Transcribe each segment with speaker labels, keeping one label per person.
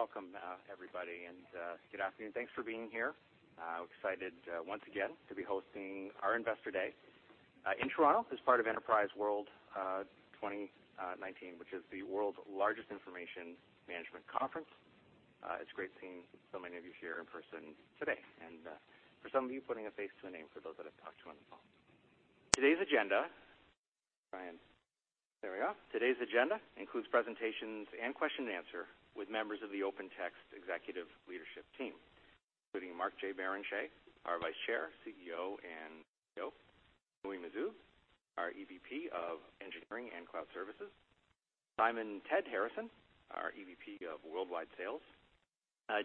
Speaker 1: Welcome, everybody, good afternoon. Thanks for being here. We're excited once again to be hosting our Investor Day in Toronto as part of Enterprise World 2019, which is the world's largest information management conference. It's great seeing so many of you here in person today, and for some of you, putting a face to a name for those that I've talked to on the phone. Today's agenda. There we are. Today's agenda includes presentations and question and answer with members of the Open Text executive leadership team, including Mark J. Barrenechea, our Vice Chair, CEO, and CTO. Muhi Majzoub, our EVP of Engineering and Cloud Services. Simon Ted Harrison, our EVP of Worldwide Sales.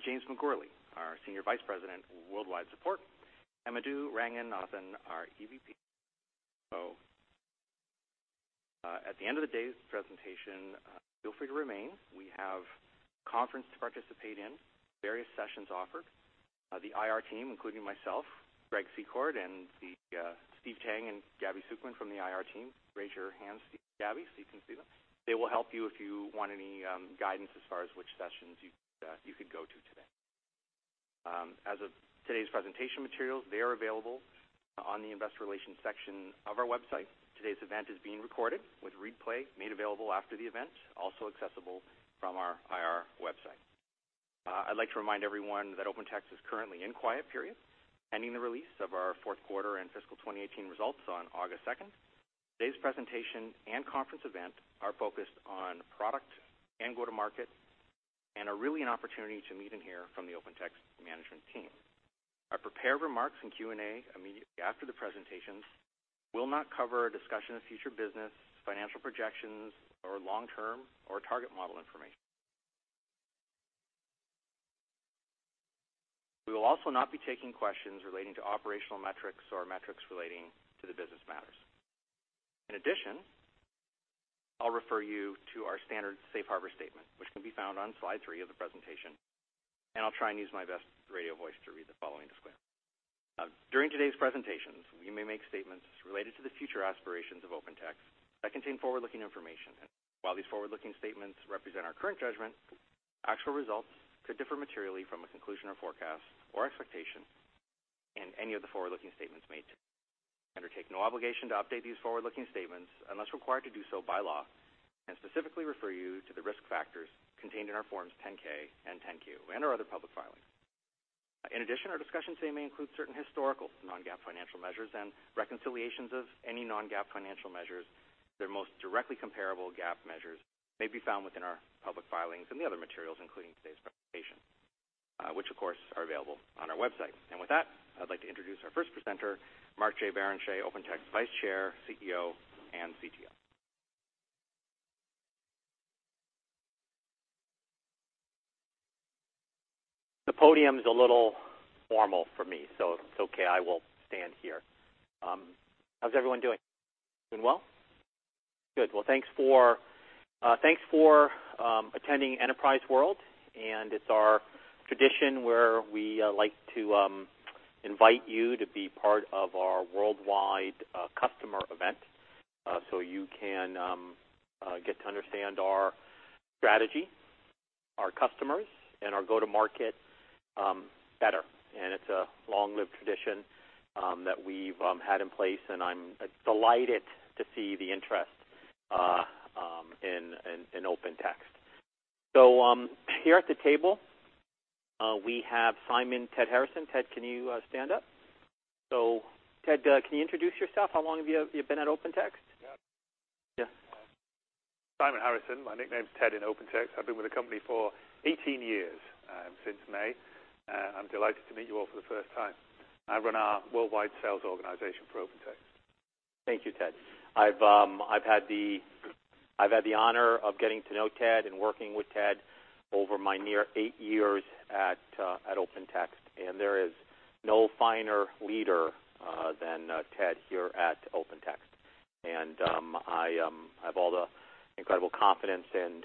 Speaker 1: James McGourlay, our Senior Vice President, Worldwide Support. Madhu Ranganathan, our EVP. At the end of the day's presentation, feel free to remain. We have a conference to participate in, various sessions offered. The IR team, including myself, Greg Secord, Steve Tang, and Gabby Sukman from the IR team. Raise your hands, Steve and Gabby, so you can see them. They will help you if you want any guidance as far as which sessions you could go to today. As of today's presentation materials, they are available on the investor relations section of our website. Today's event is being recorded with replay made available after the event, also accessible from our IR website. I'd like to remind everyone that Open Text is currently in quiet period, pending the release of our fourth quarter and fiscal 2018 results on August 2nd. Today's presentation and conference event are focused on product and go-to-market and are really an opportunity to meet and hear from the Open Text management team. Our prepared remarks and Q&A immediately after the presentations will not cover a discussion of future business, financial projections, or long-term or target model information. We will also not be taking questions relating to operational metrics or metrics relating to the business matters. In addition, I'll refer you to our standard safe harbor statement, which can be found on slide three of the presentation, and I'll try and use my best radio voice to read the following disclaimer. During today's presentations, we may make statements related to the future aspirations of Open Text that contain forward-looking information. While these forward-looking statements represent our current judgment, actual results could differ materially from a conclusion or forecast or expectation in any of the forward-looking statements made today. We undertake no obligation to update these forward-looking statements unless required to do so by law and specifically refer you to the risk factors contained in our forms 10-K and 10-Q and our other public filings. In addition, our discussions today may include certain historical non-GAAP financial measures and reconciliations of any non-GAAP financial measures. Their most directly comparable GAAP measures may be found within our public filings and the other materials, including today's presentation, which of course, are available on our website. With that, I'd like to introduce our first presenter, Mark J. Barrenechea, Open Text Vice Chair, CEO, and CTO.
Speaker 2: The podium's a little formal for me, so if it's okay, I will stand here. How's everyone doing? Doing well? Good. Thanks for attending Enterprise World. It's our tradition where we like to invite you to be part of our worldwide customer event, so you can get to understand our strategy, our customers, and our go-to-market better. It's a long-lived tradition that we've had in place, and I'm delighted to see the interest in Open Text. Here at the table, we have Simon Ted Harrison. Ted, can you stand up? Ted, can you introduce yourself? How long have you been at Open Text?
Speaker 3: Yeah.
Speaker 2: Yeah.
Speaker 3: Simon Harrison, my nickname's Ted in Open Text. I've been with the company for 18 years, since May. I'm delighted to meet you all for the first time. I run our worldwide sales organization for Open Text.
Speaker 2: Thank you, Ted. I've had the honor of getting to know Ted and working with Ted over my near eight years at Open Text, there is no finer leader than Ted here at Open Text. I have all the incredible confidence and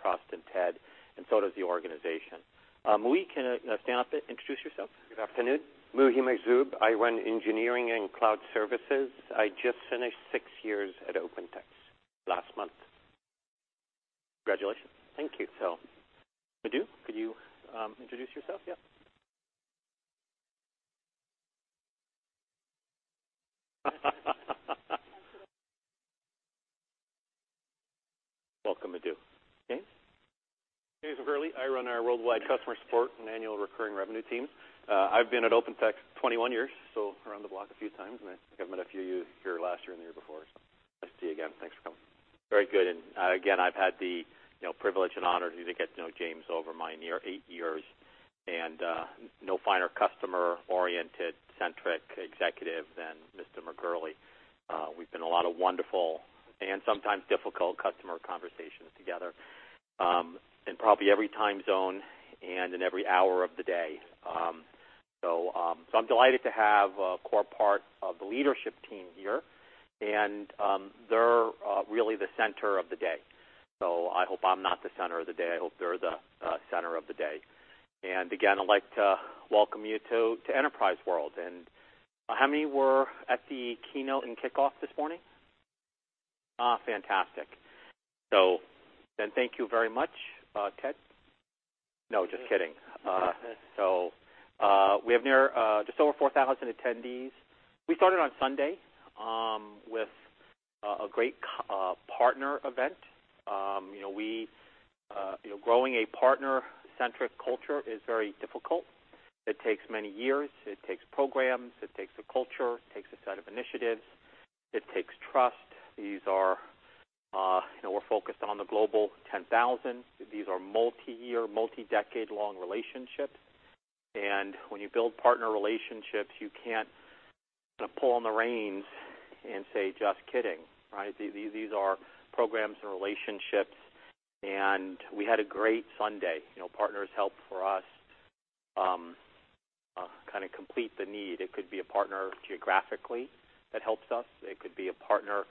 Speaker 2: trust in Ted, and so does the organization. Muhi, stand up and introduce yourself.
Speaker 4: Good afternoon. Muhi Majzoub. I run engineering and cloud services. I just finished six years at Open Text last month.
Speaker 2: Congratulations. Thank you. Madhu, could you introduce yourself? Yeah. Welcome, Madhu. James?
Speaker 5: James McGourlay, I run our worldwide customer support and annual recurring revenue team. I've been at Open Text 21 years, around the block a few times, and I think I've met a few of you here last year and the year before. Nice to see you again. Thanks for coming.
Speaker 2: Very good. Again, I've had the privilege and honor to get to know James over my near eight years. No finer customer-oriented, centric executive than Mr. McGourlay. We've been in a lot of wonderful and sometimes difficult customer conversations together, in probably every time zone and in every hour of the day. I'm delighted to have a core part of the leadership team here. They're really the center of the day. I hope I'm not the center of the day. I hope they're the center of the day. Again, I'd like to welcome you to OpenText World. How many were at the keynote and kickoff this morning? Fantastic. Thank you very much, Ted. No, just kidding. We have just over 4,000 attendees. We started on Sunday with a great partner event. Growing a partner-centric culture is very difficult. It takes many years. It takes programs. It takes a culture. It takes a set of initiatives. It takes trust. We're focused on the global 10,000. These are multi-year, multi-decade-long relationships, and when you build partner relationships, you can't pull on the reins and say, "Just kidding," right? These are programs and relationships, and we had a great Sunday. Partners help for us complete the need. It could be a partner geographically that helps us. It could be a partner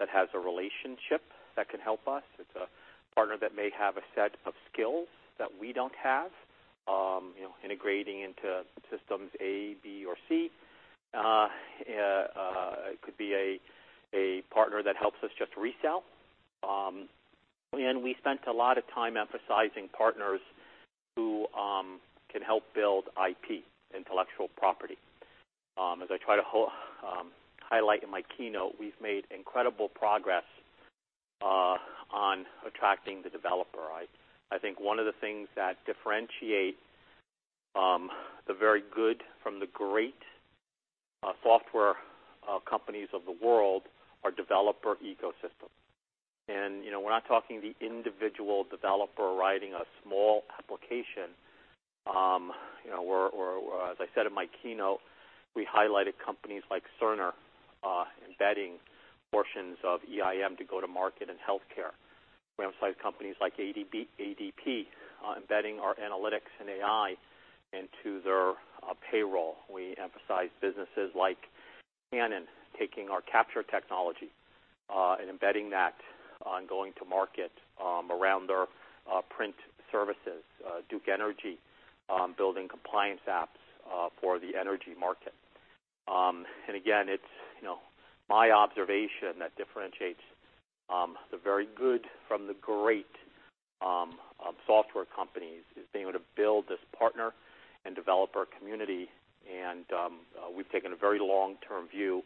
Speaker 2: that has a relationship that can help us. It's a partner that may have a set of skills that we don't have, integrating into systems A, B, or C. It could be a partner that helps us just resell. We spent a lot of time emphasizing partners who can help build IP, intellectual property. As I try to highlight in my keynote, we've made incredible progress on attracting the developer. I think one of the things that differentiate the very good from the great software companies of the world are developer ecosystems. We're not talking the individual developer writing a small application. As I said in my keynote, we highlighted companies like Cerner, embedding portions of EIM to go to market in healthcare. We emphasize companies like ADP, embedding our analytics and AI into their payroll. We emphasize businesses like Canon taking our capture technology and embedding that on going to market around their print services. Duke Energy building compliance apps for the energy market. Again, it's my observation that differentiates the very good from the great software companies is being able to build this partner and developer community. We've taken a very long-term view,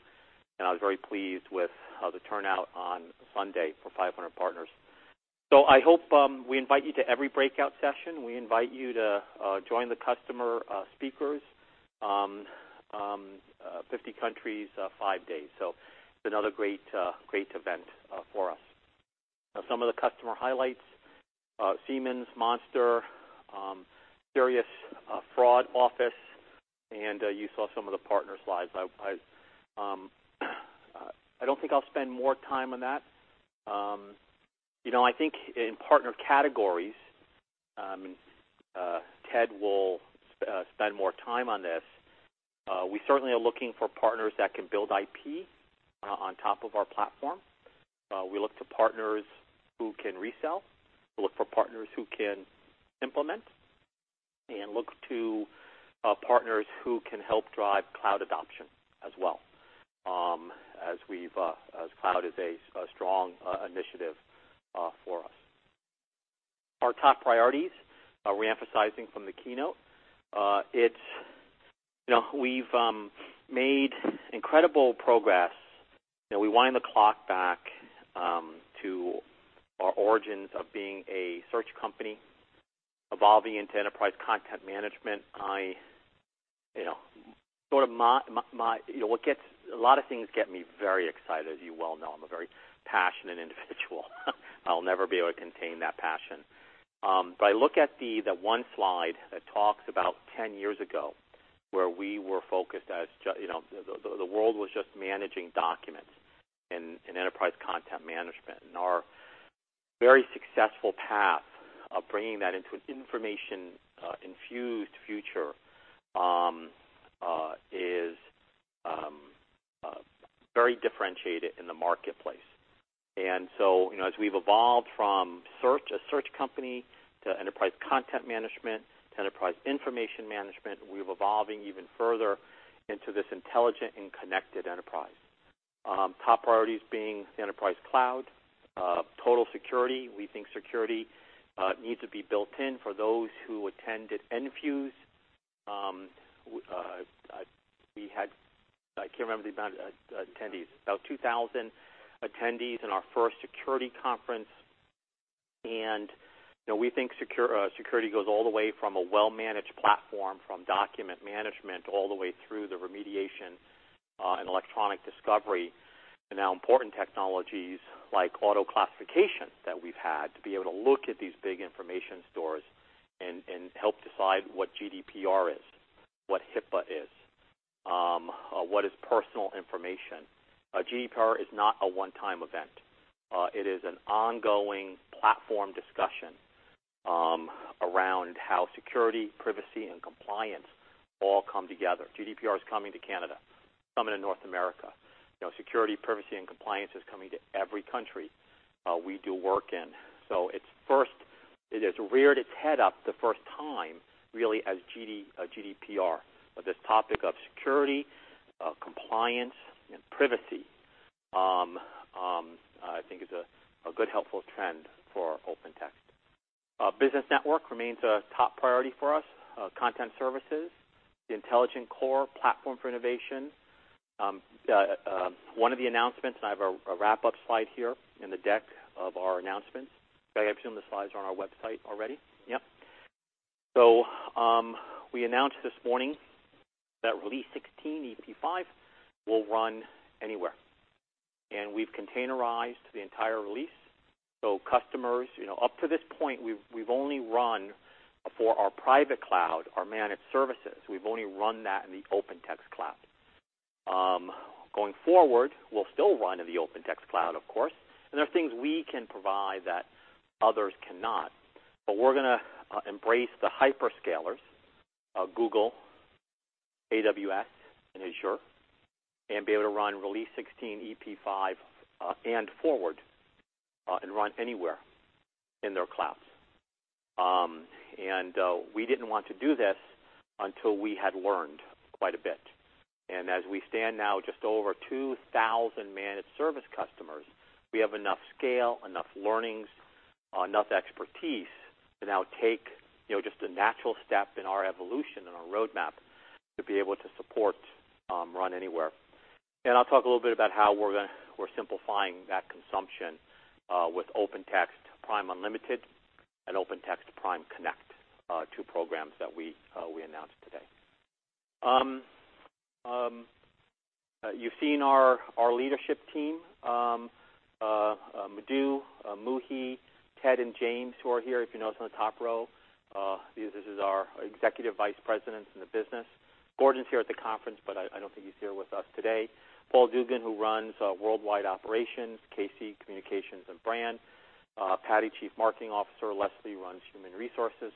Speaker 2: and I was very pleased with the turnout on Sunday for 500 partners. We invite you to every breakout session. We invite you to join the customer speakers, 50 countries, five days. It's another great event for us. Now some of the customer highlights, Siemens, Monster, Serious Fraud Office, and you saw some of the partner slides. I don't think I'll spend more time on that. I think in partner categories, Ted will spend more time on this. We certainly are looking for partners that can build IP on top of our platform. We look to partners who can resell. We look for partners who can implement and look to partners who can help drive cloud adoption as well, as cloud is a strong initiative for us. Our top priorities, re-emphasizing from the keynote. We've made incredible progress. We wind the clock back to our origins of being a search company evolving into enterprise content management. A lot of things get me very excited, as you well know. I'm a very passionate individual. I'll never be able to contain that passion. I look at the one slide that talks about 10 years ago, where we were focused as the world was just managing documents and enterprise content management, and our very successful path of bringing that into an information-infused future is very differentiated in the marketplace. As we've evolved from a search company to enterprise content management to enterprise information management, we're evolving even further into this intelligent and connected enterprise. Top priorities being the Enterprise Cloud, total security. We think security needs to be built in. For those who attended Enfuse, we had I can't remember the amount of attendees. About 2,000 attendees in our first security conference. And we think security goes all the way from a well-managed platform, from document management, all the way through the remediation and eDiscovery to now important technologies like auto-classification that we've had to be able to look at these big information stores and help decide what GDPR is, what HIPAA is, what is personal information. GDPR is not a one-time event. It is an ongoing platform discussion around how security, privacy, and compliance all come together. GDPR is coming to Canada, coming to North America. Security, privacy, and compliance is coming to every country we do work in. It is reared its head up the first time, really as GDPR. This topic of security, compliance, and privacy, I think is a good, helpful trend for OpenText. Business Network remains a top priority for us. Content Services, the intelligent core platform for innovation. One of the announcements, and I have a wrap-up slide here in the deck of our announcements. I assume the slides are on our website already. Yep. We announced this morning that Release 16 EP5 will run anywhere. And we've containerized the entire release. Customers, up to this point, we've only run for our private cloud, our managed services. We've only run that in the OpenText Cloud. Going forward, we'll still run in the OpenText Cloud, of course, and there are things we can provide that others cannot. But we're going to embrace the hyperscalers, Google, AWS, and Azure, and be able to run Release 16 EP5 and forward, and run anywhere in their clouds. And we didn't want to do this until we had learned quite a bit. And as we stand now just over 2,000 managed service customers, we have enough scale, enough learnings, enough expertise to now take just a natural step in our evolution and our roadmap to be able to support Run Anywhere. And I'll talk a little bit about how we're simplifying that consumption with OpenText OpenPass Unlimited and OpenText Prime Protect, two programs that we announced today. You've seen our leadership team Madhu, Muhi, Ted, and James, who are here, if you notice on the top row. This is our executive vice presidents in the business. Gordon's here at the conference, but I don't think he's here with us today. Paul Duggan who runs worldwide operations, Kasey, communications and brand, Patty, Chief Marketing Officer. Leslie runs human resources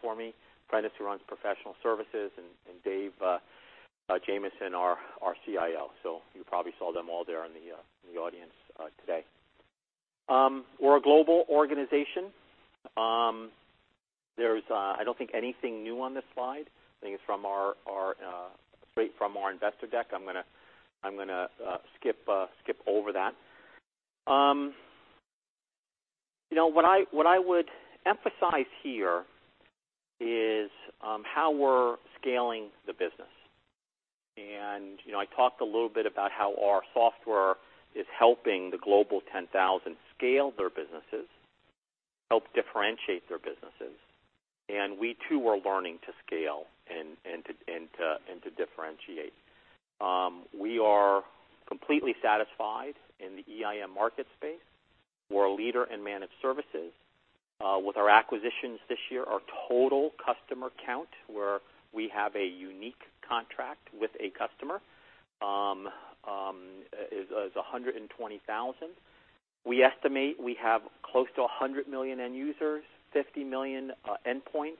Speaker 2: for me. Prentiss runs professional services, and Dave Jamieson, our CIO. So you probably saw them all there in the audience today. We're a global organization. There's, I don't think, anything new on this slide. I think it's from our investor deck. I'm going to skip over that. What I would emphasize here is how we're scaling the business. And I talked a little bit about how our software is helping the G10K scale their businesses, help differentiate their businesses, and we too are learning to scale and to differentiate. We are completely satisfied in the EIM market space. We're a leader in managed services. With our acquisitions this year, our total customer count, where we have a unique contract with a customer, is 120,000. We estimate we have close to 100 million end users, 50 million endpoints.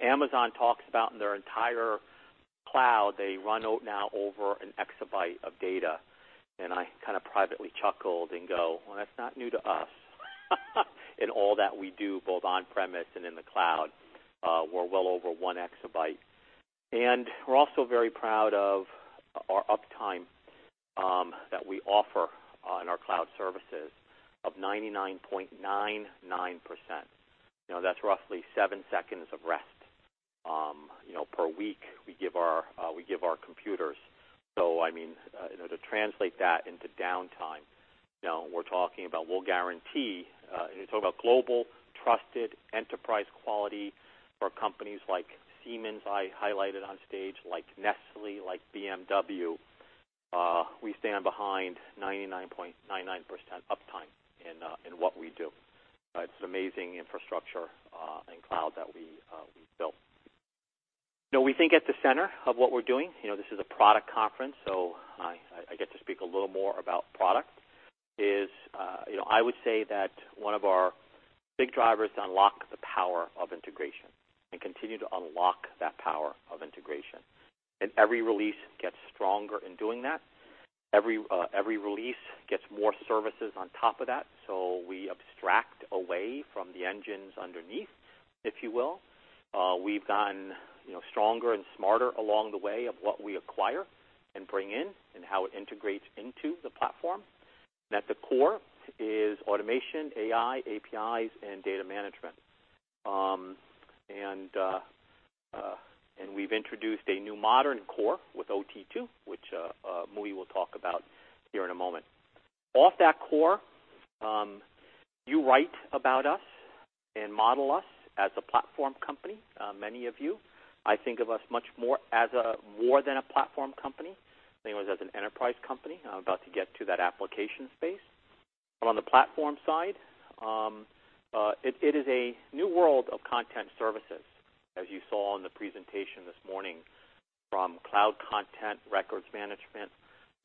Speaker 2: Amazon talks about in their entire cloud, they run now over an exabyte of data. I kind of privately chuckled and go, "Well, that's not new to us" in all that we do, both on-premise and in the cloud. We're well over one exabyte. We're also very proud of our uptime that we offer in our cloud services of 99.99%. That's roughly seven seconds of rest per week we give our computers. To translate that into downtime, we're talking about we'll guarantee, and you're talking about global trusted enterprise quality for companies like Siemens I highlighted on stage, like Nestlé, like BMW. We stand behind 99.99% uptime in what we do. It's an amazing infrastructure and cloud that we've built. We think at the center of what we're doing, this is a product conference, so I get to speak a little more about product, is I would say that one of our big drivers to unlock the power of integration and continue to unlock that power of integration. Every release gets stronger in doing that. Every release gets more services on top of that. We abstract away from the engines underneath, if you will. We've gotten stronger and smarter along the way of what we acquire and bring in and how it integrates into the platform. At the core is automation, AI, APIs, and data management. We've introduced a new modern core with OT2, which Muhi will talk about here in a moment. Off that core, you write about us and model us as a platform company, many of you. I think of us much more as a more than a platform company, almost as an enterprise company. I'm about to get to that application space. On the platform side, it is a new world of content services, as you saw in the presentation this morning from cloud content, records management,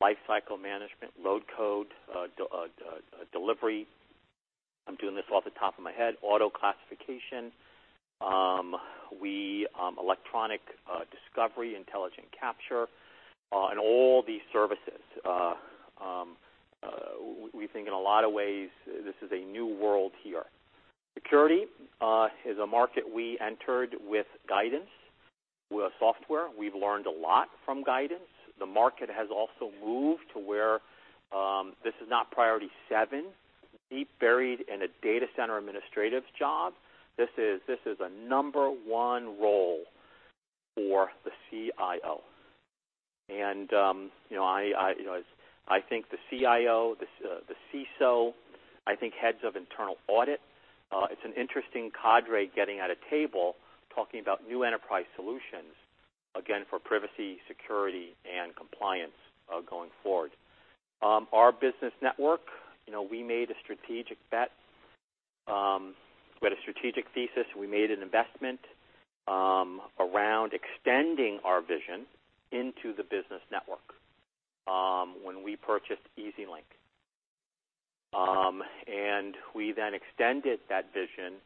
Speaker 2: life cycle management, low-code, delivery I'm doing this off the top of my head, auto-classification, electronic discovery, intelligent capture, and all these services. We think in a lot of ways, this is a new world here. Security is a market we entered with Guidance, with software. We've learned a lot from Guidance. The market has also moved to where this is not priority seven, deep buried in a data center administrative job. This is a number one role for the CIO. I think the CIO, the CISO, I think heads of internal audit, it's an interesting cadre getting at a table talking about new enterprise solutions, again, for privacy, security, and compliance going forward. Our business network, we made a strategic bet. We had a strategic thesis, and we made an investment around extending our vision into the business network when we purchased EasyLink. We then extended that vision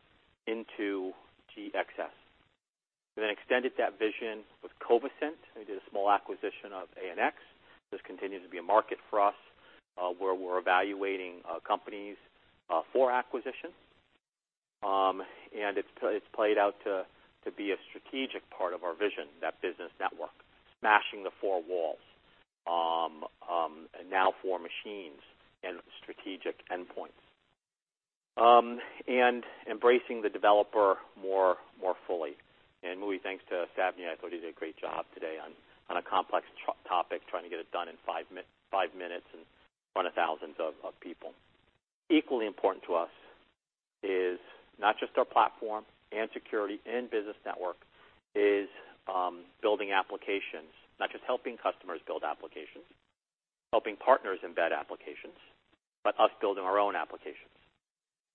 Speaker 2: into GXS. We then extended that vision with Covisint and did a small acquisition of ANX. This continues to be a market for us where we're evaluating companies for acquisition. It's played out to be a strategic part of our vision, that business network. Smashing the four walls. Now four machines and strategic endpoints. Embracing the developer more fully. Muhi, thanks to Savneet. I thought he did a great job today on a complex topic, trying to get it done in five minutes in front of thousands of people. Equally important to us is not just our platform and security and business network, is building applications. Not just helping customers build applications, helping partners embed applications, but us building our own applications.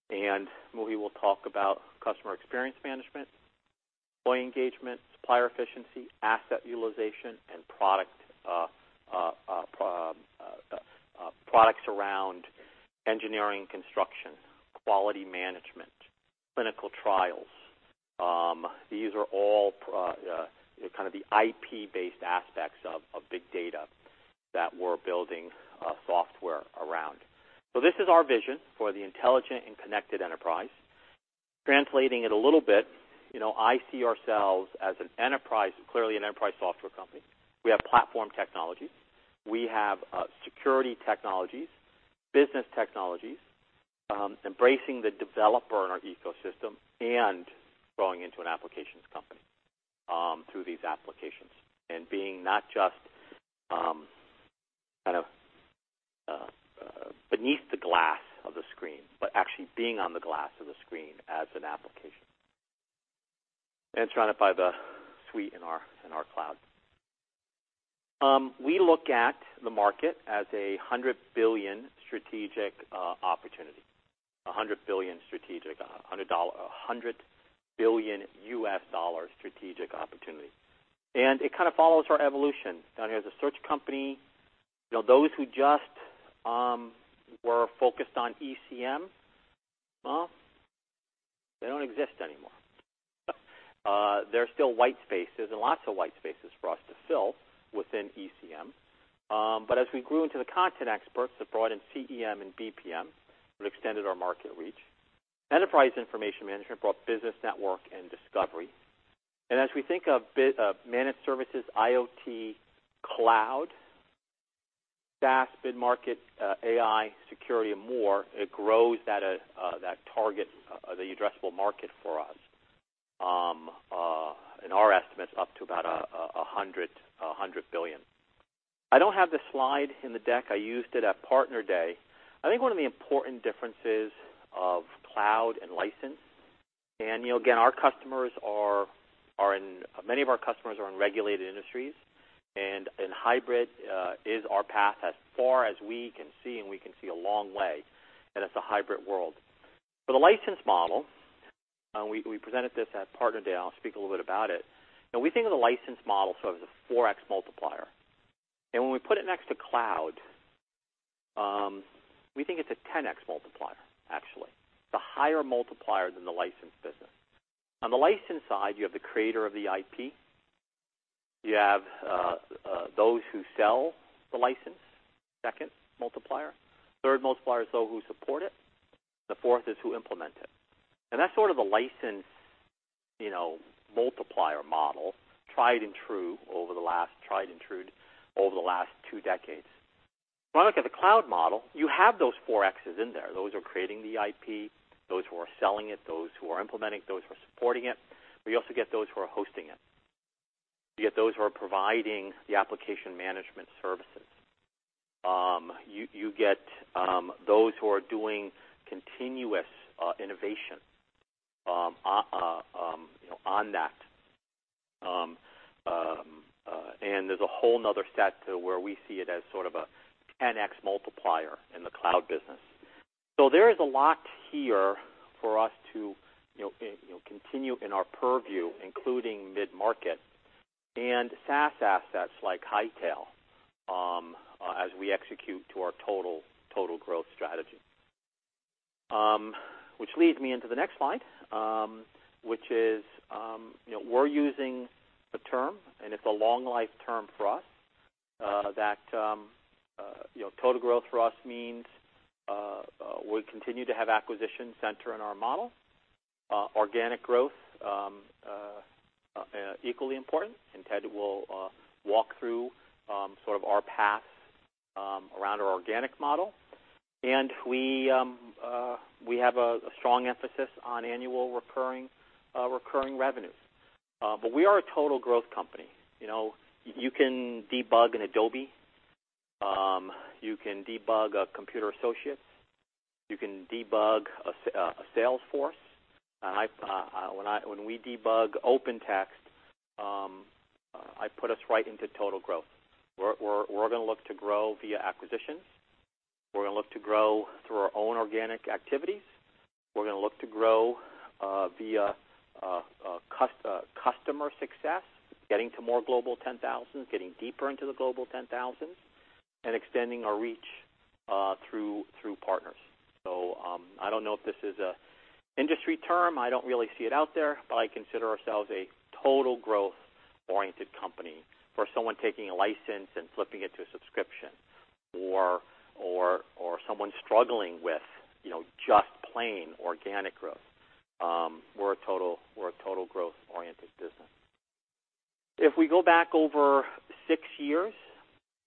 Speaker 2: Muhi will talk about customer experience management, employee engagement, supplier efficiency, asset utilization, and products around engineering and construction, quality management, clinical trials. These are all kind of the IP-based aspects of big data that we're building software around. This is our vision for the intelligent and connected enterprise. Translating it a little bit, I see ourselves as clearly an enterprise software company. We have platform technologies. We have security technologies, business technologies, embracing the developer in our ecosystem, and growing into an applications company through these applications. Being not just beneath the glass of the screen, but actually being on the glass of the screen as an application. Surrounded by the suite in our cloud. We look at the market as a $100 billion strategic opportunity. A $100 billion strategic, $100 billion U.S. dollar strategic opportunity. It kind of follows our evolution. Down here as a search company, those who just were focused on ECM, well, they don't exist anymore. There are still white spaces and lots of white spaces for us to fill within ECM. As we grew into the content experts that brought in CEM and BPM, it extended our market reach. Enterprise Information Management brought business network and discovery. As we think of managed services, IoT, cloud, SaaS, mid-market, AI, security, and more, it grows that target, the addressable market for us. In our estimates, up to about $100 billion. I don't have the slide in the deck. I used it at Partner Day. I think one of the important differences of cloud and license, and again, many of our customers are in regulated industries, and hybrid is our path as far as we can see, and we can see a long way, and it's a hybrid world. For the license model, we presented this at Partner Day, and I'll speak a little bit about it. We think of the license model sort of as a 4X multiplier. When we put it next to cloud, we think it's a 10X multiplier, actually. It's a higher multiplier than the license business. On the license side, you have the creator of the IP. You have those who sell the license, second multiplier. Third multiplier is those who support it. The fourth is who implement it. That's sort of a license multiplier model, tried and true over the last 2 decades. When I look at the cloud model, you have those 4 Xs in there. Those who are creating the IP, those who are selling it, those who are implementing it, those who are supporting it, but you also get those who are hosting it. You get those who are providing the application management services. You get those who are doing continuous innovation on that. There's a whole other set to where we see it as sort of a 10X multiplier in the cloud business. There is a lot here for us to continue in our purview, including mid-market. SaaS assets like Hightail, as we execute to our total growth strategy. Which leads me into the next slide, which is we're using a term, and it's a long life term for us, that total growth for us means we continue to have acquisition center in our model, organic growth, equally important. Ted will walk through sort of our path around our organic model. We have a strong emphasis on annual recurring revenue. We are a total growth company. You can debug an Adobe. You can debug a Computer Associates. You can debug a Salesforce. When we debug Open Text, I put us right into total growth. We're going to look to grow via acquisitions. We're going to look to grow through our own organic activities. We're going to look to grow via customer success, getting to more G10K, getting deeper into the G10K, and extending our reach through partners. I don't know if this is an industry term. I don't really see it out there. I consider ourselves a total growth-oriented company. For someone taking a license and flipping it to a subscription, or someone struggling with just plain organic growth. We're a total growth-oriented business. If we go back over 6 years,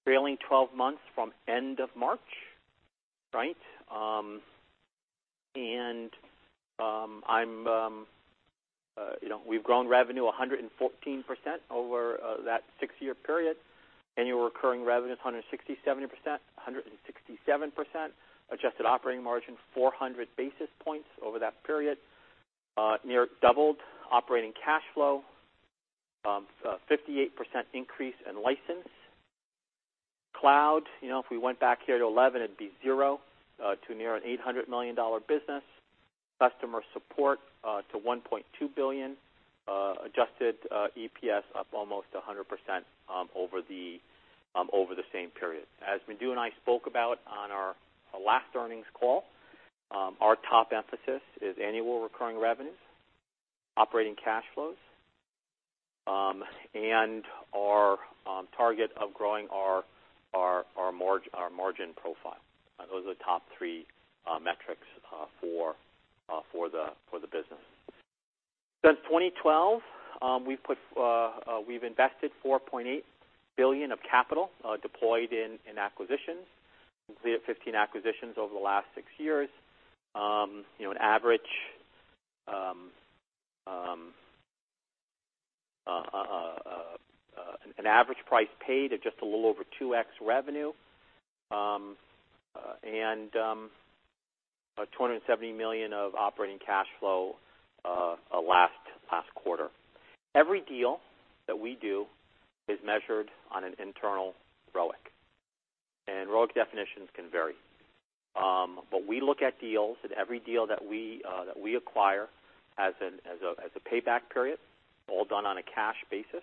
Speaker 2: trailing 12 months from end of March, right? We've grown revenue 114% over that 6-year period. Annual recurring revenue, 167%. Adjusted operating margin, 400 basis points over that period. Near doubled operating cash flow. 58% increase in license. Cloud, if we went back here to 2011, it'd be 0 to near an $800 million business. Customer support to $1.2 billion. Adjusted EPS up almost 100% over the same period. As Madhu and I spoke about on our last earnings call, our top emphasis is annual recurring revenues, operating cash flows, and our target of growing our margin profile. Those are the top three metrics for the business. Since 2012, we've invested $4.8 billion of capital deployed in acquisitions. Completed 15 acquisitions over the last 6 years. An average price paid of just a little over 2x revenue. $270 million of operating cash flow last quarter. Every deal that we do is measured on an internal ROIC, and ROIC definitions can vary. We look at deals, and every deal that we acquire has a payback period, all done on a cash basis,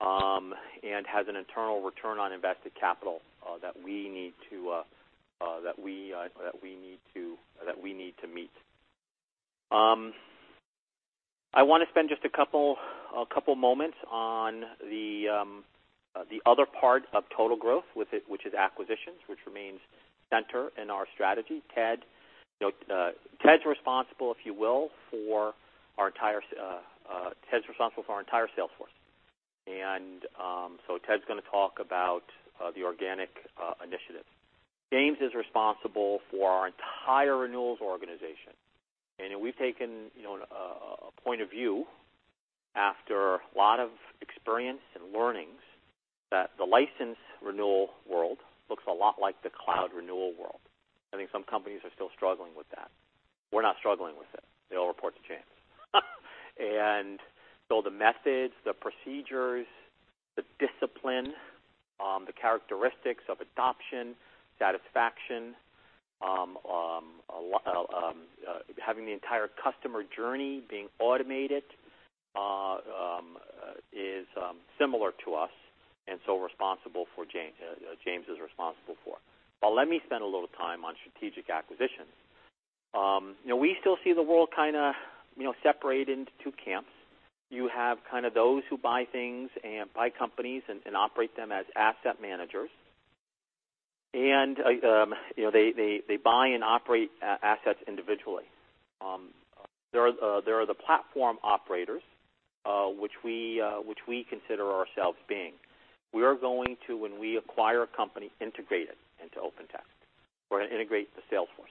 Speaker 2: and has an internal return on invested capital that we need to meet. I want to spend just a couple moments on the other part of total growth, which is acquisitions, which remains center in our strategy. Ted's responsible for our entire sales force. Ted's going to talk about the organic initiative. James is responsible for our entire renewals organization. We've taken a point of view after a lot of experience and learnings that the license renewal world looks a lot like the cloud renewal world. I think some companies are still struggling with that. We're not struggling with it. They all report to James. The methods, the procedures, the discipline, the characteristics of adoption, satisfaction, having the entire customer journey being automated, is similar to us and so James is responsible for. Let me spend a little time on strategic acquisitions. We still see the world kind of separated into two camps. You have kind of those who buy things and buy companies and operate them as asset managers. They buy and operate assets individually. There are the platform operators, which we consider ourselves being. We are going to, when we acquire a company, integrate it into Open Text. We're going to integrate the sales force.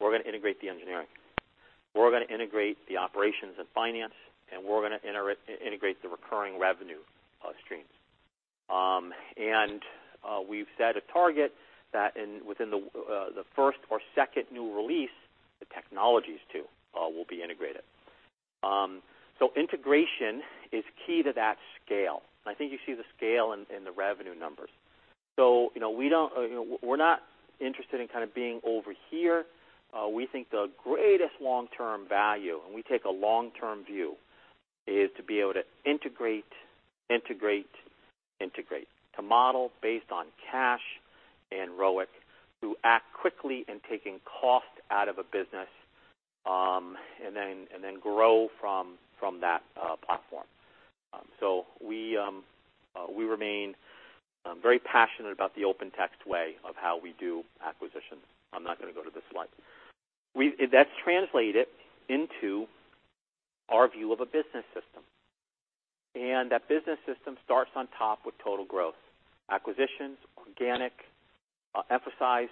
Speaker 2: We're going to integrate the engineering. We're going to integrate the operations and finance, and we're going to integrate the recurring revenue streams. We've set a target that within the first or second new release, the technologies too will be integrated. Integration is key to that scale. I think you see the scale in the revenue numbers. We're not interested in being over here. We think the greatest long-term value, and we take a long-term view, is to be able to integrate, integrate. To model based on cash and ROIC, to act quickly in taking cost out of a business, then grow from that platform. We remain very passionate about the Open Text way of how we do acquisitions. I'm not going to go to this slide. That's translated into our view of a business system, and that business system starts on top with total growth. Acquisitions, organic, emphasis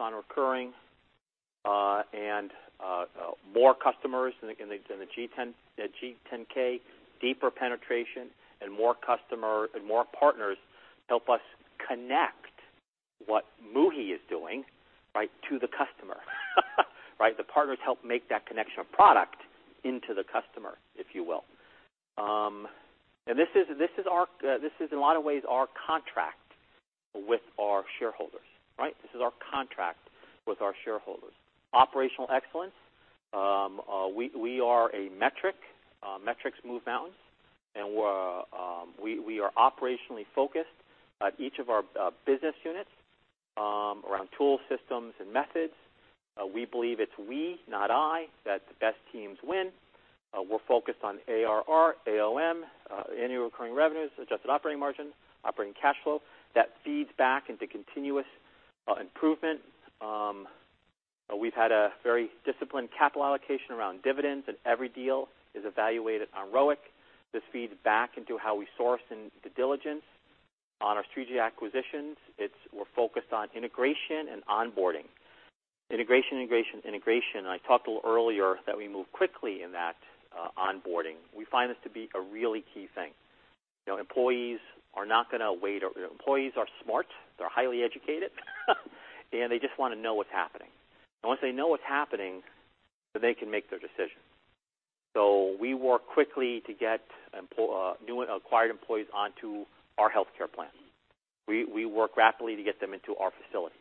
Speaker 2: on recurring, more customers than the G10K, deeper penetration, and more partners help us connect what Muhi is doing to the customer. The partners help make that connection of product into the customer, if you will. This is, in a lot of ways, our contract with our shareholders. Right? This is our contract with our shareholders. Operational excellence. We are a metric. Metrics move mountains. We are operationally focused at each of our business units, around tool systems and methods. We believe it's we, not I, that the best teams win. We're focused on ARR, AOM, annual recurring revenues, adjusted operating margin, operating cash flow. That feeds back into continuous improvement. We've had a very disciplined capital allocation around dividends, every deal is evaluated on ROIC. This feeds back into how we source and due diligence on our strategy acquisitions. We're focused on integration and onboarding. Integration, integration. I talked a little earlier that we move quickly in that onboarding. We find this to be a really key thing. Employees are not going to wait. Employees are smart, they're highly educated, they just want to know what's happening. Once they know what's happening, then they can make their decision. We work quickly to get acquired employees onto our healthcare plan. We work rapidly to get them into our facility.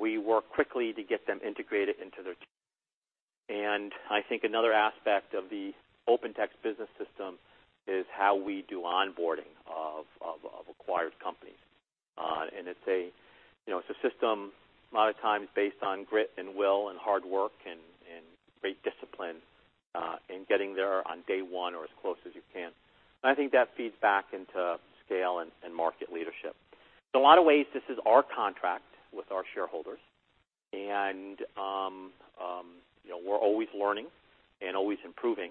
Speaker 2: We work quickly to get them integrated into their team. I think another aspect of the Open Text business system is how we do onboarding of acquired companies. It's a system, a lot of times, based on grit and will and hard work and great discipline, getting there on day 1 or as close as you can. I think that feeds back into scale and market leadership. In a lot of ways, this is our contract with our shareholders. We're always learning and always improving.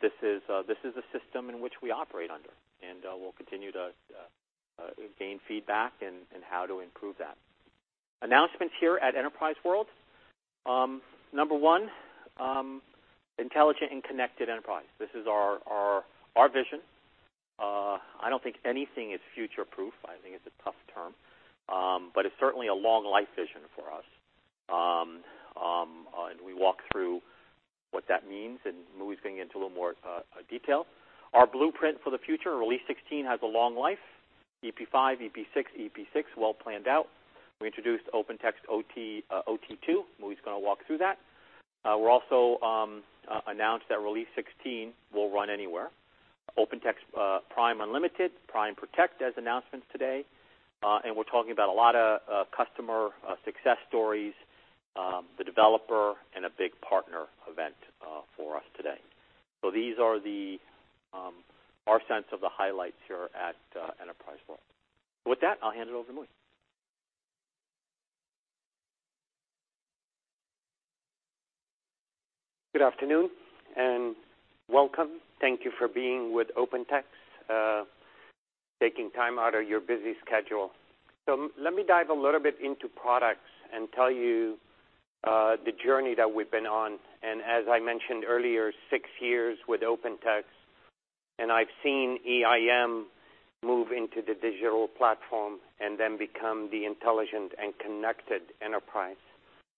Speaker 2: This is a system in which we operate under, and we'll continue to gain feedback and how to improve that. Announcements here at OpenText World. Number 1, intelligent and connected enterprise. This is our vision. I don't think anything is future-proof. I think it's a tough term. It's certainly a long life vision for us. We walk through what that means, and Muhi's going into a little more detail. Our blueprint for the future, Release 16, has a long life. EP5, EP6, well planned out. We introduced OpenText OT2. Muhi's going to walk through that. We also announced that Release 16 will run anywhere. OpenText OpenPass Unlimited, Prime Protect are announcements today. We're talking about a lot of customer success stories, the developer, and a big partner event for us today. These are our sense of the highlights here at Enterprise World. With that, I'll hand it over to Muhi.
Speaker 4: Good afternoon, and welcome. Thank you for being with OpenText, taking time out of your busy schedule. Let me dive a little bit into products and tell you the journey that we've been on. As I mentioned earlier, six years with OpenText, I've seen EIM move into the digital platform and then become the intelligent and connected enterprise.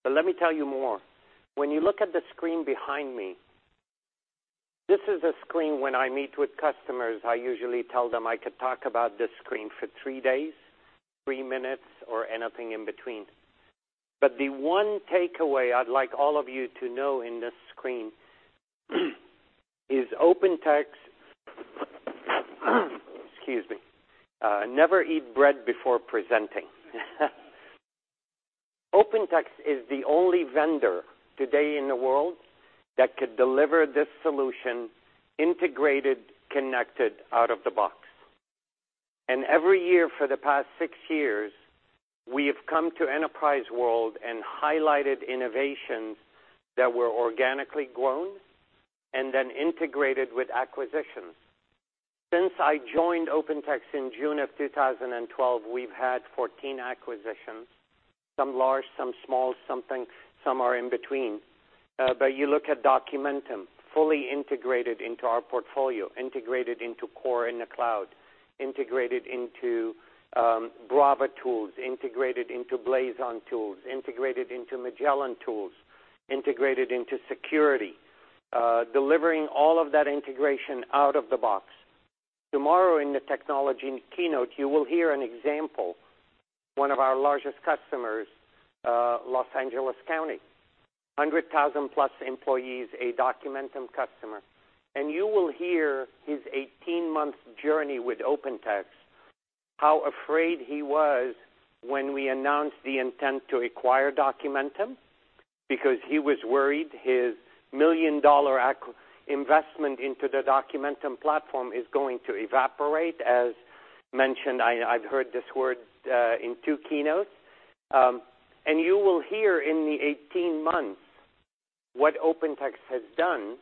Speaker 4: Let me tell you more. When you look at the screen behind me, this is a screen when I meet with customers, I usually tell them I could talk about this screen for three days, three minutes, or anything in between. The one takeaway I'd like all of you to know in this screen is OpenText. Excuse me. Never eat bread before presenting. OpenText is the only vendor today in the world that could deliver this solution integrated, connected, out of the box. Every year for the past six years, we have come to Enterprise World and highlighted innovations that were organically grown and then integrated with acquisitions. Since I joined OpenText in June of 2012, we've had 14 acquisitions, some large, some small, some are in between. You look at Documentum, fully integrated into our portfolio, integrated into core in the cloud, integrated into Brava tools, integrated into Blazon tools, integrated into Magellan tools, integrated into security. Delivering all of that integration out of the box. Tomorrow in the technology keynote, you will hear an example, one of our largest customers, Los Angeles County, 100,000-plus employees, a Documentum customer. You will hear his 18-month journey with OpenText, how afraid he was when we announced the intent to acquire Documentum because he was worried his million-dollar investment into the Documentum platform is going to evaporate. As mentioned, I've heard this word in two keynotes. You will hear in the 18 months what OpenText has done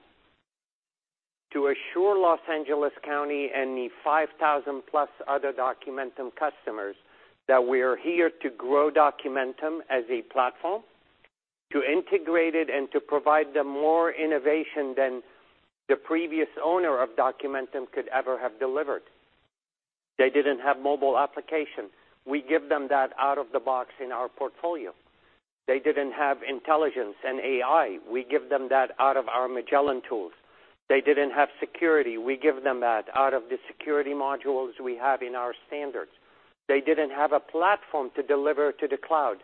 Speaker 4: to assure Los Angeles County and the 5,000-plus other Documentum customers that we are here to grow Documentum as a platform, to integrate it and to provide them more innovation than the previous owner of Documentum could ever have delivered. They didn't have mobile applications. We give them that out of the box in our portfolio. They didn't have intelligence and AI. We give them that out of our Magellan tools. They didn't have security. We give them that out of the security modules we have in our standards. They didn't have a platform to deliver to the cloud.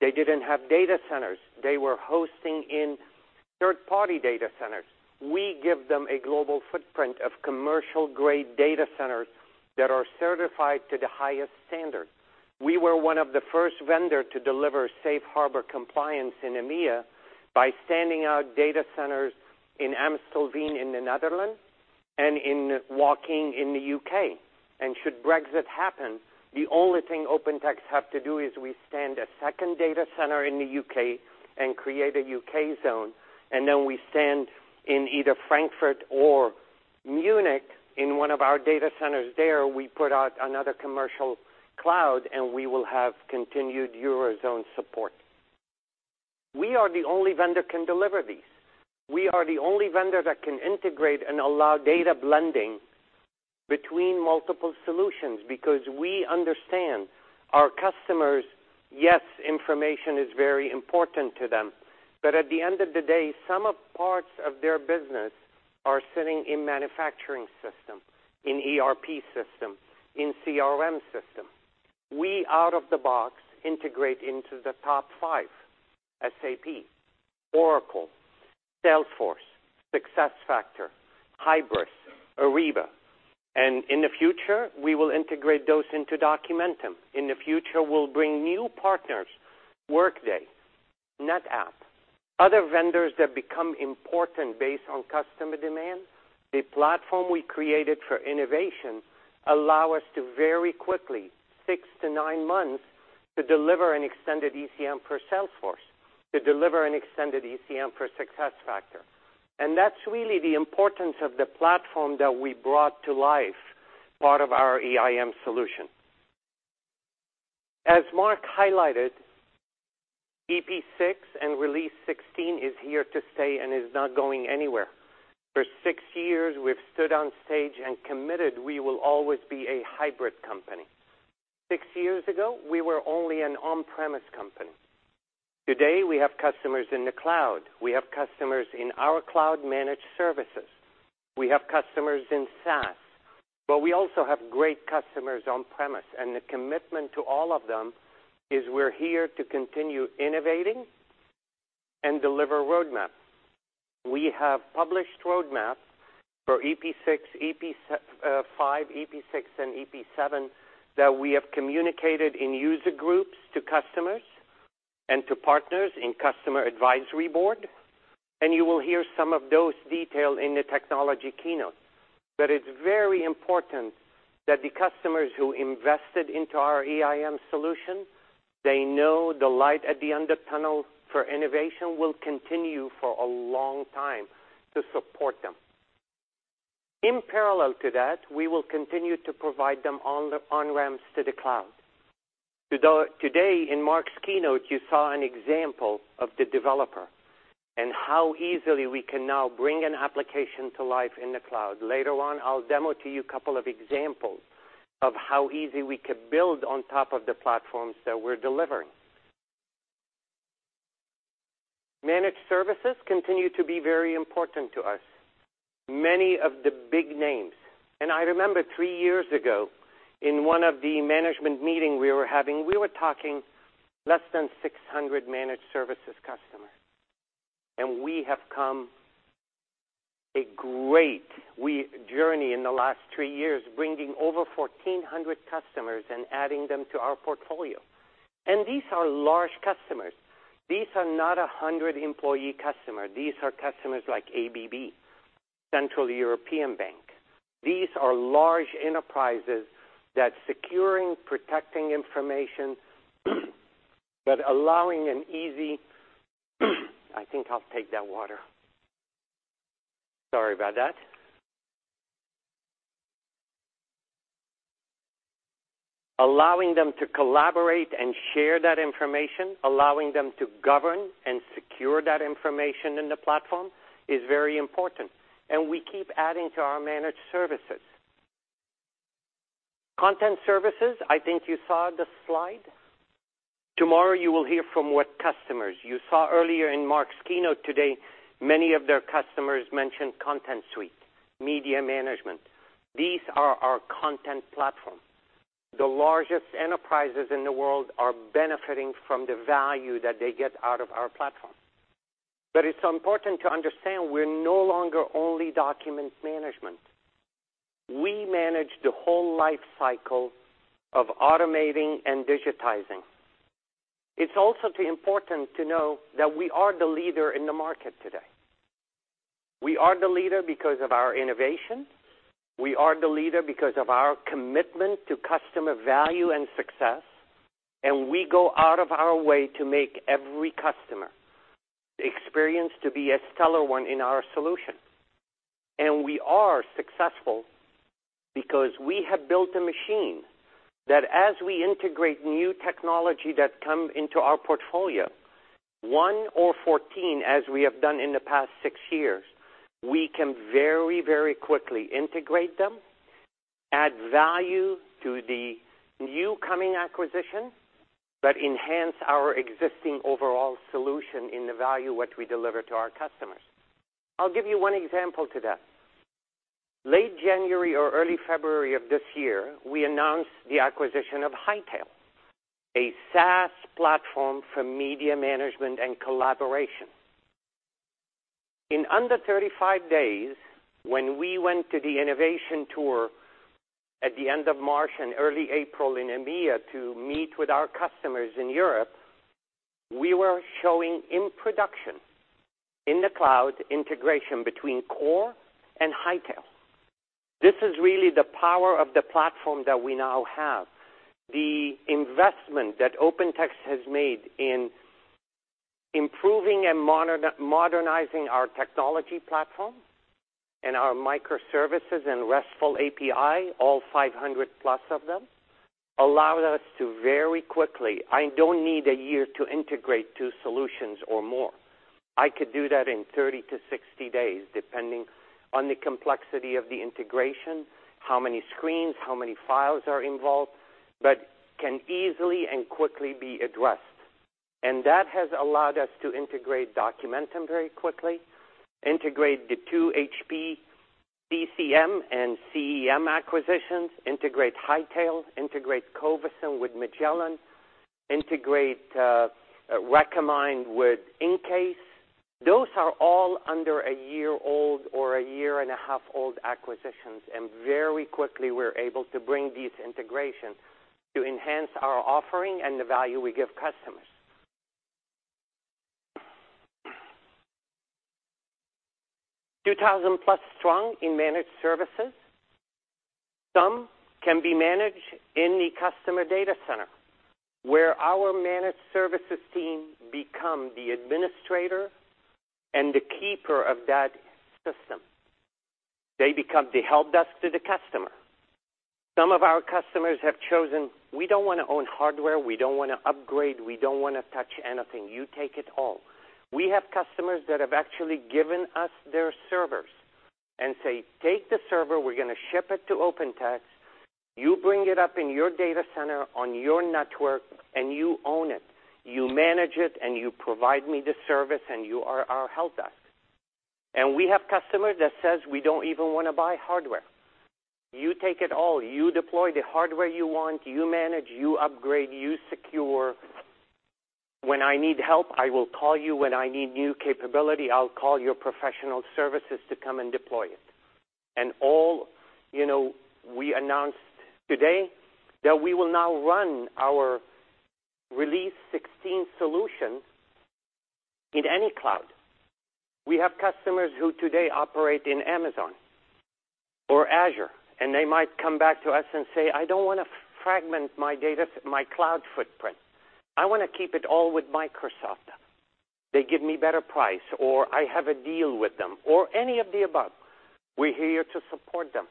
Speaker 4: They didn't have data centers. They were hosting in third-party data centers. We give them a global footprint of commercial-grade data centers that are certified to the highest standard. We were one of the first vendor to deliver safe harbor compliance in EMEA by standing out data centers in Amstelveen in the Netherlands and in Woking in the U.K. Should Brexit happen, the only thing Open Text have to do is we stand a second data center in the U.K. and create a U.K. zone, then we stand in either Frankfurt or Munich. In one of our data centers there, we put out another commercial cloud, and we will have continued Eurozone support. We are the only vendor can deliver these. We are the only vendor that can integrate and allow data blending between multiple solutions because we understand our customers. Yes, information is very important to them. At the end of the day, some of parts of their business are sitting in manufacturing system, in ERP system, in CRM system. We out of the box integrate into the top five: SAP, Oracle, Salesforce, SuccessFactors, Hybris, Ariba. In the future, we will integrate those into Documentum. In the future, we'll bring new partners, Workday, NetApp, other vendors that become important based on customer demand. The platform we created for innovation allow us to very quickly, six to nine months, to deliver an Extended ECM for Salesforce, to deliver an Extended ECM for SuccessFactors. That's really the importance of the platform that we brought to life, part of our EIM solution. As Mark highlighted, EP6 and Release 16 is here to stay and is not going anywhere. For six years, we've stood on stage and committed we will always be a hybrid company. Six years ago, we were only an on-premise company. Today, we have customers in the cloud. We have customers in our cloud-managed services. We have customers in SaaS. We also have great customers on premise, and the commitment to all of them is we're here to continue innovating and deliver roadmap. We have published roadmap for EP5, EP6, and EP7 that we have communicated in user groups to customers and to partners in customer advisory board. You will hear some of those detailed in the technology keynote. It's very important that the customers who invested into our EIM solution, they know the light at the end of tunnel for innovation will continue for a long time to support them. In parallel to that, we will continue to provide them on-ramps to the cloud. Today in Mark's keynote, you saw an example of the developer and how easily we can now bring an application to life in the cloud. Later on, I'll demo to you couple of examples of how easy we could build on top of the platforms that we're delivering. Managed services continue to be very important to us. Many of the big names. I remember three years ago in one of the management meeting we were having, we were talking less than 600 managed services customer. We have come a great journey in the last three years, bringing over 1,400 customers and adding them to our portfolio. These are large customers. These are not 100-employee customer. These are customers like ABB, European Central Bank. These are large enterprises that securing, protecting information, but allowing them to collaborate and share that information, allowing them to govern and secure that information in the platform is very important. Sorry about that. We keep adding to our managed services. Content services, I think you saw the slide. Tomorrow, you will hear from what customers. You saw earlier in Mark's keynote today, many of their customers mention Content Suite, OpenText Media Management. These are our content platform. The largest enterprises in the world are benefiting from the value that they get out of our platform. It's important to understand we're no longer only document management. We manage the whole life cycle of automating and digitizing. It's also important to know that we are the leader in the market today. We are the leader because of our innovation, we are the leader because of our commitment to customer value and success, and we go out of our way to make every customer experience to be a stellar one in our solution. We are successful because we have built a machine that as we integrate new technology that come into our portfolio, one or 14, as we have done in the past 6 years, we can very quickly integrate them, add value to the new coming acquisition, but enhance our existing overall solution in the value which we deliver to our customers. I'll give you one example to that. Late January or early February of this year, we announced the acquisition of Hightail, a SaaS platform for media management and collaboration. In under 35 days, when we went to the innovation tour at the end of March and early April in EMEA to meet with our customers in Europe, we were showing in production, in the cloud integration between Core and Hightail. This is really the power of the platform that we now have. The investment that Open Text has made in improving and modernizing our technology platform and our microservices and RESTful API, all 500+ of them, allow us to very quickly. I don't need a year to integrate two solutions or more. I could do that in 30-60 days, depending on the complexity of the integration, how many screens, how many files are involved, but can easily and quickly be addressed. That has allowed us to integrate Documentum very quickly, integrate the two HP ECM and CEM acquisitions, integrate Hightail, integrate Covisint with Magellan, integrate Recommind with EnCase. Those are all under a year old or a year and a half old acquisitions, and very quickly, we're able to bring these integrations to enhance our offering and the value we give customers. 2,000+ strong in managed services. Some can be managed in the customer data center, where our managed services team become the administrator and the keeper of that system. They become the helpdesk to the customer. Some of our customers have chosen, "We don't want to own hardware, we don't want to upgrade, we don't want to touch anything. You take it all." We have customers that have actually given us their servers and say, "Take the server, we're going to ship it to Open Text. You bring it up in your data center on your network, and you own it. You manage it, and you provide me the service, and you are our helpdesk." We have customer that says, "We don't even want to buy hardware. You take it all. You deploy the hardware you want, you manage, you upgrade, you secure. When I need help, I will call you. When I need new capability, I'll call your professional services to come and deploy it. We announced today that we will now run our Release 16 solution in any cloud. We have customers who today operate in Amazon or Azure, and they might come back to us and say, "I don't want to fragment my cloud footprint. I want to keep it all with Microsoft. They give me better price," or, "I have a deal with them," or any of the above. We're here to support them.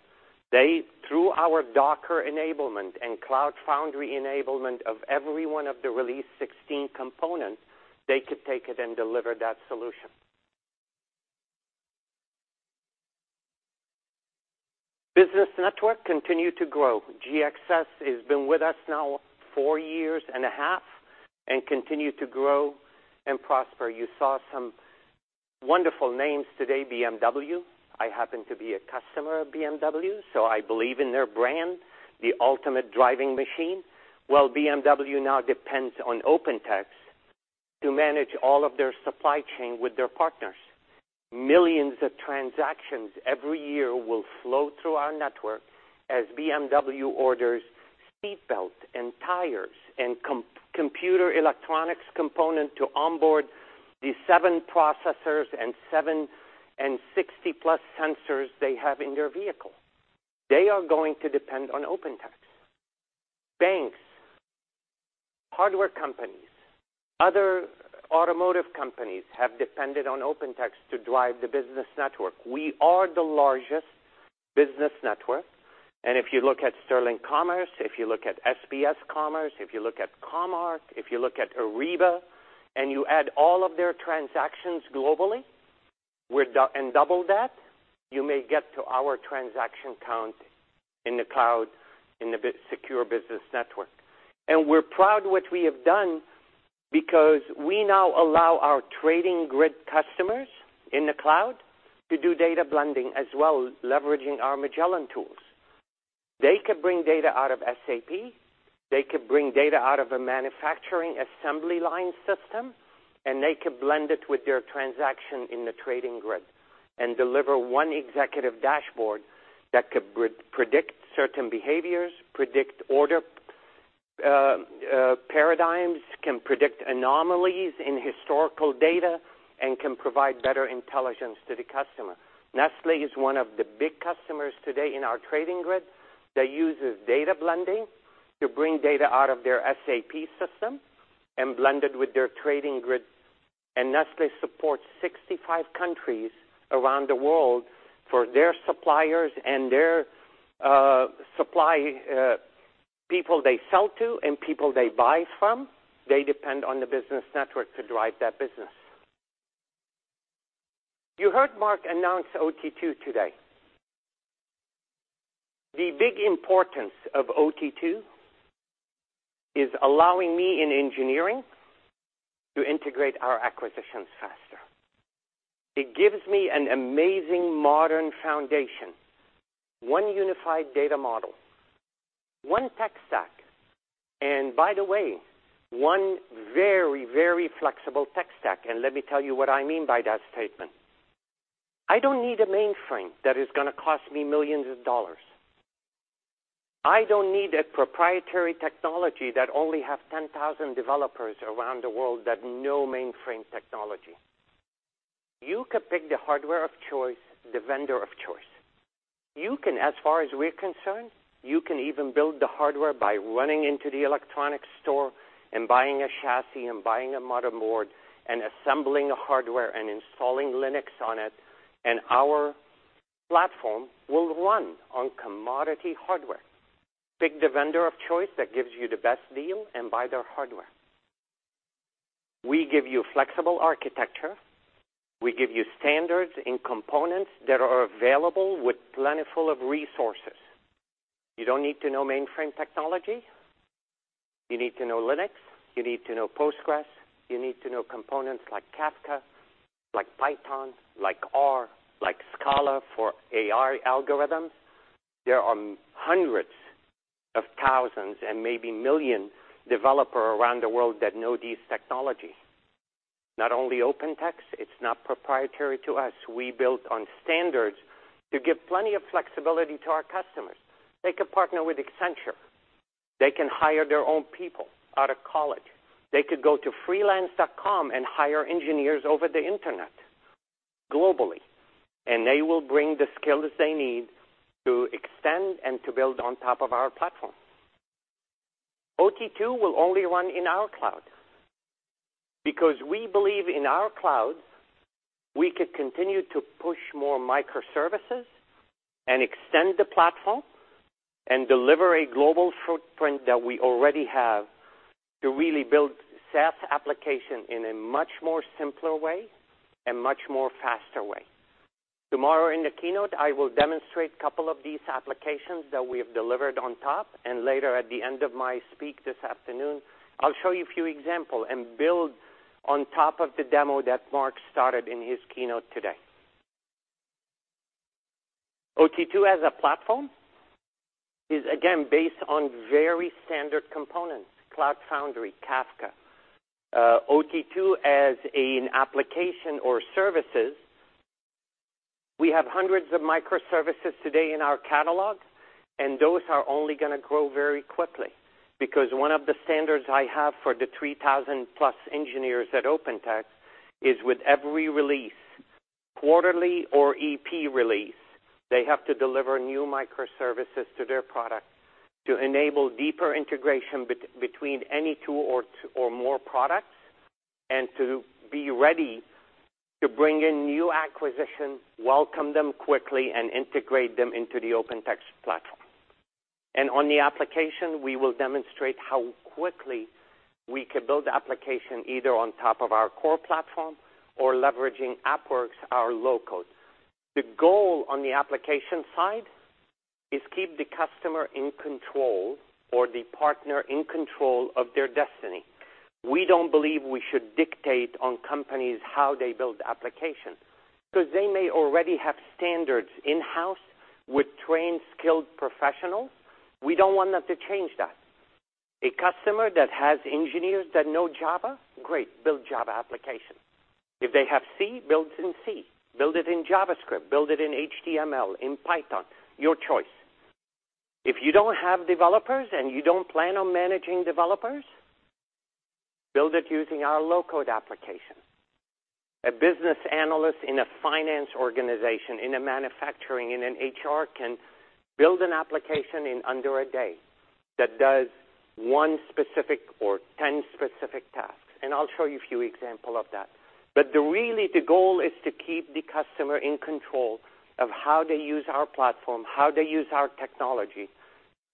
Speaker 4: Through our Docker enablement and Cloud Foundry enablement of every one of the Release 16 components, they could take it and deliver that solution. Business Network continue to grow. GXS has been with us now four years and a half and continue to grow and prosper. You saw some wonderful names today, BMW. I happen to be a customer of BMW, so I believe in their brand, the ultimate driving machine. Well, BMW now depends on Open Text to manage all of their supply chain with their partners. Millions of transactions every year will flow through our network as BMW orders seat belts and tires and computer electronics component to onboard the seven processors and 760-plus sensors they have in their vehicle. They are going to depend on Open Text. Banks, hardware companies, other automotive companies have depended on Open Text to drive the Business Network. We are the largest Business Network. If you look at Sterling Commerce, if you look at SPS Commerce, if you look at Comarch, if you look at Ariba, and you add all of their transactions globally. Double that, you may get to our transaction count in the cloud in the secure Business Network. We're proud of what we have done because we now allow our Trading Grid customers in the cloud to do data blending as well, leveraging our Magellan tools. They could bring data out of SAP, they could bring data out of a manufacturing assembly line system, and they could blend it with their transaction in the Trading Grid and deliver one executive dashboard that could predict certain behaviors, predict order paradigms, can predict anomalies in historical data, and can provide better intelligence to the customer. Nestlé is one of the big customers today in our Trading Grid that uses data blending to bring data out of their SAP system and blend it with their Trading Grid. Nestlé supports 65 countries around the world for their suppliers and their supply people they sell to and people they buy from. They depend on the Business Network to drive that business. You heard Mark announce OT2 today. The big importance of OT2 is allowing me in engineering to integrate our acquisitions faster. It gives me an amazing modern foundation, one unified data model, one tech stack, and by the way, one very, very flexible tech stack, and let me tell you what I mean by that statement. I don't need a mainframe that is going to cost me millions of dollars. I don't need a proprietary technology that only has 10,000 developers around the world that know mainframe technology. You could pick the hardware of choice, the vendor of choice. As far as we're concerned, you can even build the hardware by running into the electronics store and buying a chassis and buying a motherboard and assembling hardware and installing Linux on it, and our platform will run on commodity hardware. Pick the vendor of choice that gives you the best deal, buy their hardware. We give you flexible architecture. We give you standards and components that are available with plentiful of resources. You don't need to know mainframe technology. You need to know Linux. You need to know PostgreSQL. You need to know components like Kafka, like Python, like R, like Scala for AI algorithms. There are hundreds of thousands and maybe 1 million developers around the world that know these technologies. Not only OpenText, it's not proprietary to us. We built on standards to give plenty of flexibility to our customers. They could partner with Accenture. They can hire their own people out of college. They could go to freelancer.com and hire engineers over the internet globally, they will bring the skills they need to extend and to build on top of our platform. OT2 will only run in our cloud because we believe in our cloud, we could continue to push more microservices and extend the platform and deliver a global footprint that we already have to really build SaaS application in a much more simpler way and much more faster way. Tomorrow in the keynote, I will demonstrate a couple of these applications that we have delivered on top, later at the end of my speak this afternoon, I'll show you a few examples and build on top of the demo that Mark started in his keynote today. OT2 as a platform is, again, based on very standard components, Cloud Foundry, Kafka. OT2 as an application or services, we have hundreds of microservices today in our catalog, those are only going to grow very quickly because one of the standards I have for the 3,000-plus engineers at OpenText is with every release, quarterly or EP release, they have to deliver new microservices to their product to enable deeper integration between any two or more products to be ready to bring in new acquisitions, welcome them quickly, and integrate them into the OpenText platform. On the application, we will demonstrate how quickly we could build the application either on top of our core platform or leveraging AppWorks, our low-code. The goal on the application side is keep the customer in control or the partner in control of their destiny. We don't believe we should dictate on companies how they build applications because they may already have standards in-house with trained, skilled professionals. We don't want them to change that. A customer that has engineers that know Java, great, build Java application. If they have C, build it in C. Build it in JavaScript. Build it in HTML, in Python. Your choice. If you don't have developers and you don't plan on managing developers, build it using our low-code application. A business analyst in a finance organization, in a manufacturing, in an HR can build an application in under a day that does one specific or 10 specific tasks, I'll show you a few examples of that. The goal is to keep the customer in control of how they use our platform, how they use our technology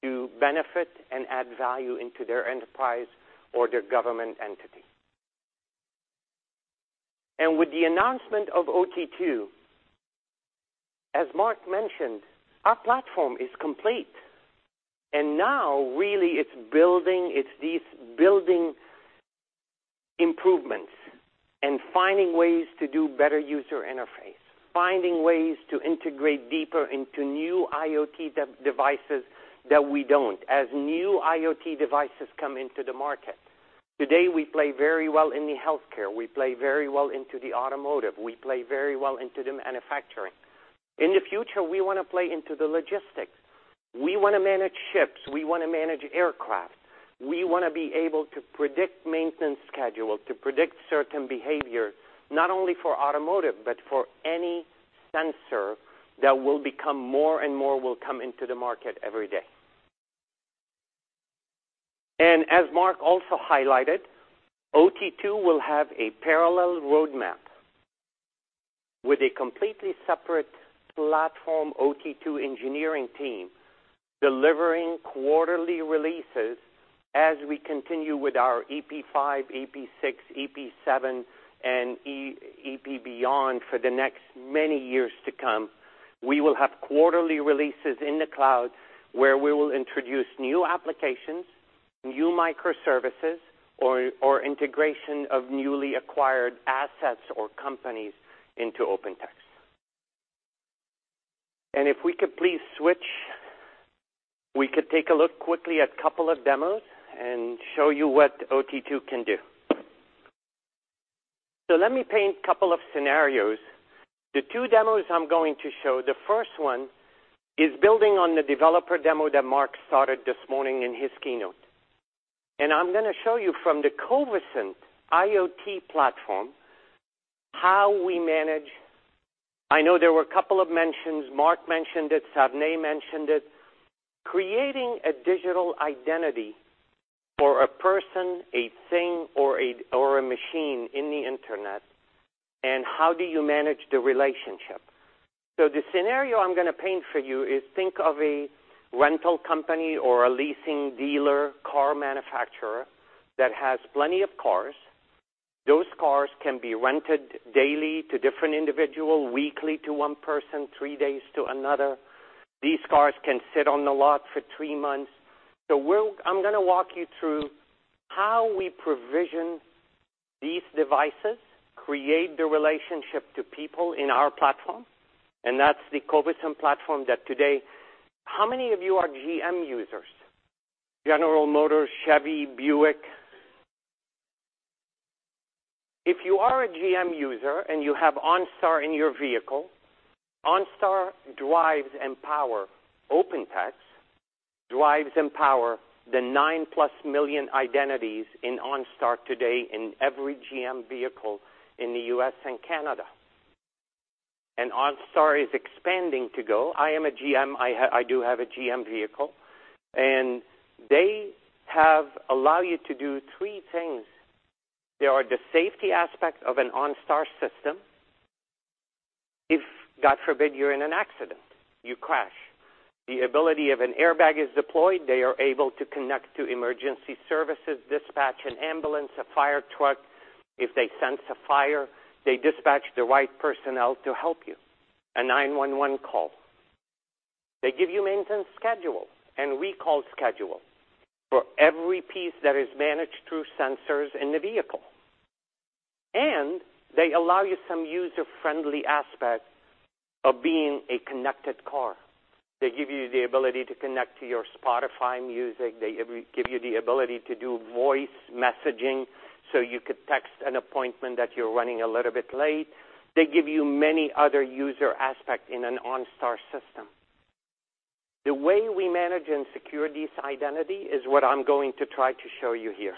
Speaker 4: to benefit and add value into their enterprise or their government entity. With the announcement of OT2, as Mark mentioned, our platform is complete. Now, really, it's these building improvements and finding ways to do better user interface, finding ways to integrate deeper into new IoT devices that we don't, as new IoT devices come into the market. Today, we play very well in the healthcare, we play very well into the automotive, we play very well into the manufacturing. In the future, we want to play into the logistics. We want to manage ships, we want to manage aircraft. We want to be able to predict maintenance schedules, to predict certain behavior, not only for automotive, but for any sensor that will become more and more will come into the market every day. As Mark also highlighted, OT2 will have a parallel roadmap with a completely separate platform OT2 engineering team delivering quarterly releases as we continue with our EP5, EP6, EP7, and EP beyond for the next many years to come. We will have quarterly releases in the cloud where we will introduce new applications, new microservices, or integration of newly acquired assets or companies into Open Text. If we could please switch, we could take a look quickly at a couple of demos and show you what OT2 can do. Let me paint a couple of scenarios. The two demos I'm going to show, the first one is building on the developer demo that Mark started this morning in his keynote. I'm going to show you from the Covisint IoT platform, how we manage. I know there were a couple of mentions, Mark mentioned it, Savneet mentioned it, creating a digital identity for a person, a thing, or a machine in the internet, and how do you manage the relationship? The scenario I'm going to paint for you is think of a rental company or a leasing dealer car manufacturer that has plenty of cars. Those cars can be rented daily to different individual, weekly to one person, three days to another. These cars can sit on the lot for three months. I'm going to walk you through how we provision these devices, create the relationship to people in our platform, and that's the Covisint platform that today. How many of you are GM users? General Motors, Chevy, Buick. If you are a GM user and you have OnStar in your vehicle, OnStar drives and power Open Text, drives and power the 9-plus million identities in OnStar today in every GM vehicle in the U.S. and Canada. OnStar is expanding to go. I am a GM, I do have a GM vehicle, and they have allow you to do three things. There are the safety aspect of an OnStar system. If, God forbid, you're in an accident, you crash, the ability of an airbag is deployed, they are able to connect to emergency services, dispatch an ambulance, a fire truck. If they sense a fire, they dispatch the right personnel to help you. A 911 call. They give you maintenance schedule and recall schedule for every piece that is managed through sensors in the vehicle. They allow you some user-friendly aspect of being a connected car. They give you the ability to connect to your Spotify music. They give you the ability to do voice messaging so you could text an appointment that you're running a little bit late. They give you many other user aspect in an OnStar system. The way we manage and secure this identity is what I'm going to try to show you here.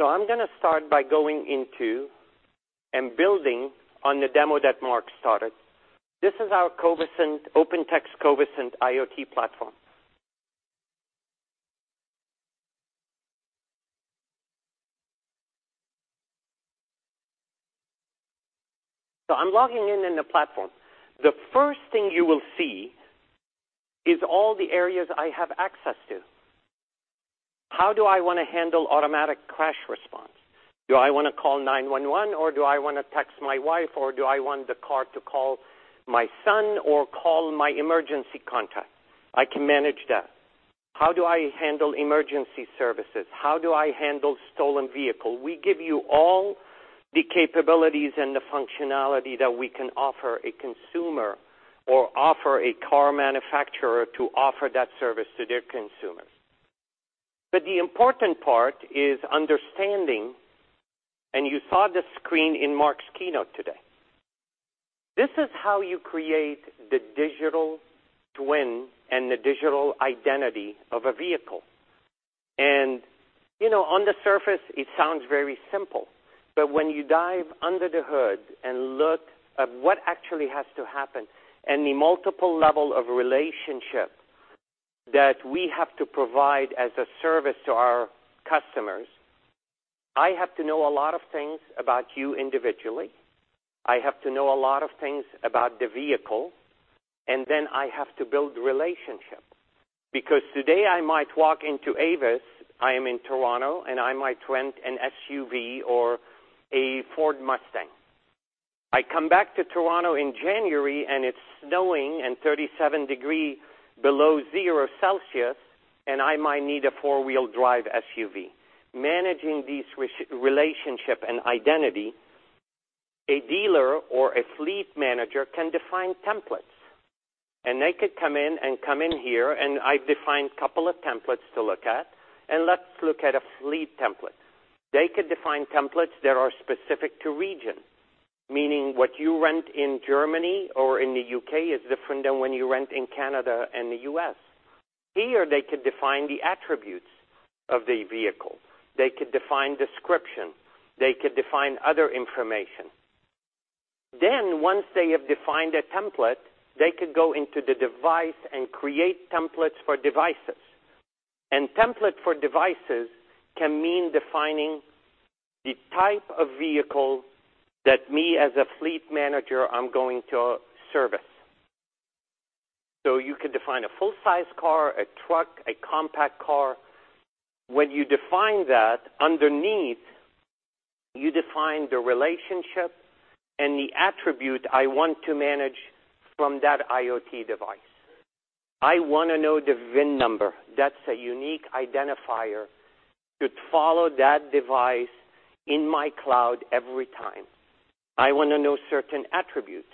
Speaker 4: I'm going to start by going into and building on the demo that Mark started. This is our OpenText Covisint IoT platform. I'm logging in in the platform. The first thing you will see is all the areas I have access to. How do I want to handle automatic crash response? Do I want to call 911, or do I want to text my wife, or do I want the car to call my son or call my emergency contact? I can manage that. How do I handle emergency services? How do I handle stolen vehicle? We give you all the capabilities and the functionality that we can offer a consumer or offer a car manufacturer to offer that service to their consumers. The important part is understanding, and you saw the screen in Mark's keynote today. This is how you create the digital twin and the digital identity of a vehicle. On the surface, it sounds very simple, but when you dive under the hood and look at what actually has to happen and the multiple level of relationship that we have to provide as a service to our customers. I have to know a lot of things about you individually. I have to know a lot of things about the vehicle, and then I have to build relationship. Today I might walk into Avis, I am in Toronto, and I might rent an SUV or a Ford Mustang. I come back to Toronto in January and it's snowing and 37 degrees below zero Celsius, and I might need a four-wheel drive SUV. Managing this relationship and identity, a dealer or a fleet manager can define templates. They could come in here, and I've defined couple of templates to look at, and let's look at a fleet template. They could define templates that are specific to region, meaning what you rent in Germany or in the U.K. is different than when you rent in Canada and the U.S. Here, they could define the attributes of the vehicle. They could define description. They could define other information. Once they have defined a template, they could go into the device and create templates for devices. Template for devices can mean defining the type of vehicle that me, as a fleet manager, I'm going to service. You could define a full-size car, a truck, a compact car. When you define that, underneath, you define the relationship and the attribute I want to manage from that IoT device. I want to know the VIN number. That's a unique identifier to follow that device in my cloud every time. I want to know certain attributes,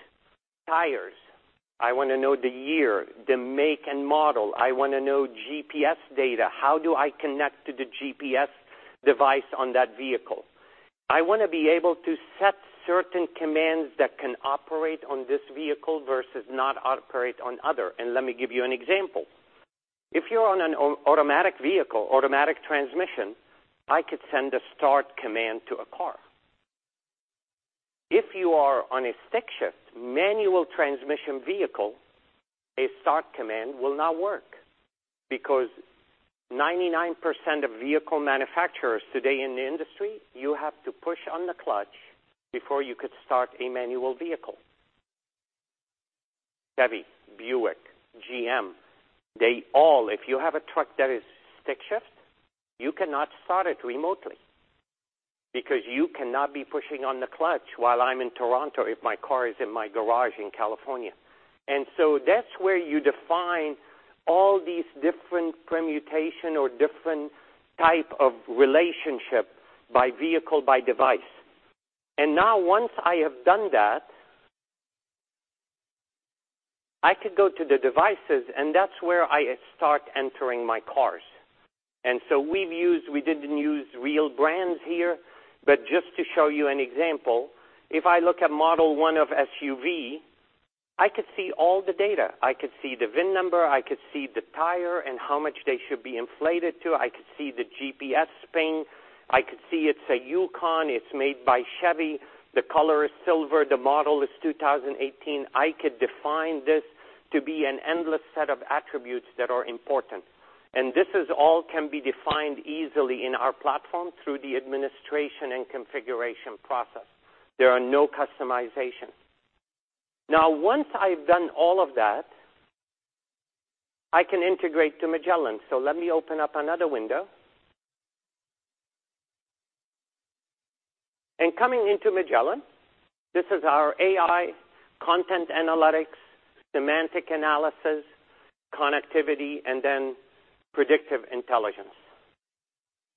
Speaker 4: tires. I want to know the year, the make, and model. I want to know GPS data. How do I connect to the GPS device on that vehicle? I want to be able to set certain commands that can operate on this vehicle versus not operate on other. Let me give you an example. If you're on an automatic vehicle, automatic transmission, I could send a start command to a car. If you are on a stick shift, manual transmission vehicle, a start command will not work because 99% of vehicle manufacturers today in the industry, you have to push on the clutch before you could start a manual vehicle. Chevy, Buick, GM, they all, if you have a truck that is stick shift, you cannot start it remotely because you cannot be pushing on the clutch while I'm in Toronto if my car is in my garage in California. That's where you define all these different permutation or different type of relationship by vehicle, by device. Now, once I have done that, I could go to the devices, and that's where I start entering my cars. We didn't use real brands here, but just to show you an example, if I look at model 1 of SUV, I could see all the data. I could see the VIN number, I could see the tire and how much they should be inflated to, I could see the GPS ping, I could see it's a Yukon, it's made by Chevy, the color is silver, the model is 2018. I could define this to be an endless set of attributes that are important. This all can be defined easily in our platform through the administration and configuration process. There are no customizations. Once I've done all of that, I can integrate to Magellan. Let me open up another window. Coming into Magellan, this is our AI, content analytics, semantic analysis, connectivity, and then predictive intelligence.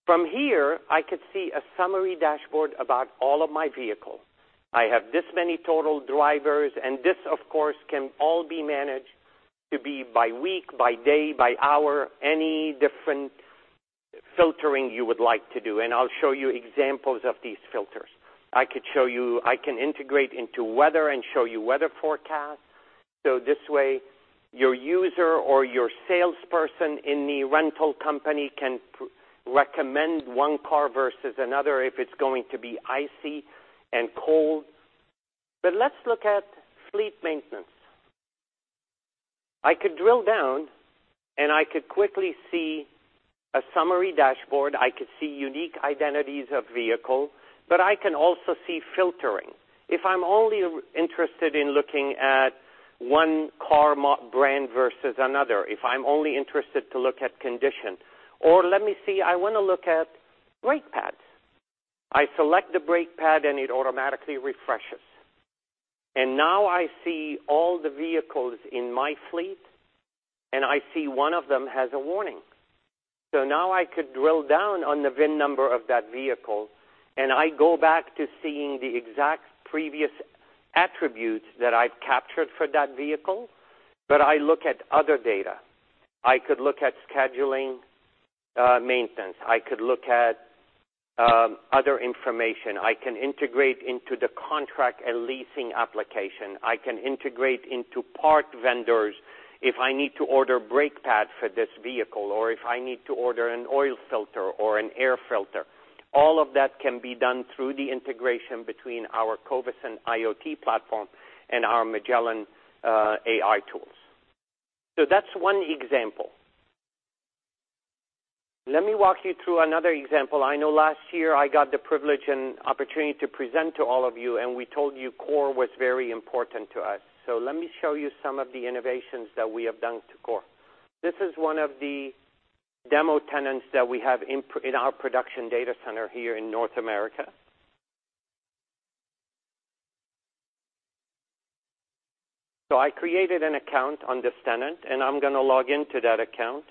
Speaker 4: From here, I could see a summary dashboard about all of my vehicle. I have this many total drivers, and this, of course, can all be managed to be by week, by day, by hour, any different filtering you would like to do. I'll show you examples of these filters. I can integrate into weather and show you weather forecast. This way, your user or your salesperson in the rental company can recommend one car versus another if it's going to be icy and cold. Let's look at fleet maintenance. I could drill down and I could quickly see a summary dashboard. I could see unique identities of vehicle, I can also see filtering. If I'm only interested in looking at one car brand versus another, if I'm only interested to look at condition, or let me see, I want to look at brake pads. I select the brake pad, it automatically refreshes. I see all the vehicles in my fleet, I see one of them has a warning. I could drill down on the VIN number of that vehicle, I go back to seeing the exact previous attributes that I've captured for that vehicle, I look at other data. I could look at scheduling maintenance. I could look at other information. I can integrate into the contract a leasing application. I can integrate into part vendors if I need to order brake pad for this vehicle, or if I need to order an oil filter or an air filter. All of that can be done through the integration between our Covisint IoT platform and our Magellan AI tools. That's one example. Let me walk you through another example. I know last year I got the privilege and opportunity to present to all of you, and we told you Core was very important to us. Let me show you some of the innovations that we have done to Core. This is one of the demo tenants that we have in our production data center here in North America. I created an account on this tenant, and I'm going to log into that account.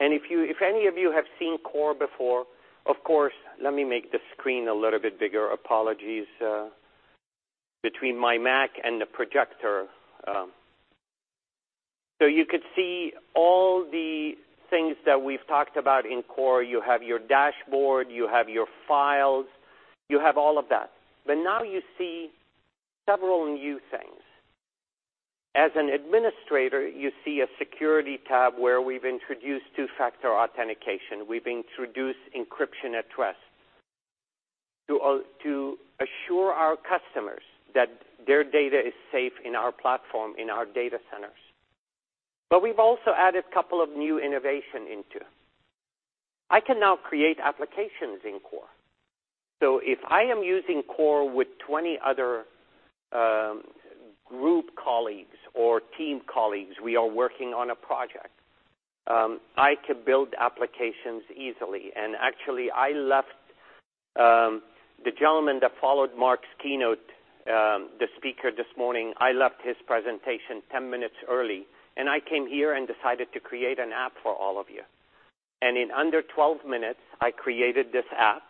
Speaker 4: If any of you have seen Core before, of course, let me make the screen a little bit bigger. Apologies, between my Mac and the projector. You could see all the things that we've talked about in Core. You have your dashboard, you have your files, you have all of that. Now you see several new things. As an administrator, you see a security tab where we've introduced two-factor authentication. We've introduced encryption at rest to assure our customers that their data is safe in our platform, in our data centers. We've also added couple of new innovation into. I can now create applications in Core. If I am using Core with 20 other group colleagues or team colleagues, we are working on a project, I could build applications easily. Actually, I left the gentleman that followed Mark's keynote, the speaker this morning, I left his presentation 10 minutes early, and I came here and decided to create an app for all of you. In under 12 minutes, I created this app.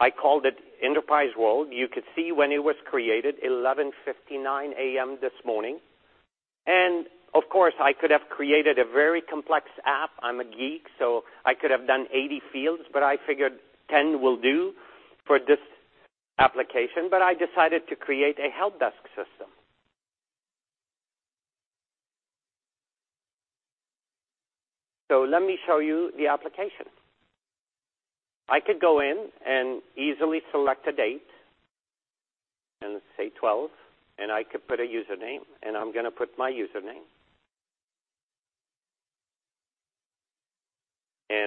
Speaker 4: I called it Enterprise World. You could see when it was created, 11:59 A.M. this morning. Of course, I could have created a very complex app. I'm a geek, I could have done 80 fields, I figured 10 will do for this application. I decided to create a help desk system. Let me show you the application. I could go in and easily select a date, and say 12. I could put a username, and I'm going to put my username.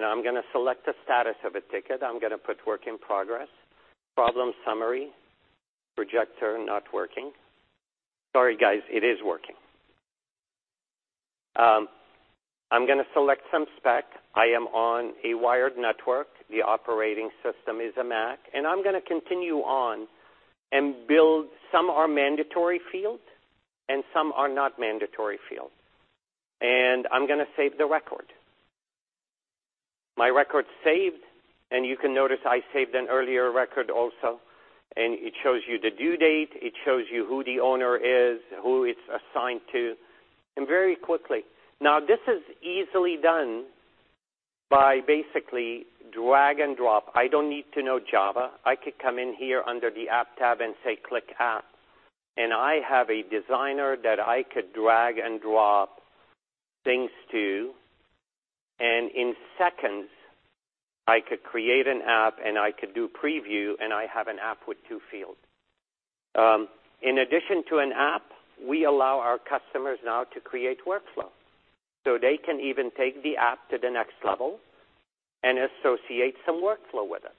Speaker 4: I'm going to select the status of a ticket. I'm going to put work in progress. Problem summary, projector not working. Sorry, guys, it is working. I'm going to select some spec. I am on a wired network. The operating system is a Mac. I'm going to continue on and build. Some are mandatory fields and some are not mandatory fields. I'm going to save the record. My record's saved, and you can notice I saved an earlier record also. It shows you the due date. It shows you who the owner is, who it's assigned to, and very quickly. This is easily done by basically drag and drop. I don't need to know Java. I could come in here under the App tab and say Click App, and I have a designer that I could drag and drop things to, and in seconds, I could create an app, and I could do preview, and I have an app with two fields. In addition to an app, we allow our customers now to create workflow. They can even take the app to the next level and associate some workflow with it.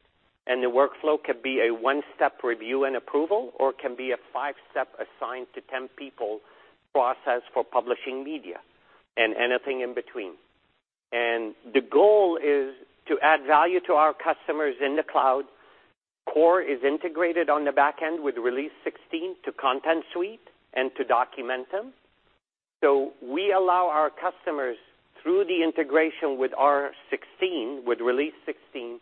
Speaker 4: The workflow could be a one-step review and approval, or it can be a five-step assigned to 10 people process for publishing media and anything in between. The goal is to add value to our customers in the cloud. Core is integrated on the back end with Release 16 to Content Suite and to Documentum. We allow our customers, through the integration with R16, with Release 16,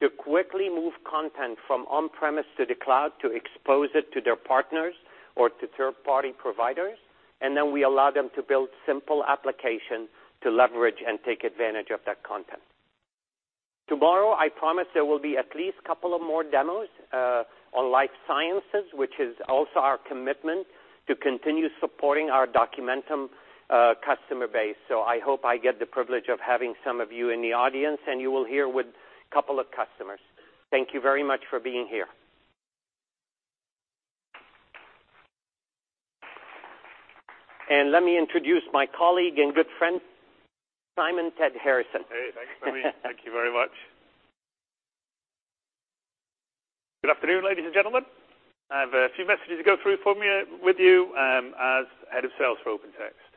Speaker 4: to quickly move content from on-premise to the cloud to expose it to their partners or to third-party providers. We allow them to build simple application to leverage and take advantage of that content. Tomorrow, I promise there will be at least couple of more demos, on life sciences, which is also our commitment to continue supporting our Documentum customer base. I hope I get the privilege of having some of you in the audience, and you will hear with couple of customers. Thank you very much for being here. Let me introduce my colleague and good friend, Simon Ted-Harrison.
Speaker 3: Hey, thanks, Muhi. Thank you very much. Good afternoon, ladies and gentlemen. I have a few messages to go through with you, as head of sales for OpenText.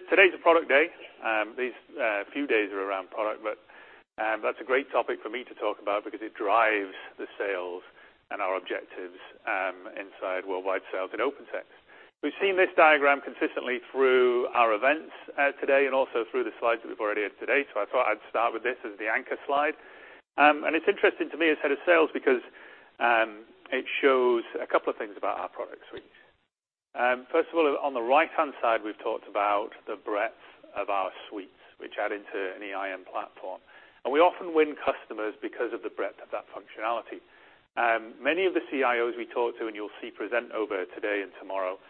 Speaker 3: Today's a product day. These few days are around product, that's a great topic for me to talk about because it drives the sales and our objectives inside worldwide sales at OpenText. We've seen this diagram consistently through our events today and also through the slides that we've already had today. I thought I'd start with this as the anchor slide. It's interesting to me as head of sales because it shows a couple of things about our product suite. First of all, on the right-hand side, we've talked about the breadth of our suites, which add into an EIM platform. We often win customers because of the breadth of that functionality. Many of the CIOs we talk to, and you'll see present over today and tomorrow,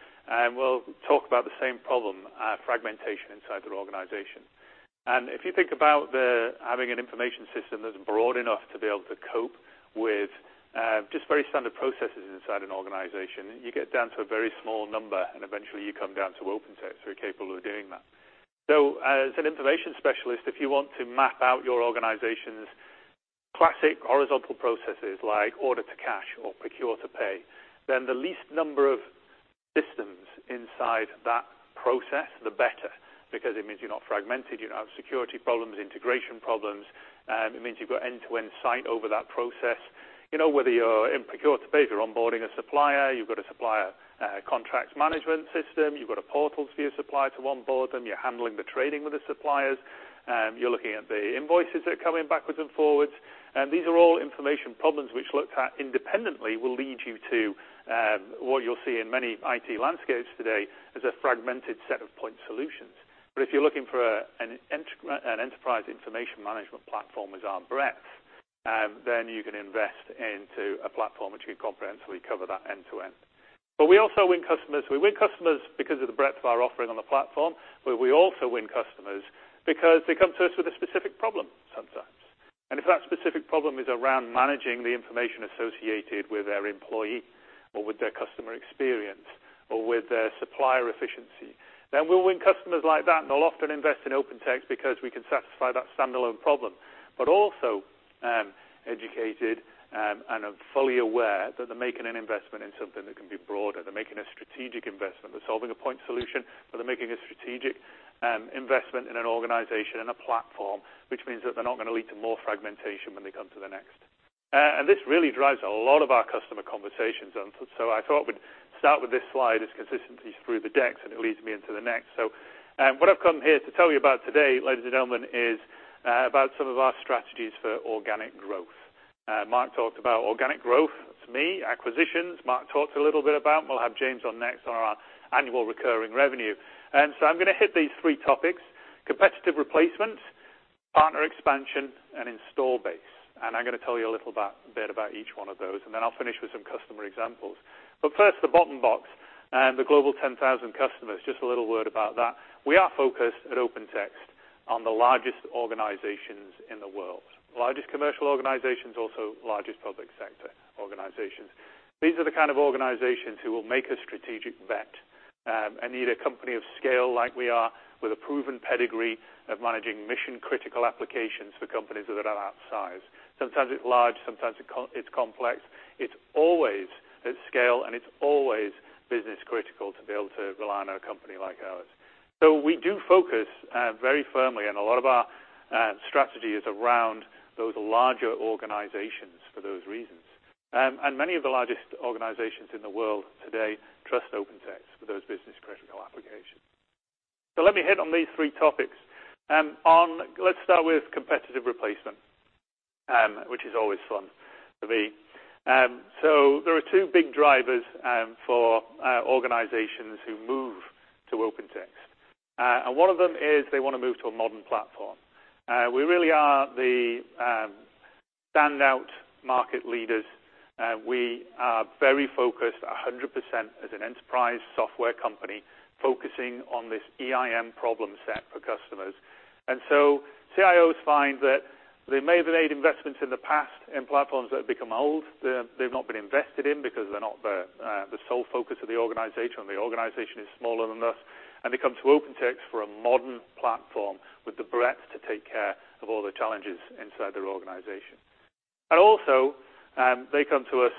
Speaker 3: will talk about the same problem, fragmentation inside their organization. If you think about having an information system that's broad enough to be able to cope with just very standard processes inside an organization, you get down to a very small number, and eventually you come down to OpenText, who are capable of doing that. As an information specialist, if you want to map out your organization's classic horizontal processes like order to cash or procure to pay, the least number of systems inside that process, the better, because it means you're not fragmented, you don't have security problems, integration problems. It means you've got end-to-end sight over that process. Whether you're in procure to pay, if you're onboarding a supplier, you've got a supplier contracts management system, you've got a portal for your supplier to onboard them, you're handling the trading with the suppliers, you're looking at the invoices that are coming backwards and forwards. These are all information problems which looked at independently will lead you to what you'll see in many IT landscapes today as a fragmented set of point solutions. If you're looking for an enterprise information management platform as our breadth, then you can invest into a platform which can comprehensively cover that end-to-end. We also win customers. We win customers because of the breadth of our offering on the platform, we also win customers because they come to us with a specific problem sometimes. If that specific problem is around managing the information associated with their employee or with their customer experience or with their supplier efficiency, then we'll win customers like that. They'll often invest in Open Text because we can satisfy that standalone problem, but also educated and are fully aware that they're making an investment in something that can be broader. They're making a strategic investment. They're solving a point solution, but they're making a strategic investment in an organization and a platform, which means that they're not going to lead to more fragmentation when they come to the next. This really drives a lot of our customer conversations. I thought we'd start with this slide. It's consistently through the decks, it leads me into the next. What I've come here to tell you about today, ladies and gentlemen, is about some of our strategies for organic growth. Mark talked about organic growth. To me, acquisitions, Mark talked a little bit about. We'll have James on next on our annual recurring revenue. I'm going to hit these three topics, competitive replacement, partner expansion, and install base. I'm going to tell you a little bit about each one of those, then I'll finish with some customer examples. First, the bottom box, the global 10,000 customers. Just a little word about that. We are focused at Open Text on the largest organizations in the world, largest commercial organizations, also largest public sector organizations. These are the kind of organizations who will make a strategic bet and need a company of scale like we are with a proven pedigree of managing mission-critical applications for companies that are that size. Sometimes it's large, sometimes it's complex. It's always at scale, it's always business critical to be able to rely on a company like ours. We do focus very firmly, a lot of our strategy is around those larger organizations for those reasons. Many of the largest organizations in the world today trust Open Text for those business critical applications. Let me hit on these three topics. Let's start with competitive replacement, which is always fun for me. There are two big drivers for organizations who move to Open Text, one of them is they want to move to a modern platform. We really are the standout market leaders. We are very focused, 100% as an enterprise software company, focusing on this EIM problem set for customers. CIOs find that they may have made investments in the past in platforms that have become old, they've not been invested in because they're not the sole focus of the organization, or the organization is smaller than us, and they come to Open Text for a modern platform with the breadth to take care of all the challenges inside their organization. They come to us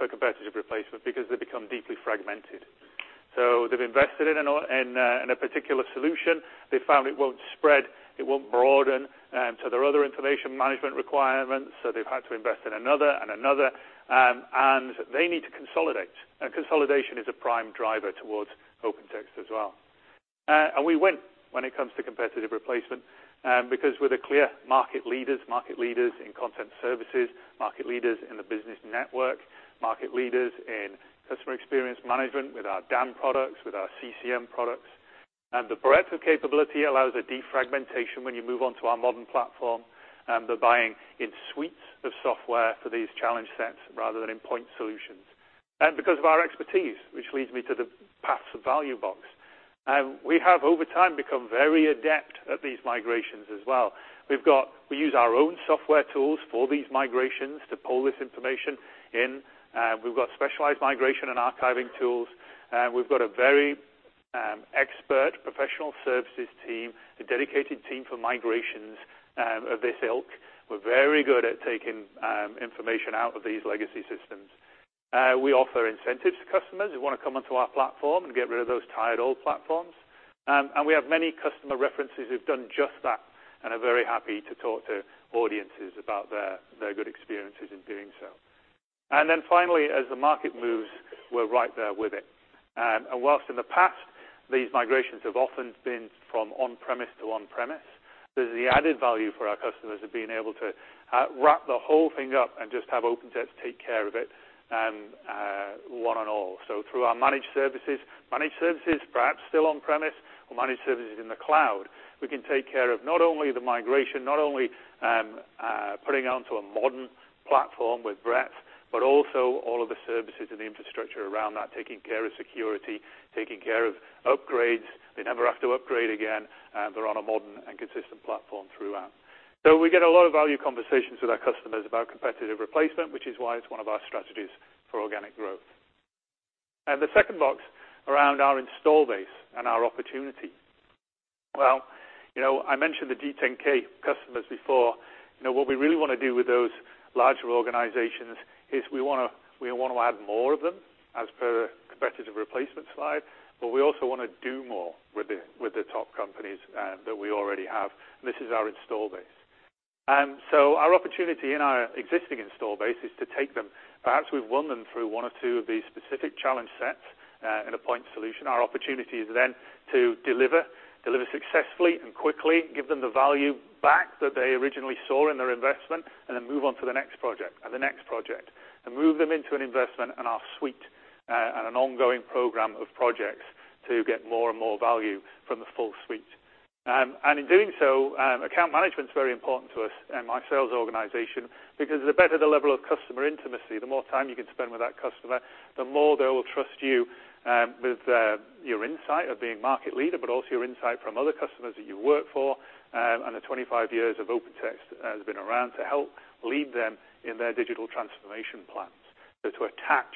Speaker 3: for competitive replacement because they become deeply fragmented. They've invested in a particular solution. They found it won't spread, it won't broaden. There are other information management requirements. They've had to invest in another and another, and they need to consolidate. Consolidation is a prime driver towards Open Text as well. We win when it comes to competitive replacement because we're the clear market leaders, market leaders in content services, market leaders in the business network, market leaders in customer experience management with our DAM products, with our CCM products. The breadth of capability allows a defragmentation when you move onto our modern platform, and they're buying in suites of software for these challenge sets rather than in point solutions. Because of our expertise, which leads me to the paths of value box. We have, over time, become very adept at these migrations as well. We use our own software tools for these migrations to pull this information in. We've got specialized migration and archiving tools. We've got a very expert professional services team, a dedicated team for migrations of this ilk. We're very good at taking information out of these legacy systems. We offer incentives to customers who want to come onto our platform and get rid of those tired old platforms. We have many customer references who've done just that and are very happy to talk to audiences about their good experiences in doing so. Then finally, as the market moves, we're right there with it. Whilst in the past These migrations have often been from on-premise to on-premise. The added value for our customers of being able to wrap the whole thing up and just have OpenText take care of it, one and all. Through our managed services, perhaps still on-premise or managed services in the cloud, we can take care of not only the migration, not only putting it onto a modern platform with breadth, but also all of the services and the infrastructure around that, taking care of security, taking care of upgrades. They never have to upgrade again. They're on a modern and consistent platform throughout. We get a lot of value conversations with our customers about competitive replacement, which is why it's one of our strategies for organic growth. The second box around our install base and our opportunity. Well, I mentioned the G10K customers before. What we really want to do with those larger organizations is we want to add more of them as per competitive replacement slide, but we also want to do more with the top companies that we already have. This is our install base. Our opportunity in our existing install base is to take them. Perhaps we've won them through one or two of these specific challenge sets in a point solution. Our opportunity is then to deliver successfully and quickly, give them the value back that they originally saw in their investment, then move on to the next project, and the next project, move them into an investment in our suite, and an ongoing program of projects to get more and more value from the full suite. In doing so, account management's very important to us and my sales organization, because the better the level of customer intimacy, the more time you can spend with that customer, the more they will trust you with your insight of being market leader, but also your insight from other customers that you work for, and the 25 years of OpenText has been around to help lead them in their digital transformation plans. To attach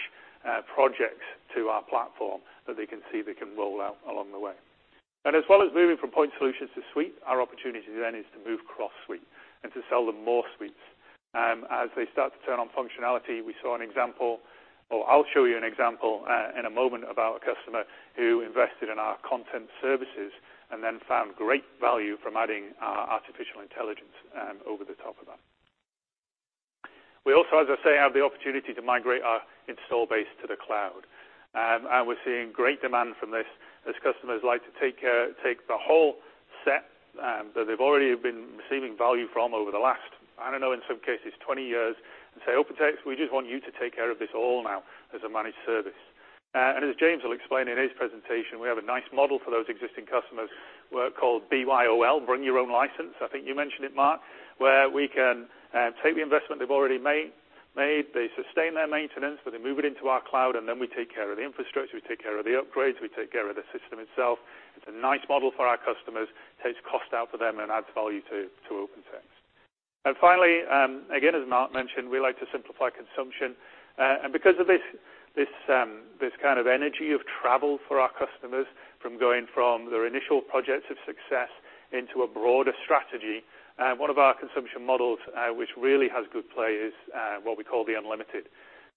Speaker 3: projects to our platform that they can see they can roll out along the way. As well as moving from point solutions to suite, our opportunity then is to move cross-suite and to sell them more suites. They start to turn on functionality, we saw an example, or I'll show you an example in a moment about a customer who invested in our content services and then found great value from adding artificial intelligence over the top of that. We also, as I say, have the opportunity to migrate our install base to the cloud. We're seeing great demand from this, as customers like to take the whole set that they've already been receiving value from over the last, I don't know, in some cases 20 years, and say, "OpenText, we just want you to take care of this all now as a managed service." As James will explain in his presentation, we have a nice model for those existing customers called BYOL, bring your own license, I think you mentioned it, Mark, where we can take the investment they've already made. They sustain their maintenance, but they move it into our cloud, then we take care of the infrastructure, we take care of the upgrades, we take care of the system itself. It's a nice model for our customers, takes cost out for them and adds value to OpenText. Finally, again, as Mark mentioned, we like to simplify consumption. Because of this kind of energy of travel for our customers, from going from their initial projects of success into a broader strategy, one of our consumption models which really has good play is what we call the Unlimited.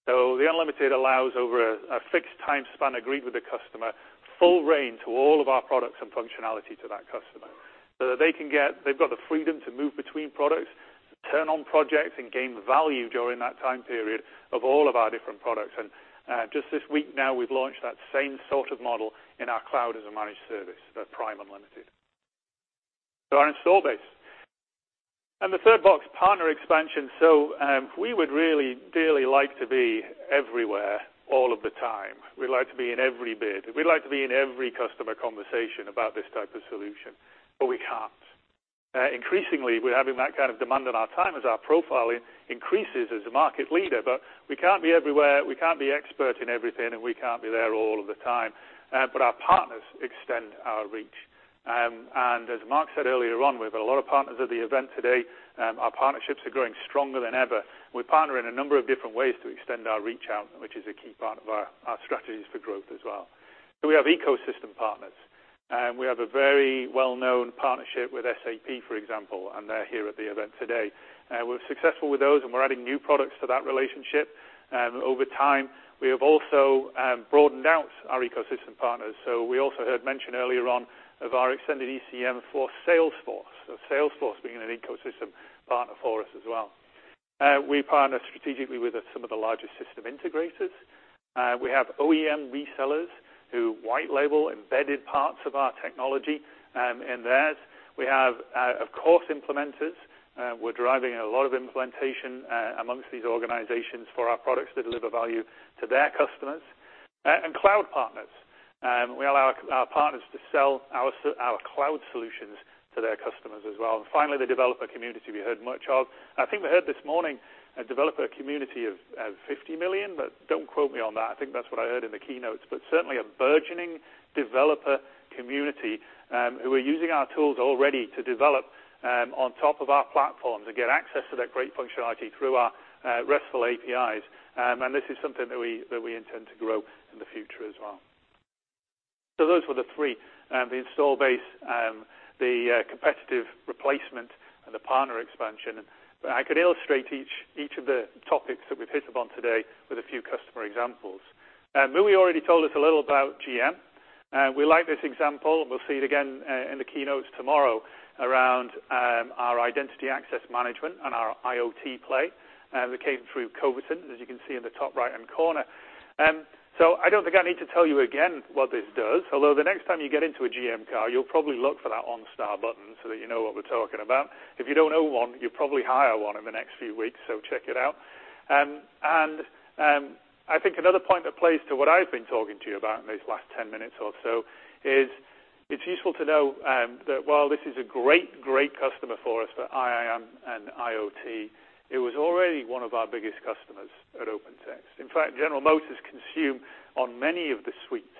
Speaker 3: The Unlimited allows over a fixed time span agreed with the customer, full reign to all of our products and functionality to that customer. They've got the freedom to move between products, to turn on projects, and gain value during that time period of all of our different products. Just this week now, we've launched that same sort of model in our cloud as a managed service, Prime Unlimited. Our install base. The third box, partner expansion. We would really dearly like to be everywhere all of the time. We'd like to be in every bid. We would like to be in every customer conversation about this type of solution, but we can't. Increasingly, we are having that kind of demand on our time as our profiling increases as a market leader, but we can't be everywhere, we can't be expert in everything, and we can't be there all of the time. Our partners extend our reach. As Mark said earlier on, we've got a lot of partners at the event today. Our partnerships are growing stronger than ever. We partner in a number of different ways to extend our reach out, which is a key part of our strategies for growth as well. We have ecosystem partners. We have a very well-known partnership with SAP, for example, and they're here at the event today. We're successful with those, and we're adding new products to that relationship. Over time, we have also broadened out our ecosystem partners. We also heard mention earlier on of our Extended ECM for Salesforce being an ecosystem partner for us as well. We partner strategically with some of the larger system integrators. We have OEM resellers who white label embedded parts of our technology in theirs. We have, of course, implementers. We're driving a lot of implementation amongst these organizations for our products that deliver value to their customers. Cloud partners. We allow our partners to sell our cloud solutions to their customers as well. Finally, the developer community we heard much of. I think we heard this morning, a developer community of 50 million, but don't quote me on that. I think that's what I heard in the keynotes. Certainly a burgeoning developer community, who are using our tools already to develop on top of our platform to get access to that great functionality through our RESTful APIs. Those were the three, the install base, the competitive replacement, and the partner expansion. I could illustrate each of the topics that we've hit upon today with a few customer examples. Muhi already told us a little about GM. We like this example, and we'll see it again in the keynotes tomorrow around our identity access management and our IoT play that came through Covisint, as you can see in the top right-hand corner. I don't think I need to tell you again what this does. Although the next time you get into a GM car, you'll probably look for that OnStar button so that you know what we're talking about. If you don't own one, you'll probably hire one in the next few weeks, so check it out. I think another point that plays to what I've been talking to you about in these last 10 minutes or so is, it's useful to know that while this is a great customer for us for IAM and IoT, it was already one of our biggest customers at OpenText. In fact, General Motors consume on many of the suites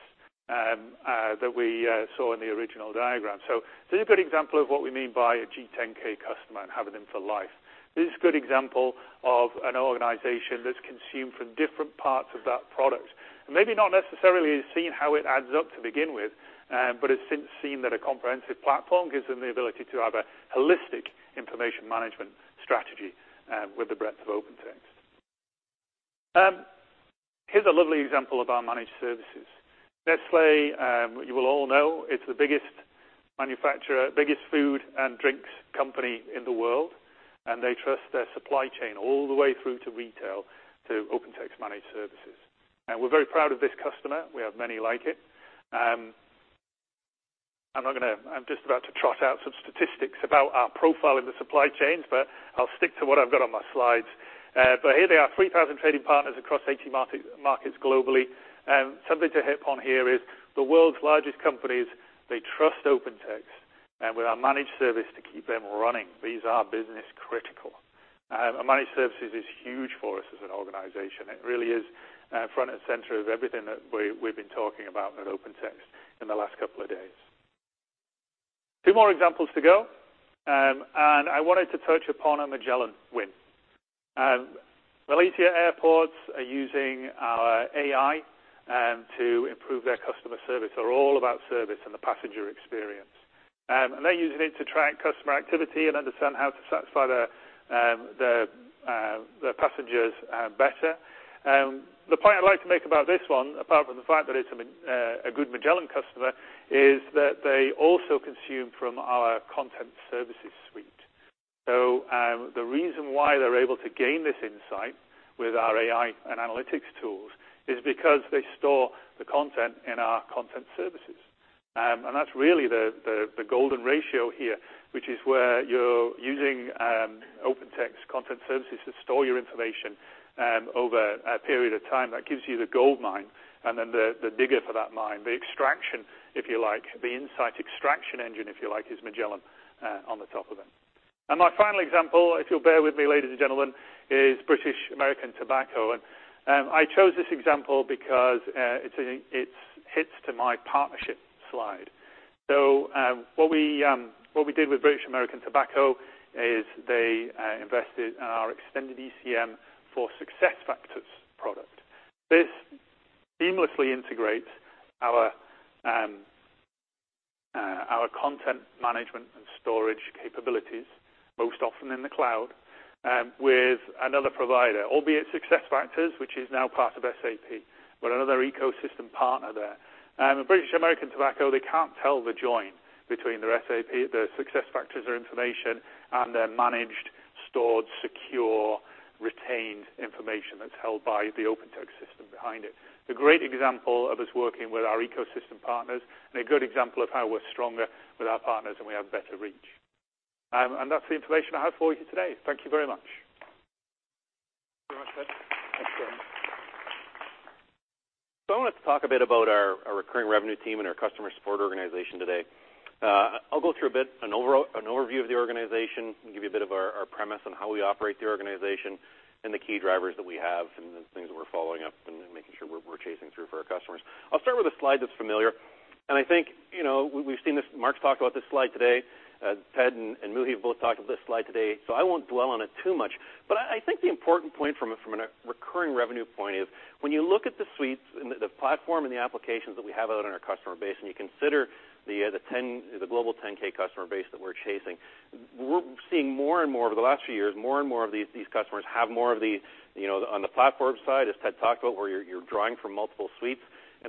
Speaker 3: that we saw in the original diagram. This is a good example of what we mean by a G10K customer and having them for life. This is a good example of an organization that's consumed from different parts of that product. Maybe not necessarily seen how it adds up to begin with, but has since seen that a comprehensive platform gives them the ability to have a holistic information management strategy with the breadth of OpenText. Here's a lovely example of our managed services. Nestlé, you will all know, it's the biggest manufacturer, biggest food and drinks company in the world. They trust their supply chain all the way through to retail, to OpenText managed services. We're very proud of this customer. We have many like it. I'm just about to trot out some statistics about our profile in the supply chains, but I'll stick to what I've got on my slides. Here they are, 3,000 trading partners across 80 markets globally. Something to hit upon here is the world's largest companies, they trust OpenText with our managed service to keep them running. These are business critical. Managed services is huge for us as an organization. It really is front and center of everything that we've been talking about at OpenText in the last couple of days. Two more examples to go. I wanted to touch upon a Magellan win. Malaysia Airports are using our AI to improve their customer service. They're all about service and the passenger experience. They're using it to track customer activity and understand how to satisfy their passengers better. The point I'd like to make about this one, apart from the fact that it's a good Magellan customer, is that they also consume from our Content Suite. The reason why they're able to gain this insight with our AI and analytics tools is because they store the content in our Content Suite. That's really the golden ratio here, which is where you're using OpenText Content Suite to store your information over a period of time. That gives you the goldmine and then the digger for that mine, the extraction, if you like. The insight extraction engine, if you like, is Magellan on the top of it. My final example, if you'll bear with me, ladies and gentlemen, is British American Tobacco. I chose this example because it hits to my partnership slide. What we did with British American Tobacco is they invested in our Extended ECM for SuccessFactors. This seamlessly integrates our content management and storage capabilities, most often in the cloud, with another provider, albeit SuccessFactors, which is now part of SAP. Another ecosystem partner there. British American Tobacco, they can't tell the join between their SAP, their SuccessFactors or information, and their managed, stored, secure, retained information that's held by the OpenText system behind it. It's a great example of us working with our ecosystem partners, a good example of how we're stronger with our partners and we have better reach. That's the information I have for you today. Thank you very much.
Speaker 1: Thank you very much, Ted.
Speaker 5: I wanted to talk a bit, an overview of the organization and give you a bit of our premise on how we operate the organization and the key drivers that we have and the things that we're following up and making sure we're chasing through for our customers. I'll start with a slide that's familiar. I think we've seen this. Mark's talked about this slide today. Ted and Muhi have both talked of this slide today. I won't dwell on it too much, but I think the important point from a recurring revenue point is when you look at the suites and the platform and the applications that we have out in our customer base, and you consider the global 10K customer base that we're chasing, we're seeing more and more over the last few years, more and more of these customers have more of these, on the platform side, as Ted talked about, where you're drawing from multiple suites.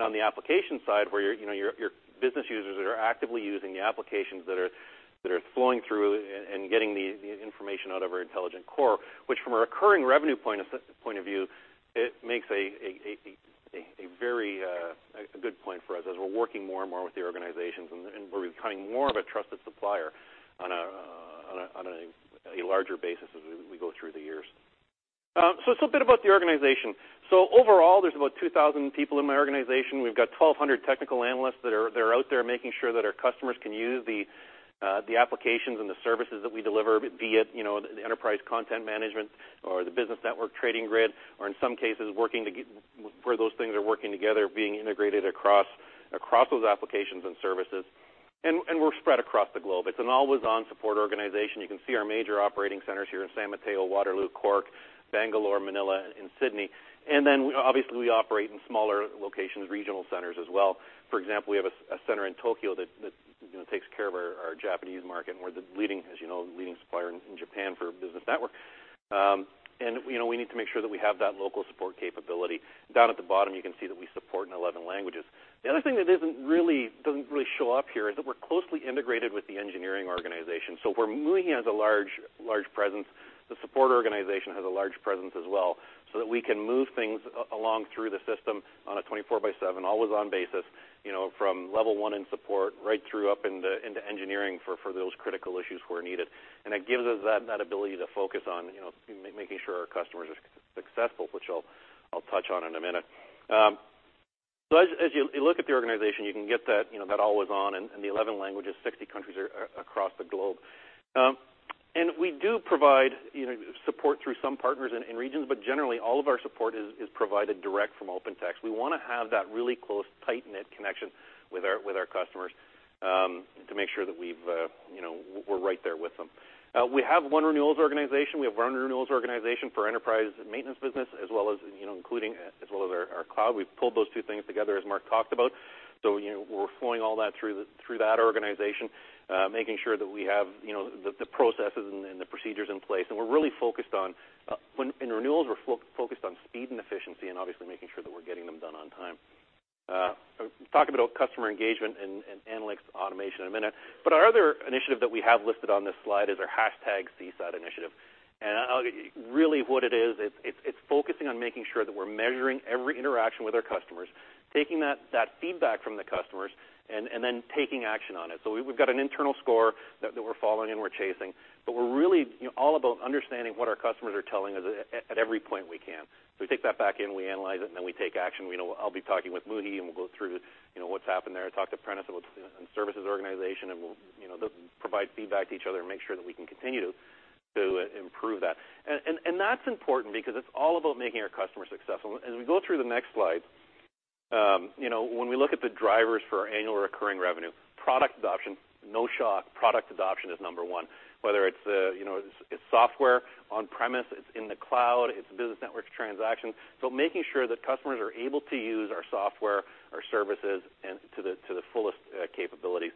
Speaker 5: On the application side, where your business users that are actively using the applications that are flowing through and getting the information out of our intelligent core. Which from a recurring revenue point of view, it makes a very good point for us as we're working more and more with the organizations and we're becoming more of a trusted supplier on a larger basis as we go through the years. Just a bit about the organization. Overall, there's about 2,000 people in my organization. We've got 1,200 technical analysts that are out there making sure that our customers can use the applications and the services that we deliver, be it the enterprise content management or the business network Trading Grid, or in some cases, where those things are working together, being integrated across those applications and services. We're spread across the globe. It's an always-on support organization. You can see our major operating centers here in San Mateo, Waterloo, Cork, Bangalore, Manila, and Sydney. Obviously we operate in smaller locations, regional centers as well. For example, we have a center in Tokyo that takes care of our Japanese market and we're the leading, as you know, supplier in Japan for business network. We need to make sure that we have that local support capability. Down at the bottom, you can see that we support in 11 languages. The other thing that doesn't really show up here is that we're closely integrated with the engineering organization. Where Muhi has a large presence, the support organization has a large presence as well, so that we can move things along through the system on a 24 by 7 always on basis, from level 1 in support right through up into engineering for those critical issues where needed. It gives us that ability to focus on making sure our customers are successful, which I'll touch on in a minute. As you look at the organization, you can get that always on and the 11 languages, 60 countries across the globe. We do provide support through some partners in regions, but generally, all of our support is provided direct from Open Text. We want to have that really close, tight-knit connection with our customers to make sure that we're right there with them. We have one renewals organization. We have one renewals organization for enterprise maintenance business, as well as our cloud. We've pulled those two things together, as Mark talked about. We're flowing all that through that organization, making sure that we have the processes and the procedures in place, and in renewals, we're focused on speed and efficiency and obviously making sure that we're getting them done on time. Talk about customer engagement and analytics automation in a minute, but our other initiative that we have listed on this slide is our #CSAT initiative. Really what it is, it's focusing on making sure that we're measuring every interaction with our customers, taking that feedback from the customers, and then taking action on it. We've got an internal score that we're following and we're chasing, but we're really all about understanding what our customers are telling us at every point we can. We take that back in, we analyze it, and then we take action. I'll be talking with Muhi, and we'll go through what's happened there. Talk to Prentiss about services organization, and we'll provide feedback to each other and make sure that we can continue to improve that. That's important because it's all about making our customers successful. As we go through the next slide, when we look at the drivers for our annual recurring revenue, product adoption, no shock, product adoption is number 1, whether it's software on-premise, it's in the cloud, it's business network transactions. Making sure that customers are able to use our software, our services to the fullest capabilities.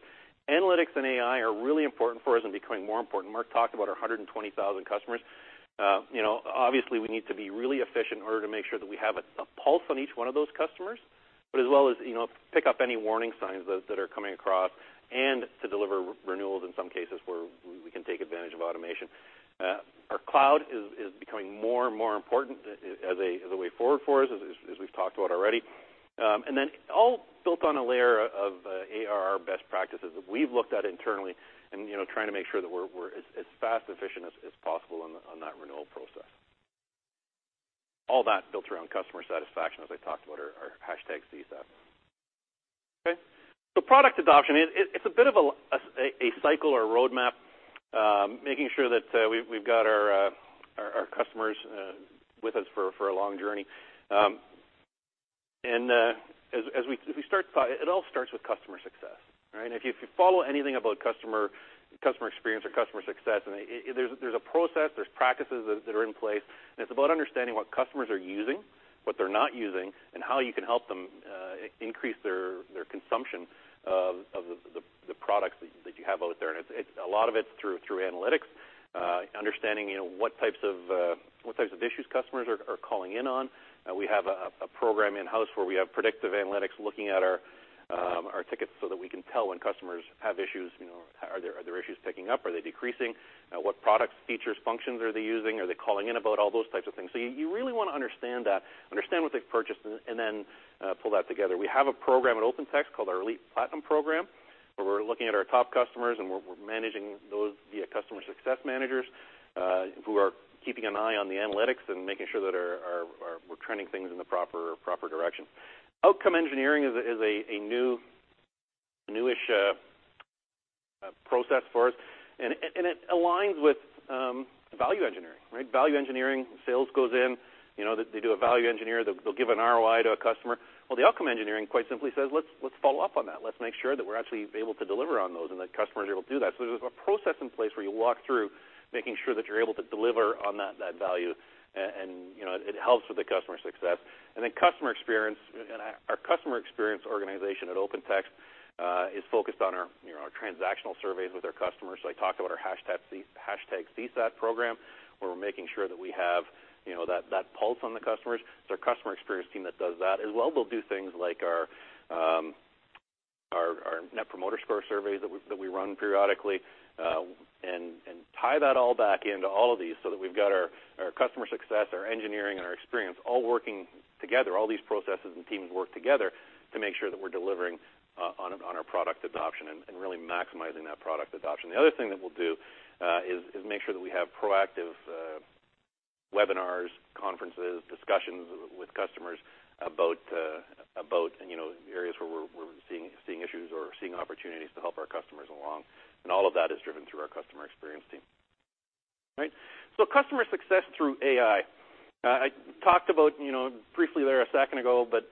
Speaker 5: Analytics and AI are really important for us and becoming more important. Mark talked about our 120,000 customers. We need to be really efficient in order to make sure that we have a pulse on each one of those customers, but as well as pick up any warning signs that are coming across and to deliver renewals in some cases where we can take advantage of automation. Our cloud is becoming more and more important as a way forward for us, as we've talked about already. All built on a layer of ARR best practices that we've looked at internally and trying to make sure that we're as fast, efficient as possible on that renewal process. All that built around customer satisfaction, as I talked about, our #CSAT. Okay. Product adoption, it's a bit of a cycle or a roadmap, making sure that we've got our customers with us for a long journey. It all starts with customer success. If you follow anything about customer experience or customer success, there's a process, there's practices that are in place, and it's about understanding what customers are using, what they're not using, and how you can help them increase their consumption of the products that you have out there. A lot of it's through analytics, understanding what types of issues customers are calling in on. We have a program in-house where we have predictive analytics looking at our tickets so that we can tell when customers have issues. Are their issues ticking up? Are they decreasing? What products, features, functions are they using? Are they calling in about all those types of things? You really want to understand that, understand what they've purchased, and then pull that together. We have a program at Open Text called our Elite Platinum Program, where we're looking at our top customers, and we're managing those via customer success managers, who are keeping an eye on the analytics and making sure that we're trending things in the proper direction. Outcome engineering is a newish process for us, and it aligns with value engineering. Value engineering, sales goes in, they do a value engineer. They'll give an ROI to a customer. Well, the outcome engineering quite simply says, "Let's follow up on that. Let's make sure that we're actually able to deliver on those and that customers are able to do that." There's a process in place where you walk through making sure that you're able to deliver on that value, and it helps with the customer success. Our customer experience organization at Open Text is focused on our transactional surveys with our customers. I talked about our #CSAT program, where we're making sure that we have that pulse on the customers. It's our customer experience team that does that. As well, they'll do things like our Net Promoter Score surveys that we run periodically, and tie that all back into all of these so that we've got our customer success, our engineering, and our experience all working together, all these processes and teams work together to make sure that we're delivering on our product adoption and really maximizing that product adoption. The other thing that we'll do is make sure that we have proactive webinars, conferences, discussions with customers about areas where we're seeing issues or seeing opportunities to help our customers along. All of that is driven through our customer experience team. Customer success through AI. I talked about briefly there a second ago, but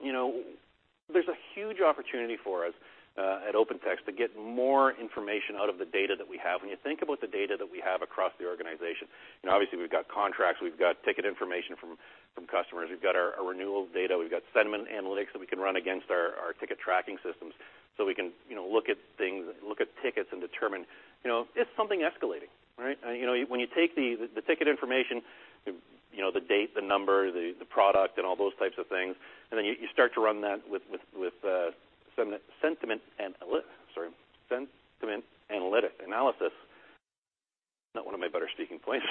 Speaker 5: there's a huge opportunity for us at Open Text to get more information out of the data that we have. When you think about the data that we have across the organization, obviously we've got contracts, we've got ticket information from customers. We've got our renewal data. We've got sentiment analytics that we can run against our ticket tracking systems so we can look at things, look at tickets, and determine if something escalating. Right? When you take the ticket information, the date, the number, the product, and all those types of things, and then you start to run that with sentiment analysis. Not one of my better speaking points.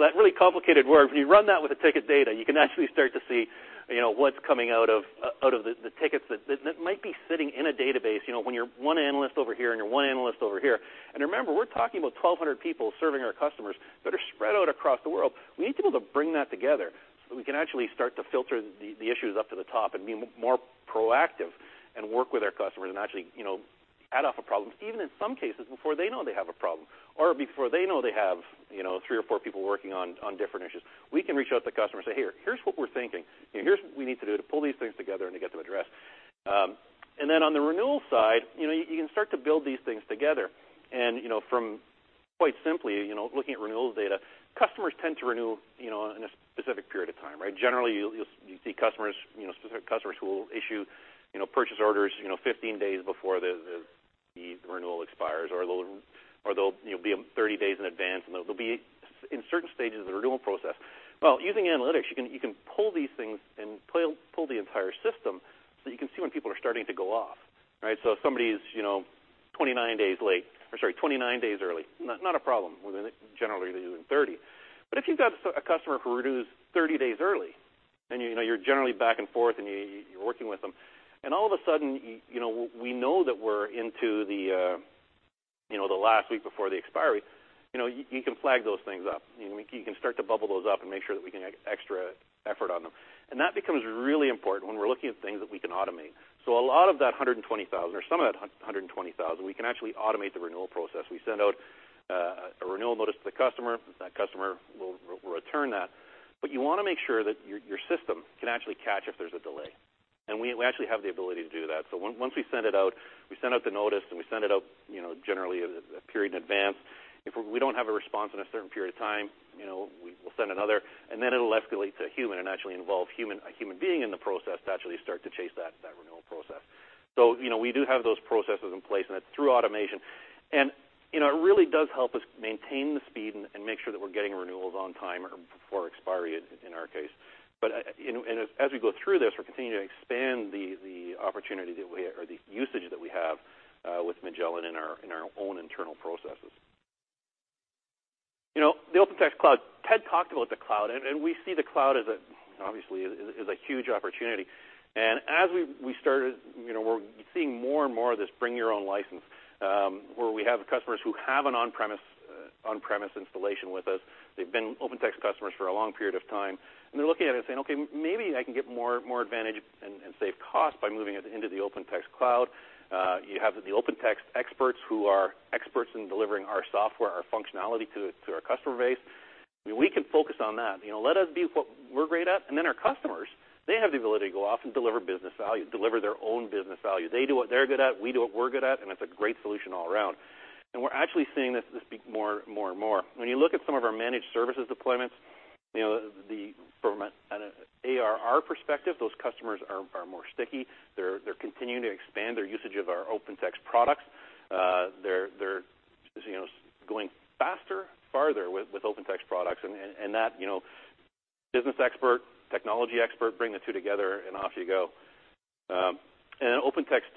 Speaker 5: That really complicated word, when you run that with the ticket data, you can actually start to see what's coming out of the tickets that might be sitting in a database, when you're one analyst over here and you're one analyst over here. And remember, we're talking about 1,200 people serving our customers that are spread out across the world. We need to be able to bring that together so we can actually start to filter the issues up to the top and be more proactive and work with our customers and actually head off a problem, even in some cases before they know they have a problem, or before they know they have three or four people working on different issues. We can reach out to customers and say, "Here's what we're thinking. Here's what we need to do to pull these things together and to get them addressed." Then on the renewal side, you can start to build these things together. From quite simply, looking at renewals data, customers tend to renew in a specific period of time, right. Generally, you'll see specific customers who will issue purchase orders 15 days before the renewal expires, or they'll be 30 days in advance, and they'll be in certain stages of the renewal process. Using analytics, you can pull these things and pull the entire system so that you can see when people are starting to go off. Right. If somebody's 29 days early, not a problem, generally they do it in 30. If you've got a customer who renews 30 days early, and you're generally back and forth and you're working with them, and all of a sudden, we know that we're into the last week before the expiry, you can flag those things up. You can start to bubble those up and make sure that we can get extra effort on them. That becomes really important when we're looking at things that we can automate. A lot of that 120,000, or some of that 120,000, we can actually automate the renewal process. We send out a renewal notice to the customer. That customer will return that. You want to make sure that your system can actually catch if there's a delay. We actually have the ability to do that. Once we send it out, we send out the notice, we send it out generally a period in advance. If we don't have a response in a certain period of time, we'll send another, then it'll escalate to a human and actually involve a human being in the process to actually start to chase that renewal process. We do have those processes in place, and that's through automation. It really does help us maintain the speed and make sure that we're getting renewals on time or before expiry, in our case. As we go through this, we're continuing to expand the opportunity or the usage that we have with Magellan in our own internal processes. The OpenText Cloud. Ted talked about the cloud, we see the cloud, obviously, as a huge opportunity. As we started, we're seeing more and more of this bring your own license, where we have customers who have an on-premise installation with us. They've been OpenText customers for a long period of time, they're looking at it saying, "Okay, maybe I can get more advantage and save cost by moving it into the OpenText Cloud." You have the OpenText experts who are experts in delivering our software, our functionality to our customer base. We can focus on that. Let us be what we're great at, then our customers, they have the ability to go off and deliver their own business value. They do what they're good at, we do what we're good at, it's a great solution all around. We're actually seeing this more and more. When you look at some of our managed services deployments, from an ARR perspective, those customers are more sticky. They're continuing to expand their usage of our OpenText products. They're going faster, farther with OpenText products. That business expert, technology expert, bring the two together, off you go. OpenText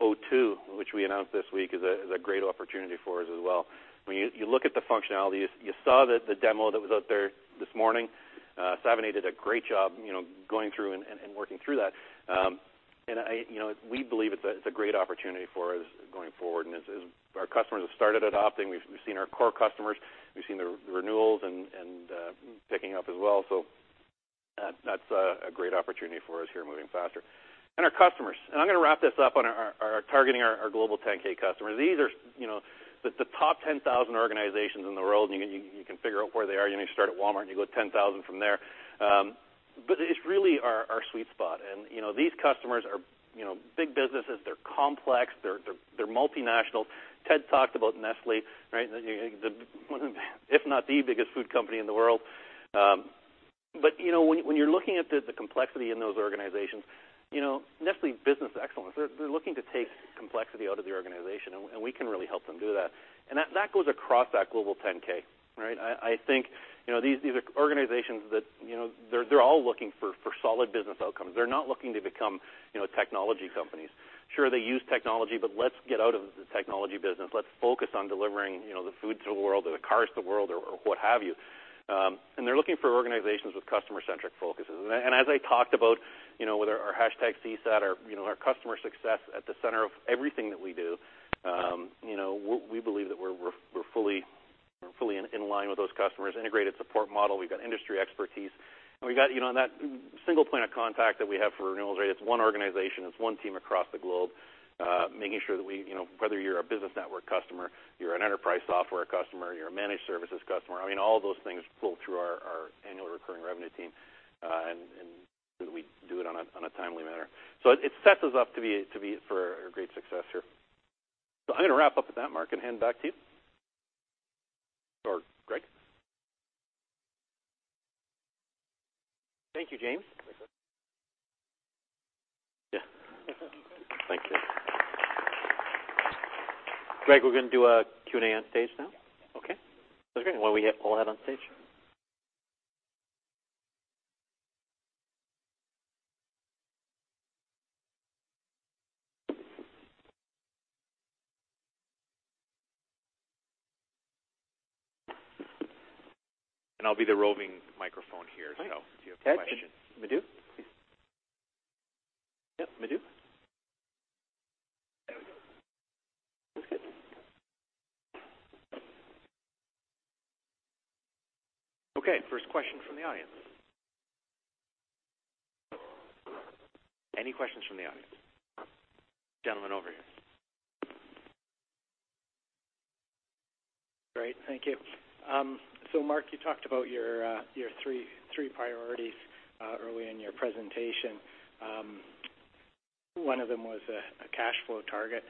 Speaker 5: OT2, which we announced this week, is a great opportunity for us as well. When you look at the functionality, you saw the demo that was out there this morning. Savneet did a great job going through and working through that. We believe it's a great opportunity for us going forward, as our customers have started adopting, we've seen our core customers, we've seen the renewals and picking up as well. That's a great opportunity for us here moving faster. Our customers. I'm going to wrap this up on our targeting our Global 10K customers. These are the top 10,000 organizations in the world, you can figure out where they are. You start at Walmart, you go 10,000 from there. It's really our sweet spot, these customers are big businesses. They're complex. They're multinational. Ted talked about Nestlé, right? If not the biggest food company in the world. When you're looking at the complexity in those organizations, Nestlé Business Excellence, they're looking to take complexity out of the organization, we can really help them do that. That goes across that Global 10K, right? I think these are organizations that they're all looking for solid business outcomes. They're not looking to become technology companies. Sure, they use technology, let's get out of the technology business. Let's focus on delivering the food to the world or the cars to the world or what have you. They're looking for organizations with customer-centric focuses. As I talked about, with our #CSAT, our customer success at the center of everything that we do, we believe that we're fully in line with those customers. Integrated support model. We've got industry expertise, and we've got that single point of contact that we have for renewals, right? It's one organization. It's one team across the globe making sure that whether you're a business network customer, you're an enterprise software customer, you're a managed services customer, all of those things pull through our annual recurring revenue team, and we do it on a timely manner. It sets us up for a great success here. I'm going to wrap up with that, Mark, and hand it back to you. Or Greg.
Speaker 2: Thank you, James.
Speaker 1: Yeah. Thank you.
Speaker 2: Greg, we're going to do a Q&A on stage now.
Speaker 1: Yeah.
Speaker 2: Great. When we hit, we'll head on stage.
Speaker 6: I'll be the roving microphone here.
Speaker 1: Great If you have a question.
Speaker 2: Ted, Madhu, please. Yep, Madhu. There we go. That's good. Okay, first question from the audience. Any questions from the audience? Gentleman over here.
Speaker 6: Great. Thank you. Mark, you talked about your three priorities early in your presentation. One of them was a cash flow target.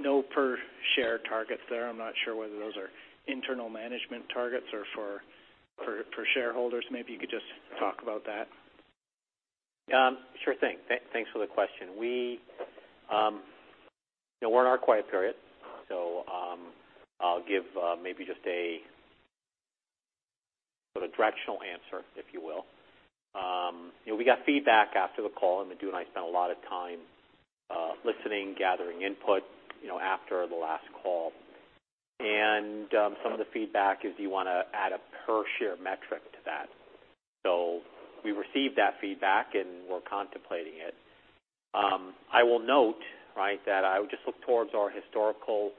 Speaker 6: No per-share targets there. I'm not sure whether those are internal management targets or for shareholders. Maybe you could just talk about that.
Speaker 2: Sure thing. Thanks for the question. We're in our quiet period, so I'll give maybe just a directional answer, if you will. We got feedback after the call, and Madhu and I spent a lot of time listening, gathering input after the last call. Some of the feedback is do you want to add a per-share metric to that? We received that feedback, and we're contemplating it. I will note that I would just look towards our historical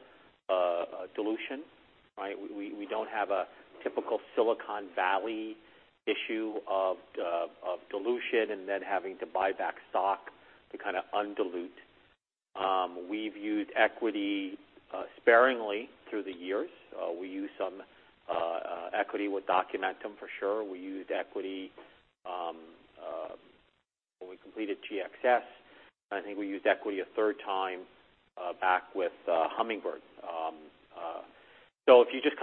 Speaker 2: dilution. We don't have a typical Silicon Valley issue of dilution and then having to buy back stock to kind of undilute. We've used equity sparingly through the years. We used some equity with Documentum, for sure. We used equity when we completed GXS. I think we used equity a third time back with Hummingbird. If you just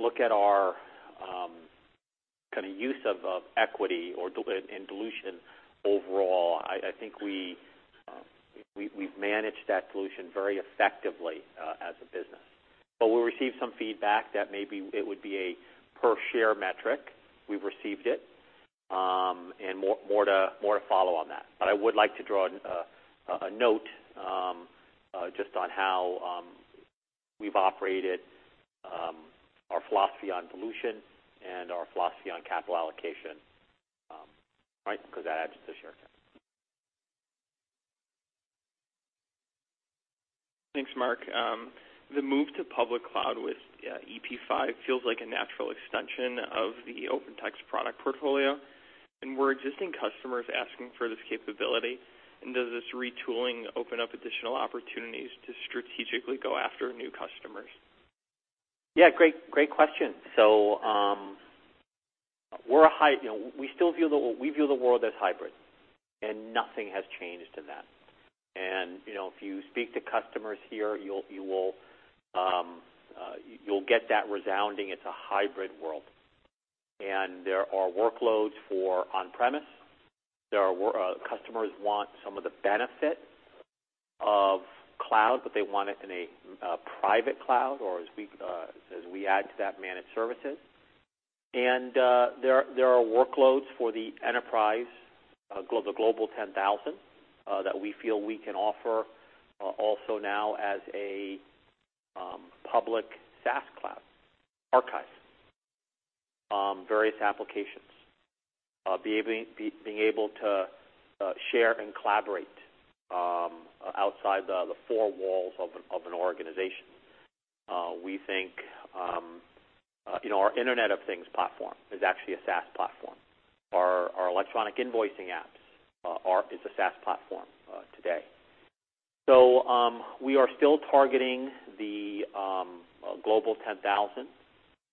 Speaker 2: look at our use of equity and dilution overall, I think we've managed that dilution very effectively as a business. We received some feedback that maybe it would be a per-share metric. We've received it, and more to follow on that. I would like to draw a note just on how we've operated our philosophy on dilution and our philosophy on capital allocation because that adds to share count.
Speaker 6: Thanks, Mark. The move to public cloud with EP5 feels like a natural extension of the Open Text product portfolio. Were existing customers asking for this capability? Does this retooling open up additional opportunities to strategically go after new customers?
Speaker 2: Yeah, great question. We view the world as hybrid, and nothing has changed in that. If you speak to customers here, you'll get that resounding it's a hybrid world. There are workloads for on-premise. Customers want some of the benefit of cloud, but they want it in a private cloud or as we add to that managed services. There are workloads for the enterprise, the Global 10,000, that we feel we can offer also now as a public SaaS cloud. Archiving various applications, being able to share and collaborate outside the four walls of an organization. We think our Internet of Things platform is actually a SaaS platform. Our electronic invoicing apps is a SaaS platform today. We are still targeting the Global 10,000,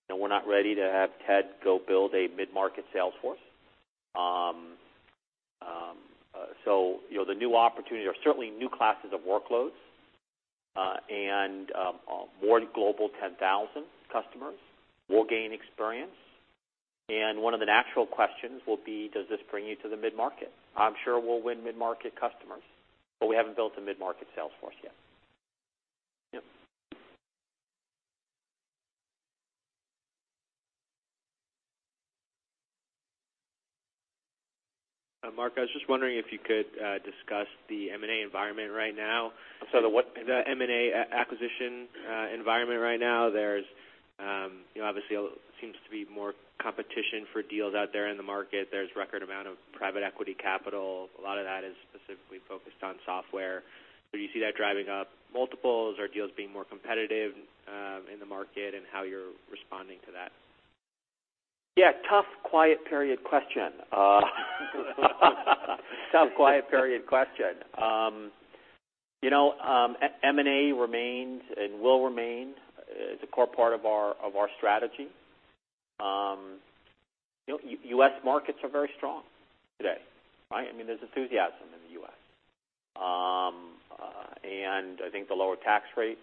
Speaker 2: and we're not ready to have Ted go build a mid-market sales force. The new opportunities are certainly new classes of workloads and more Global 10,000 customers. We'll gain experience. One of the natural questions will be, does this bring you to the mid-market? I'm sure we'll win mid-market customers, but we haven't built a mid-market sales force yet. Yep.
Speaker 6: Mark, I was just wondering if you could discuss the M&A environment right now.
Speaker 2: Sorry, the what?
Speaker 6: The M&A acquisition environment right now. There obviously seems to be more competition for deals out there in the market. There's record amount of private equity capital. A lot of that is specifically focused on software. Do you see that driving up multiples or deals being more competitive in the market, and how you're responding to that?
Speaker 2: Yeah, tough quiet period question. Tough quiet period question. M&A remains and will remain as a core part of our strategy. U.S. markets are very strong today, right? There's enthusiasm in the U.S. I think the lower tax rate,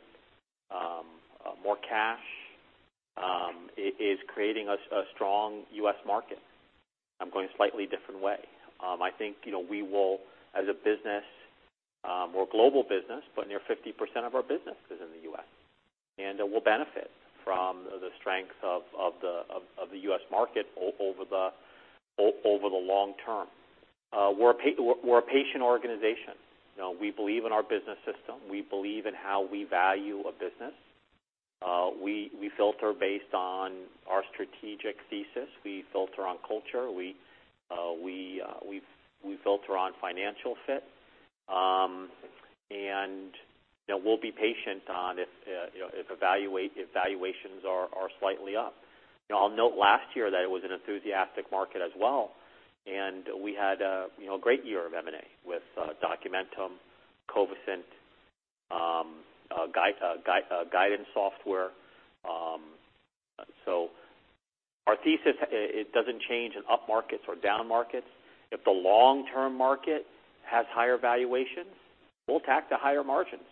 Speaker 2: more cash, is creating a strong U.S. market. I'm going a slightly different way. I think we will, as a business, we're a global business, but near 50% of our business is in the U.S. We'll benefit from the strength of the U.S. market over the long term. We're a patient organization. We believe in our business system. We believe in how we value a business. We filter based on our strategic thesis. We filter on culture. We filter on financial fit. We'll be patient if valuations are slightly up. I'll note last year that it was an enthusiastic market as well, and we had a great year of M&A with Documentum, Covisint, Guidance Software. Our thesis, it doesn't change in up markets or down markets. If the long-term market has higher valuations, we'll tack to higher margins,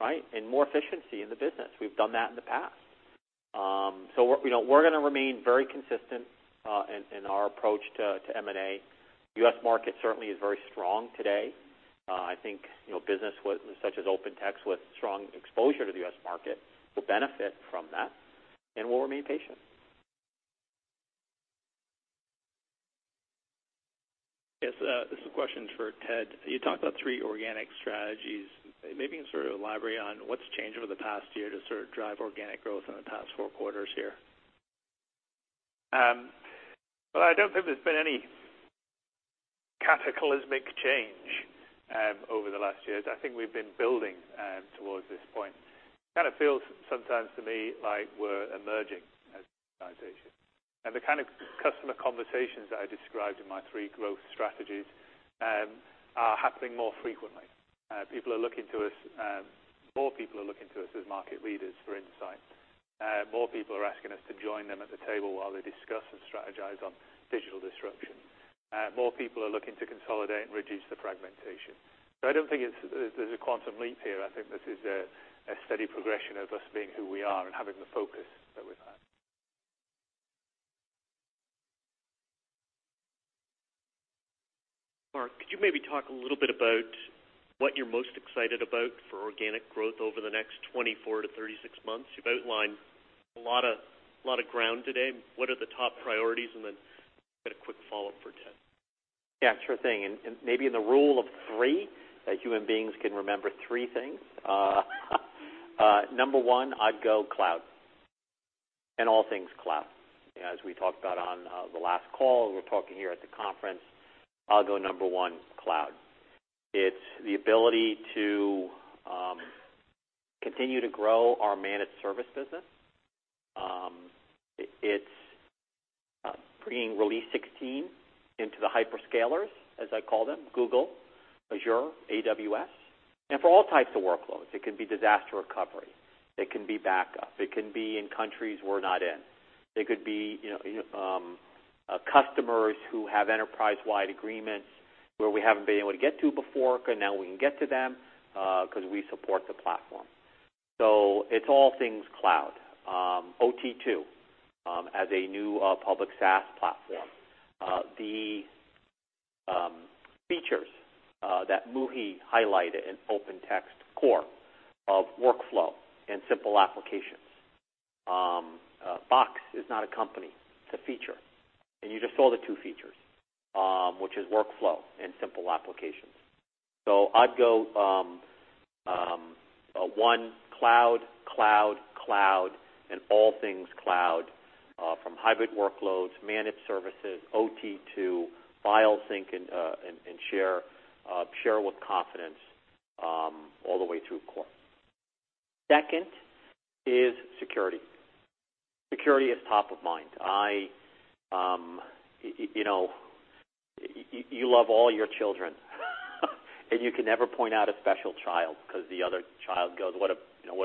Speaker 2: right? More efficiency in the business. We've done that in the past. We're going to remain very consistent in our approach to M&A. U.S. market certainly is very strong today. I think business such as OpenText with strong exposure to the U.S. market will benefit from that, and we'll remain patient.
Speaker 6: Yes. This is a question for Ted. You talked about three organic strategies. Maybe sort of elaborate on what's changed over the past year to sort of drive organic growth in the past four quarters here.
Speaker 3: Well, I don't think there's been any cataclysmic change over the last years. I think we've been building towards this point. It kind of feels sometimes to me like we're emerging as an organization. The kind of customer conversations that I described in my three growth strategies are happening more frequently. More people are looking to us as market leaders for insight. More people are asking us to join them at the table while they discuss and strategize on digital disruption. More people are looking to consolidate and reduce the fragmentation. I don't think there's a quantum leap here. I think this is a steady progression of us being who we are and having the focus that we've had.
Speaker 6: Mark, could you maybe talk a little bit about what you're most excited about for organic growth over the next 24 to 36 months? You've outlined a lot of ground today. What are the top priorities? Then I've got a quick follow-up for Ted.
Speaker 2: Yeah, sure thing. Maybe in the rule of three, that human beings can remember three things. Number 1, I'd go cloud, and all things cloud. As we talked about on the last call, and we're talking here at the conference, I'll go number 1, cloud. It's the ability to continue to grow our managed service business. It's bringing Release 16 into the hyperscalers, as I call them, Google, Azure, AWS, and for all types of workloads. It can be disaster recovery. It can be backup. It can be in countries we're not in. It could be customers who have enterprise-wide agreements where we haven't been able to get to before, and now we can get to them because we support the platform. It's all things cloud. OT2 as a new public SaaS platform. The features that Muhi highlighted in OpenText Core of workflow and simple applications. Box is not a company, it's a feature. You just saw the 2 features, which is workflow and simple applications. I'd go 1, cloud, cloud, and all things cloud, from hybrid workloads, managed services, OT2, file sync and share with confidence all the way through Core. 2 is security. Security is top of mind. You love all your children and you can never point out a special child because the other child goes, "What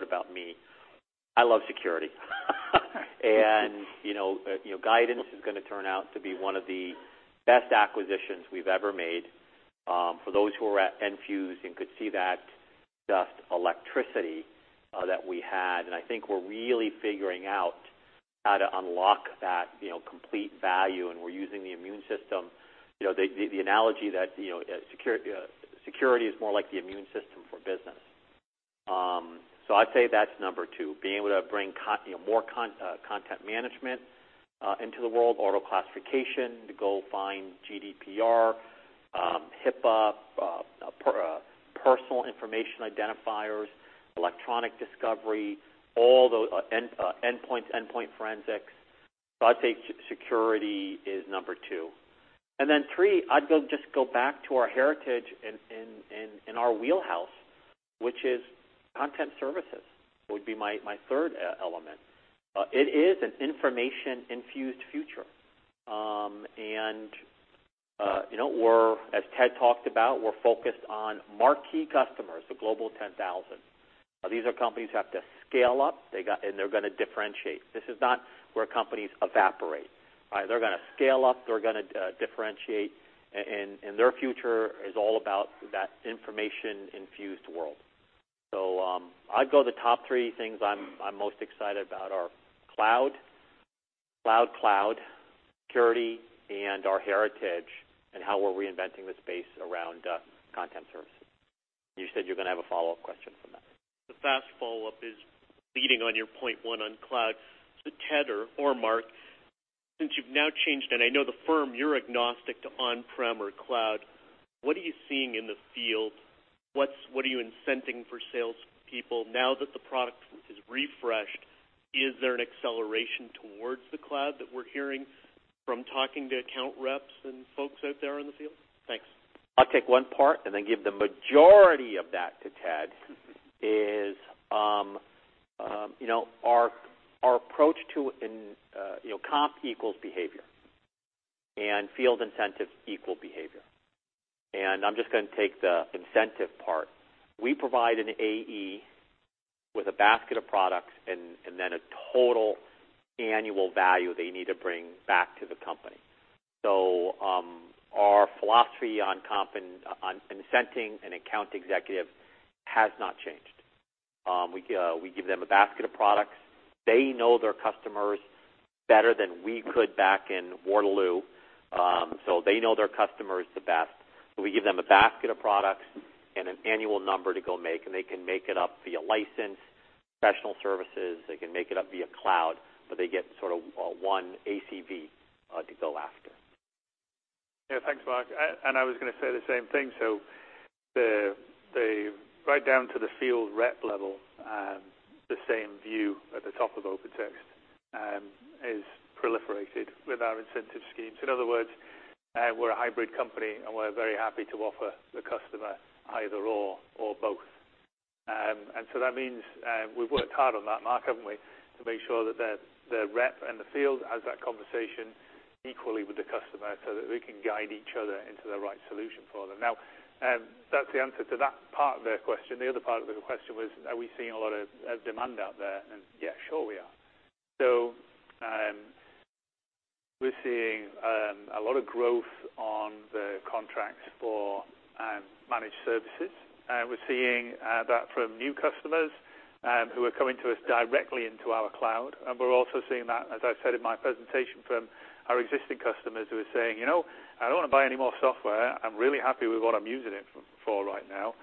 Speaker 2: about me?" I love security. Guidance is going to turn out to be one of the best acquisitions we've ever made. For those who were at Enfuse and could see that just electricity that we had, I think we're really figuring out how to unlock that complete value, and we're using the immune system. The analogy that security is more like the immune system for business. I'd say that's number 2, being able to bring more content management into the world, auto-classification, to go find GDPR, HIPAA, personal information identifiers, electronic discovery, endpoint forensics. I'd say security is number 2. Then 3, I'd just go back to our heritage and our wheelhouse, which is content services. That would be my third element. It is an information-infused future. As Ted talked about, we're focused on marquee customers, the Global 10,000. These are companies have to scale up, and they're going to differentiate. This is not where companies evaporate, right? They're going to scale up. They're going to differentiate. Their future is all about that information-infused world. I'd go the top 3 things I'm most excited about are cloud, cloud, security, and our heritage, and how we're reinventing the space around content services. You said you're going to have a follow-up question from that.
Speaker 6: The fast follow-up is leading on your point 1 on cloud. Ted or Mark, since you've now changed, and I know the firm, you're agnostic to on-prem or cloud, what are you seeing in the field? What are you incenting for salespeople now that the product is refreshed? Is there an acceleration towards the cloud that we're hearing from talking to account reps and folks out there in the field? Thanks.
Speaker 2: I'll take one part and then give the majority of that to Ted. Comp equals behavior, and field incentives equal behavior. I'm just going to take the incentive part. We provide an AE with a basket of products and then a total annual value they need to bring back to the company. Our philosophy on comp and on incenting an account executive has not changed. We give them a basket of products. They know their customers better than we could back in Waterloo. They know their customers the best. We give them a basket of products and an annual number to go make, and they can make it up via license, professional services. They can make it up via cloud, but they get sort of one ACV to go after.
Speaker 3: Yeah. Thanks, Mark. I was going to say the same thing. Right down to the field rep level, the same view at the top of OpenText is proliferated with our incentive schemes. In other words, we're a hybrid company, and we're very happy to offer the customer either/or both. That means we've worked hard on that, Mark, haven't we? To make sure that the rep in the field has that conversation equally with the customer so that we can guide each other into the right solution for them. That's the answer to that part of the question. The other part of the question was, are we seeing a lot of demand out there? Yeah, sure we are. We're seeing a lot of growth on the contracts for managed services. We're seeing that from new customers who are coming to us directly into our cloud. We're also seeing that, as I said in my presentation, from our existing customers who are saying, "I don't want to buy any more software. I'm really happy with what I'm using it for right now.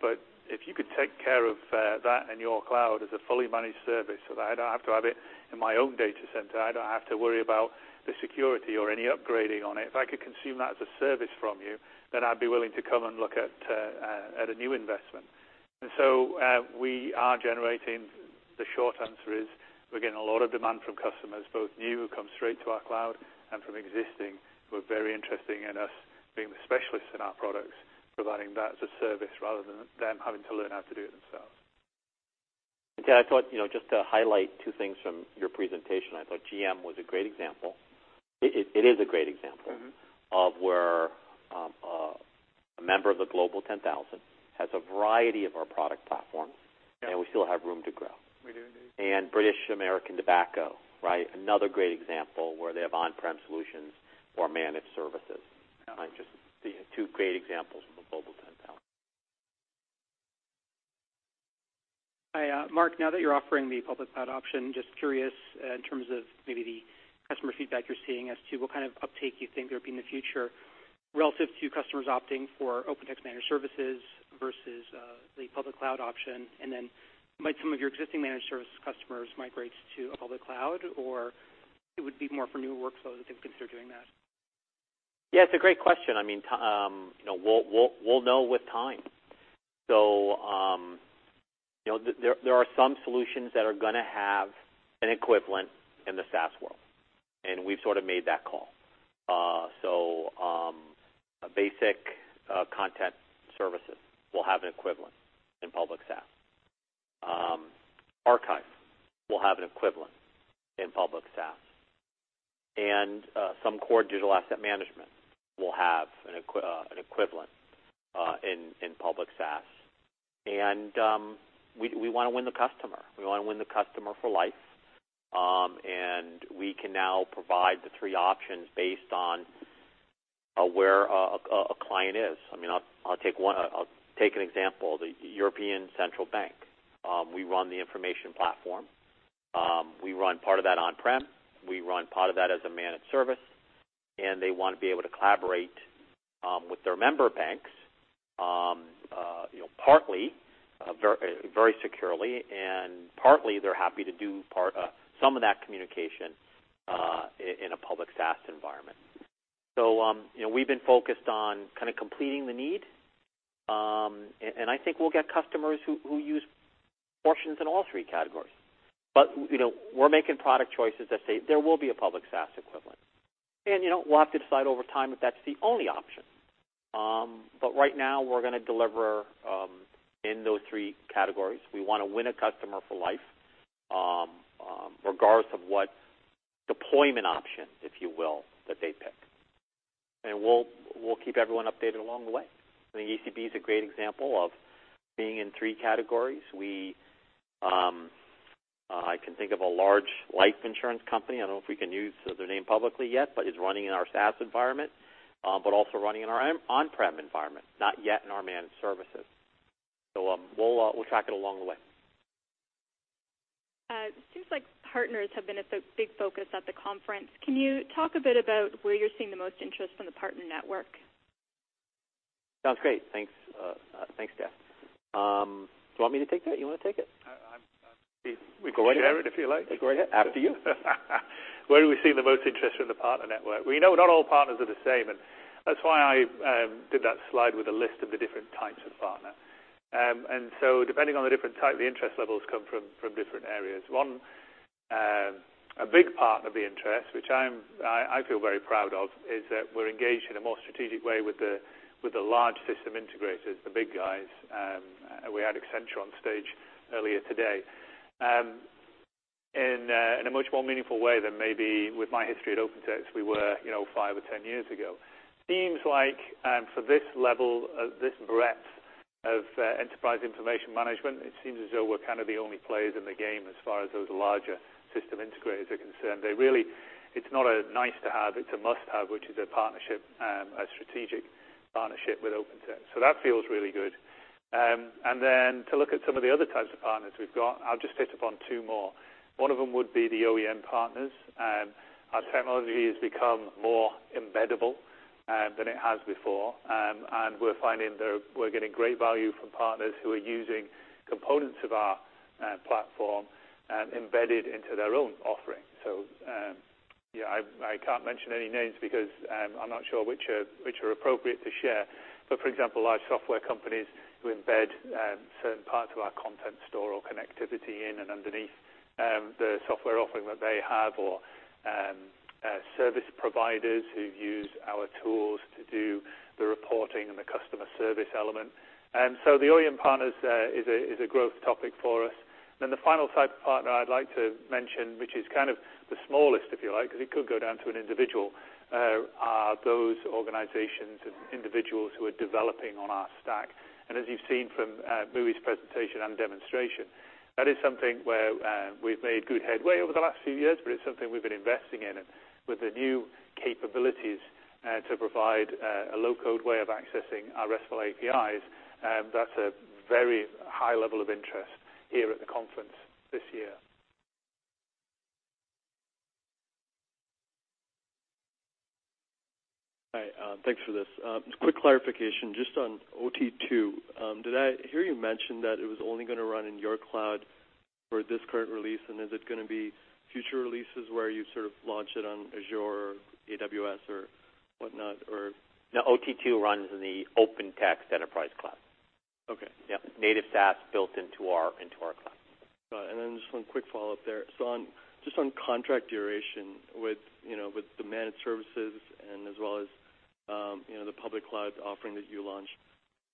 Speaker 3: But if you could take care of that in your cloud as a fully managed service so that I don't have to have it in my own data center, I don't have to worry about the security or any upgrading on it. If I could consume that as a service from you, then I'd be willing to come and look at a new investment." The short answer is we're getting a lot of demand from customers, both new who come straight to our cloud, and from existing who are very interested in us being the specialists in our products, providing that as a service rather than them having to learn how to do it themselves.
Speaker 2: Ted, I thought just to highlight two things from your presentation. I thought GM was a great example. It is a great example. of where a member of the Global 10,000 has a variety of our product platforms, and we still have room to grow.
Speaker 3: We do indeed.
Speaker 2: British American Tobacco, right? Another great example where they have on-prem solutions or managed services.
Speaker 3: Yeah.
Speaker 2: Just two great examples from the G10K.
Speaker 6: Hi, Mark. Now that you're offering the public cloud option, just curious in terms of maybe the customer feedback you're seeing as to what kind of uptake you think there'd be in the future relative to customers opting for Open Text managed services versus the public cloud option. Might some of your existing managed services customers migrate to a public cloud, or it would be more for new workflows if they consider doing that?
Speaker 2: Yeah, it's a great question. We'll know with time. There are some solutions that are going to have an equivalent in the SaaS world, and we've sort of made that call. Basic content services will have an equivalent in public SaaS. Archive will have an equivalent in public SaaS. Some core digital asset management will have an equivalent in public SaaS. We want to win the customer. We want to win the customer for life. We can now provide the three options based on where a client is. I'll take an example. The European Central Bank. We run the information platform. We run part of that on-prem. We run part of that as a managed service, they want to be able to collaborate with their member banks, partly, very securely and partly they're happy to do some of that communication in a public SaaS environment. We've been focused on kind of completing the need. I think we'll get customers who use portions in all three categories. We're making product choices that say there will be a public SaaS equivalent. We'll have to decide over time if that's the only option. Right now, we're going to deliver in those three categories. We want to win a customer for life. Regardless of what deployment option, if you will, that they pick. We'll keep everyone updated along the way. I think ECB is a great example of being in three categories. I can think of a large life insurance company, I don't know if we can use their name publicly yet, but is running in our SaaS environment, but also running in our on-prem environment, not yet in our managed services. We'll track it along the way.
Speaker 6: It seems like partners have been a big focus at the conference. Can you talk a bit about where you're seeing the most interest from the partner network?
Speaker 2: Sounds great. Thanks. Thanks, Jess. Do you want me to take that? You want to take it?
Speaker 3: I'm happy. We can share it, if you like.
Speaker 2: Go right ahead. After you.
Speaker 3: Where are we seeing the most interest from the partner network? We know not all partners are the same, and that's why I did that slide with a list of the different types of partner. Depending on the different type, the interest levels come from different areas. One, a big part of the interest, which I feel very proud of, is that we're engaged in a more strategic way with the large system integrators, the big guys. We had Accenture on stage earlier today. In a much more meaningful way than maybe with my history at OpenText we were five or 10 years ago. Seems like for this level, this breadth of Enterprise Information Management, it seems as though we're kind of the only players in the game as far as those larger system integrators are concerned. It's not a nice-to-have, it's a must-have, which is a strategic partnership with OpenText. That feels really good. Then to look at some of the other types of partners we've got, I'll just hit upon two more. One of them would be the OEM partners. Our technology has become more embeddable than it has before. We're finding that we're getting great value from partners who are using components of our platform embedded into their own offering. I can't mention any names because I'm not sure which are appropriate to share. For example, large software companies who embed certain parts of our content store or connectivity in and underneath the software offering that they have, or service providers who use our tools to do the reporting and the customer service element. The OEM partners is a growth topic for us. The final type of partner I'd like to mention, which is kind of the smallest, if you like, because it could go down to an individual, are those organizations and individuals who are developing on our stack. As you've seen from Muhi's presentation and demonstration, that is something where we've made good headway over the last few years, but it's something we've been investing in. With the new capabilities to provide a low-code way of accessing our RESTful APIs, that's a very high level of interest here at the conference this year.
Speaker 6: Hi. Thanks for this. Quick clarification, just on OT2. Did I hear you mention that it was only going to run in your cloud for this current release? Is it going to be future releases where you sort of launch it on Azure or AWS or whatnot or-
Speaker 2: OT2 runs in the OpenText Enterprise Cloud.
Speaker 6: Okay.
Speaker 2: Native SaaS built into our cloud.
Speaker 6: Got it. Just one quick follow-up there. Just on contract duration with the managed services and as well as the public cloud offering that you launched,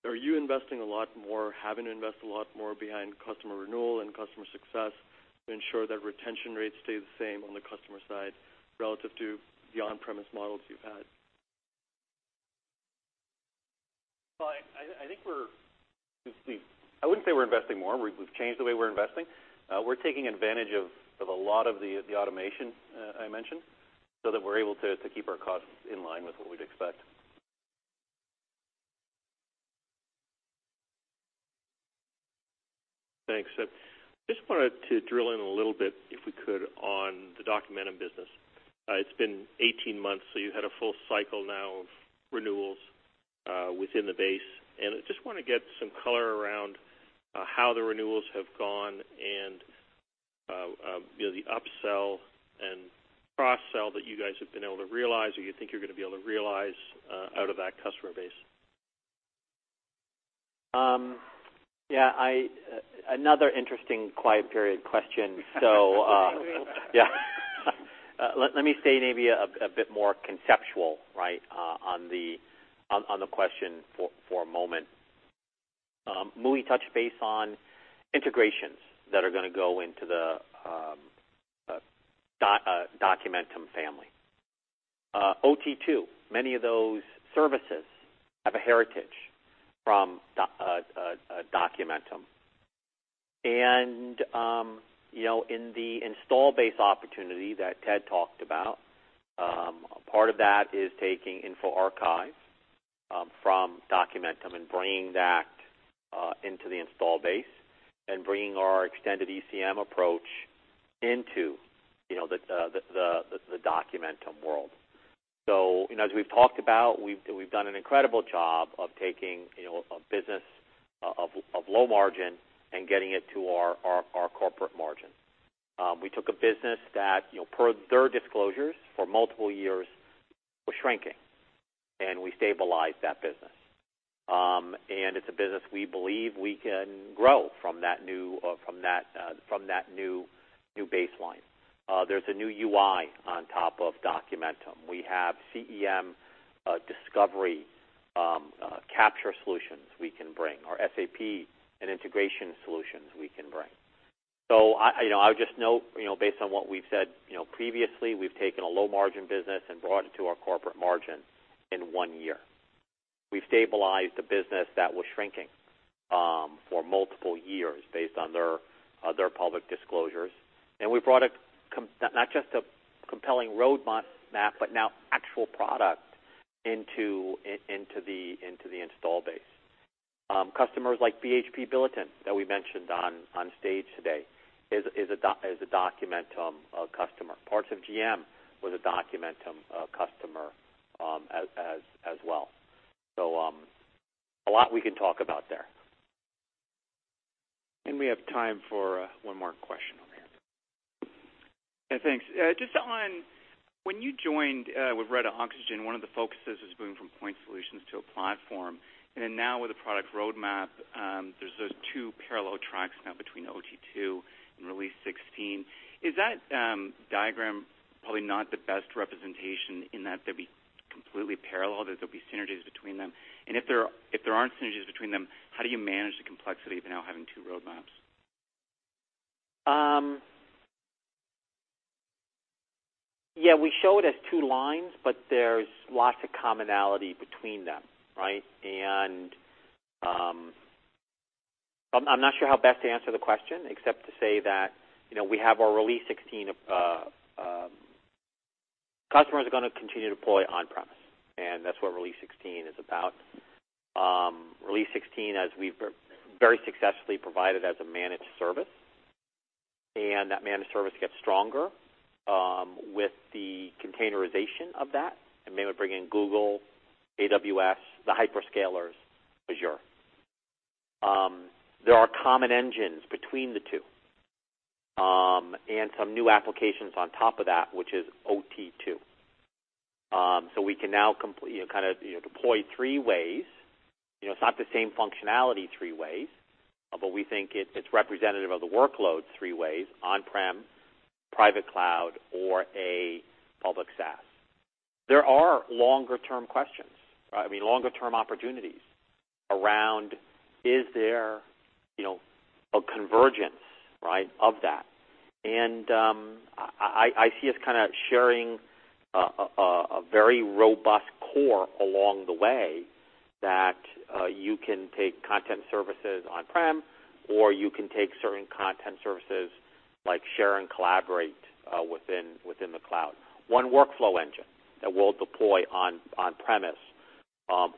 Speaker 6: are you investing a lot more, or having to invest a lot more behind customer renewal and customer success to ensure that retention rates stay the same on the customer side relative to the on-premise models you've had?
Speaker 2: Well, I wouldn't say we're investing more. We've changed the way we're investing. We're taking advantage of a lot of the automation I mentioned so that we're able to keep our costs in line with what we'd expect.
Speaker 6: Thanks. Just wanted to drill in a little bit, if we could, on the Documentum business. It's been 18 months, so you've had a full cycle now of renewals within the base. I just want to get some color around how the renewals have gone and the upsell and cross-sell that you guys have been able to realize or you think you're going to be able to realize out of that customer base.
Speaker 2: Yeah. Another interesting quiet period question.
Speaker 6: I agree.
Speaker 2: Yeah. Let me stay maybe a bit more conceptual, right, on the question for a moment. Muhi touched base on integrations that are going to go into the Documentum family. OT2, many of those services have a heritage from Documentum. In the install base opportunity that Ted talked about, part of that is taking InfoArchive from Documentum and bringing that into the install base and bringing our Extended ECM approach into the Documentum world. As we've talked about, we've done an incredible job of taking a business of low margin and getting it to our corporate margin. We took a business that, per their disclosures, for multiple years, was shrinking, and we stabilized that business. It's a business we believe we can grow from that new baseline. There's a new UI on top of Documentum. We have CEM Discovery-Capture solutions we can bring, or SAP and integration solutions we can bring. I would just note, based on what we've said previously, we've taken a low-margin business and brought it to our corporate margin in one year. We've stabilized the business that was shrinking for multiple years based on their public disclosures. We've brought not just a compelling roadmap, but now actual product into the install base. Customers like BHP Billiton, that we mentioned on stage today, is a Documentum customer. Parts of GM was a Documentum customer as well. A lot we can talk about there.
Speaker 1: We have time for one more question on the end.
Speaker 6: Yeah, thanks. Just on when you joined with Red Oxygen, one of the focuses was moving from point solutions to a platform. Now with the product roadmap, there's those two parallel tracks now between OT2 and Release 16. Is that diagram probably not the best representation in that they'll be completely parallel, that there'll be synergies between them? If there aren't synergies between them, how do you manage the complexity of now having two roadmaps?
Speaker 2: Yeah, we show it as two lines, but there's lots of commonality between them, right? I'm not sure how best to answer the question except to say that we have our Release 16. Customers are going to continue to deploy on-premise, and that's what Release 16 is about. Release 16, as we've very successfully provided as a managed service, and that managed service gets stronger with the containerization of that. Maybe we bring in Google, AWS, the hyperscalers, Azure. There are common engines between the two, and some new applications on top of that, which is OT2. We can now kind of deploy three ways. It's not the same functionality three ways, but we think it's representative of the workload three ways: on-prem, private cloud, or a public SaaS. There are longer-term questions, I mean, longer-term opportunities around is there a convergence of that. I see us kind of sharing a very robust core along the way that you can take content services on-prem, or you can take certain content services like share and collaborate within the cloud. One workflow engine that we'll deploy on-premise,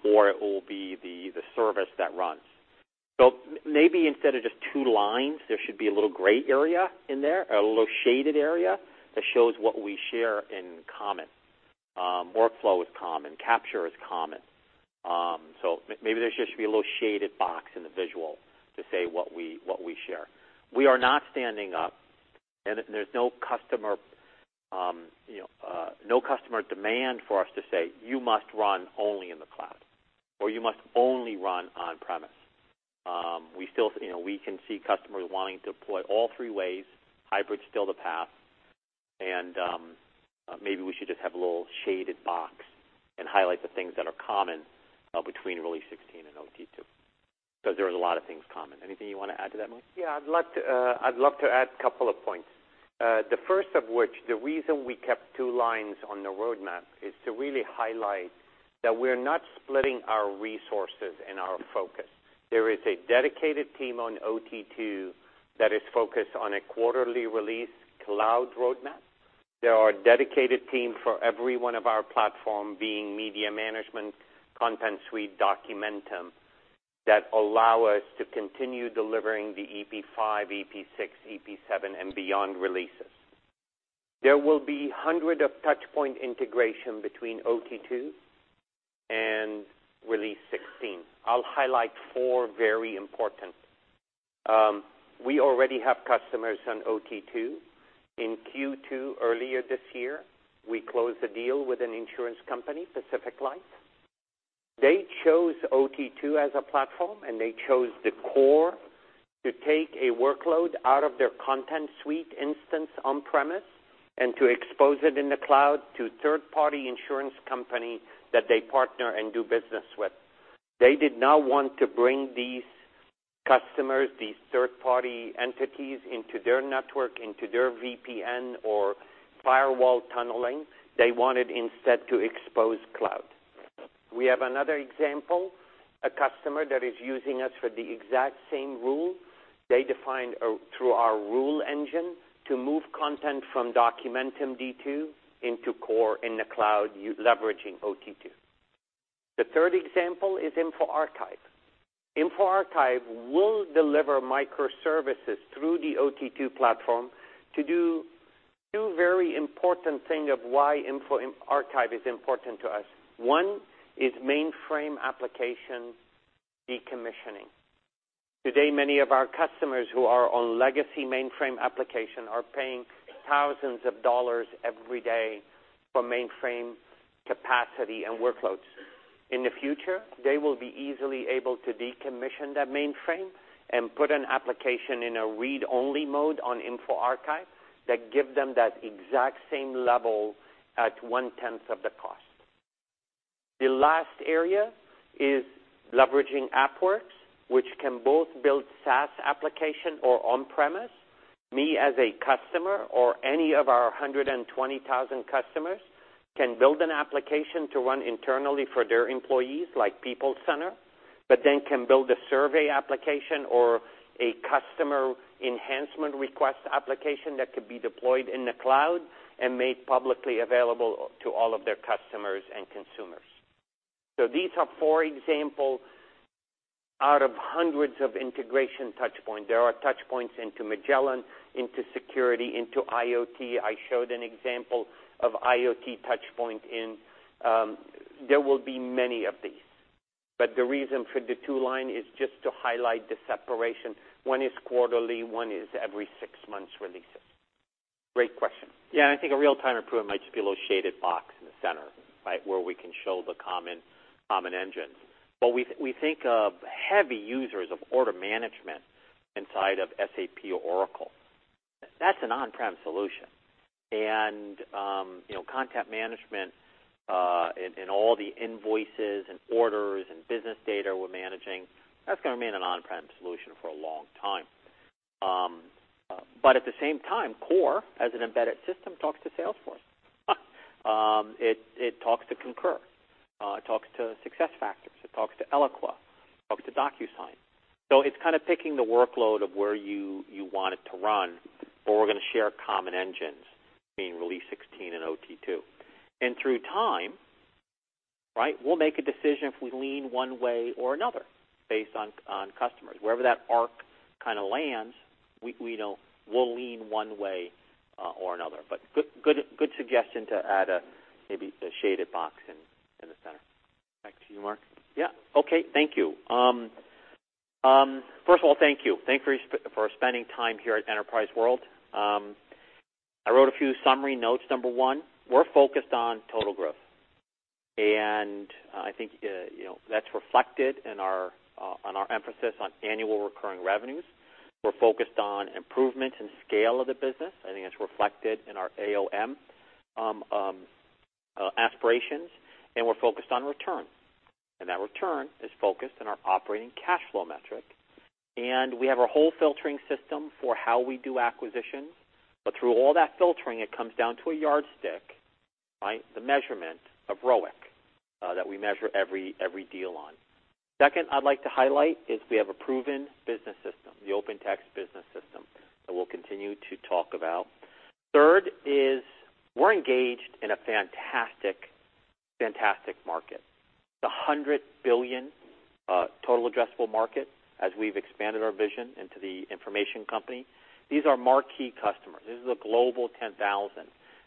Speaker 2: or it will be the service that runs. Maybe instead of just two lines, there should be a little gray area in there, a little shaded area that shows what we share in common. Workflow is common, capture is common. Maybe there just should be a little shaded box in the visual to say what we share. We are not standing up, and there's no customer demand for us to say, "You must run only in the cloud," or, "You must only run on-premise." We can see customers wanting to deploy all three ways. Hybrid's still the path. Maybe we should just have a little shaded box and highlight the things that are common between Release 16 and OT2. Because there is a lot of things common. Anything you want to add to that, Mo?
Speaker 4: Yeah, I'd love to add a couple of points. The first of which, the reason we kept two lines on the roadmap is to really highlight that we're not splitting our resources and our focus. There is a dedicated team on OT2 that is focused on a quarterly release cloud roadmap. There are dedicated team for every one of our platform, being Media Management, Content Suite, Documentum, that allow us to continue delivering the EP5, EP6, EP7, and beyond releases. There will be hundred of touch point integration between OT2 and Release 16. I'll highlight four very important. We already have customers on OT2. In Q2 earlier this year, we closed a deal with an insurance company, Pacific Life. They chose OT2 as a platform. They chose the Core to take a workload out of their Content Suite instance on-premise and to expose it in the cloud to third-party insurance company that they partner and do business with. They did not want to bring these customers, these third-party entities, into their network, into their VPN or firewall tunneling. They wanted instead to expose cloud. We have another example, a customer that is using us for the exact same rule. They defined through our rule engine to move content from Documentum D2 into Core in the cloud, leveraging OT2. The third example is InfoArchive. InfoArchive will deliver microservices through the OT2 platform to do two very important things of why InfoArchive is important to us. One is mainframe application decommissioning. Today, many of our customers who are on legacy mainframe application are paying thousands of dollars every day for mainframe capacity and workloads. In the future, they will be easily able to decommission that mainframe and put an application in a read-only mode on InfoArchive that give them that exact same level at one tenth of the cost.
Speaker 2: The last area is leveraging AppWorks, which can both build SaaS application or on-premise. Me as a customer, or any of our 120,000 customers, can build an application to run internally for their employees, like people center, but then can build a survey application or a customer enhancement request application that could be deployed in the cloud and made publicly available to all of their customers and consumers. These are four examples out of hundreds of integration touchpoints. There are touchpoints into Magellan, into security, into IoT. I showed an example of IoT touchpoint. There will be many of these. The reason for the two lines is just to highlight the separation. One is quarterly, one is every six months releases. Great question. I think a real-time improvement might just be a little shaded box in the center, right, where we can show the common engines. We think of heavy users of order management inside of SAP Oracle. That's an on-prem solution. Content management, and all the invoices and orders and business data we're managing, that's going to remain an on-prem solution for a long time. At the same time, Core, as an embedded system, talks to Salesforce. It talks to Concur. It talks to SuccessFactors. It talks to Eloqua. It talks to DocuSign. It's kind of picking the workload of where you want it to run, but we're going to share common engines between Release 16 and OT2. Through time, right, we'll make a decision if we lean one way or another based on customers. Wherever that arc kind of lands, we know we'll lean one way or another. Good suggestion to add maybe a shaded box in the center.
Speaker 1: Back to you, Mark.
Speaker 2: Yeah. Okay. Thank you. First of all, thank you. Thank you for spending time here at OpenText World. I wrote a few summary notes. Number one, we're focused on total growth. I think that's reflected on our emphasis on annual recurring revenues. We're focused on improvement and scale of the business. I think that's reflected in our AOM aspirations. We're focused on return. That return is focused in our operating cash flow metric. We have our whole filtering system for how we do acquisitions. Through all that filtering, it comes down to a yardstick, right? The measurement of ROIC, that we measure every deal on. Second, I'd like to highlight is we have a proven business system, the OpenText business system, that we'll continue to talk about. Third is we're engaged in a fantastic market. It's a $100 billion total addressable market as we've expanded our vision into the information company. These are marquee customers. This is a global 10,000.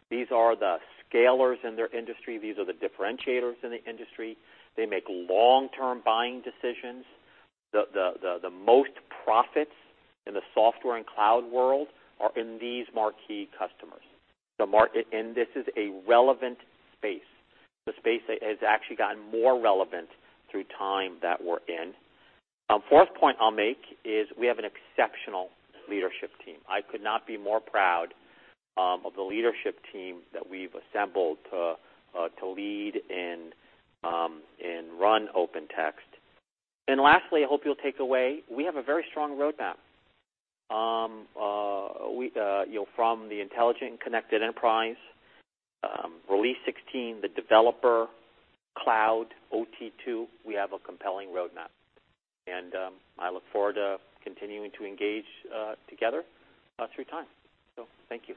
Speaker 2: These are the scalers in their industry. These are the differentiators in the industry. They make long-term buying decisions. The most profits in the software and cloud world are in these marquee customers. This is a relevant space. The space has actually gotten more relevant through time that we're in. Fourth point I'll make is we have an exceptional leadership team. I could not be more proud of the leadership team that we've assembled to lead and run OpenText. Lastly, I hope you'll take away, we have a very strong roadmap. From the intelligent connected enterprise, Release 16, the developer cloud, OT2, we have a compelling roadmap. I look forward to continuing to engage together through time. Thank you.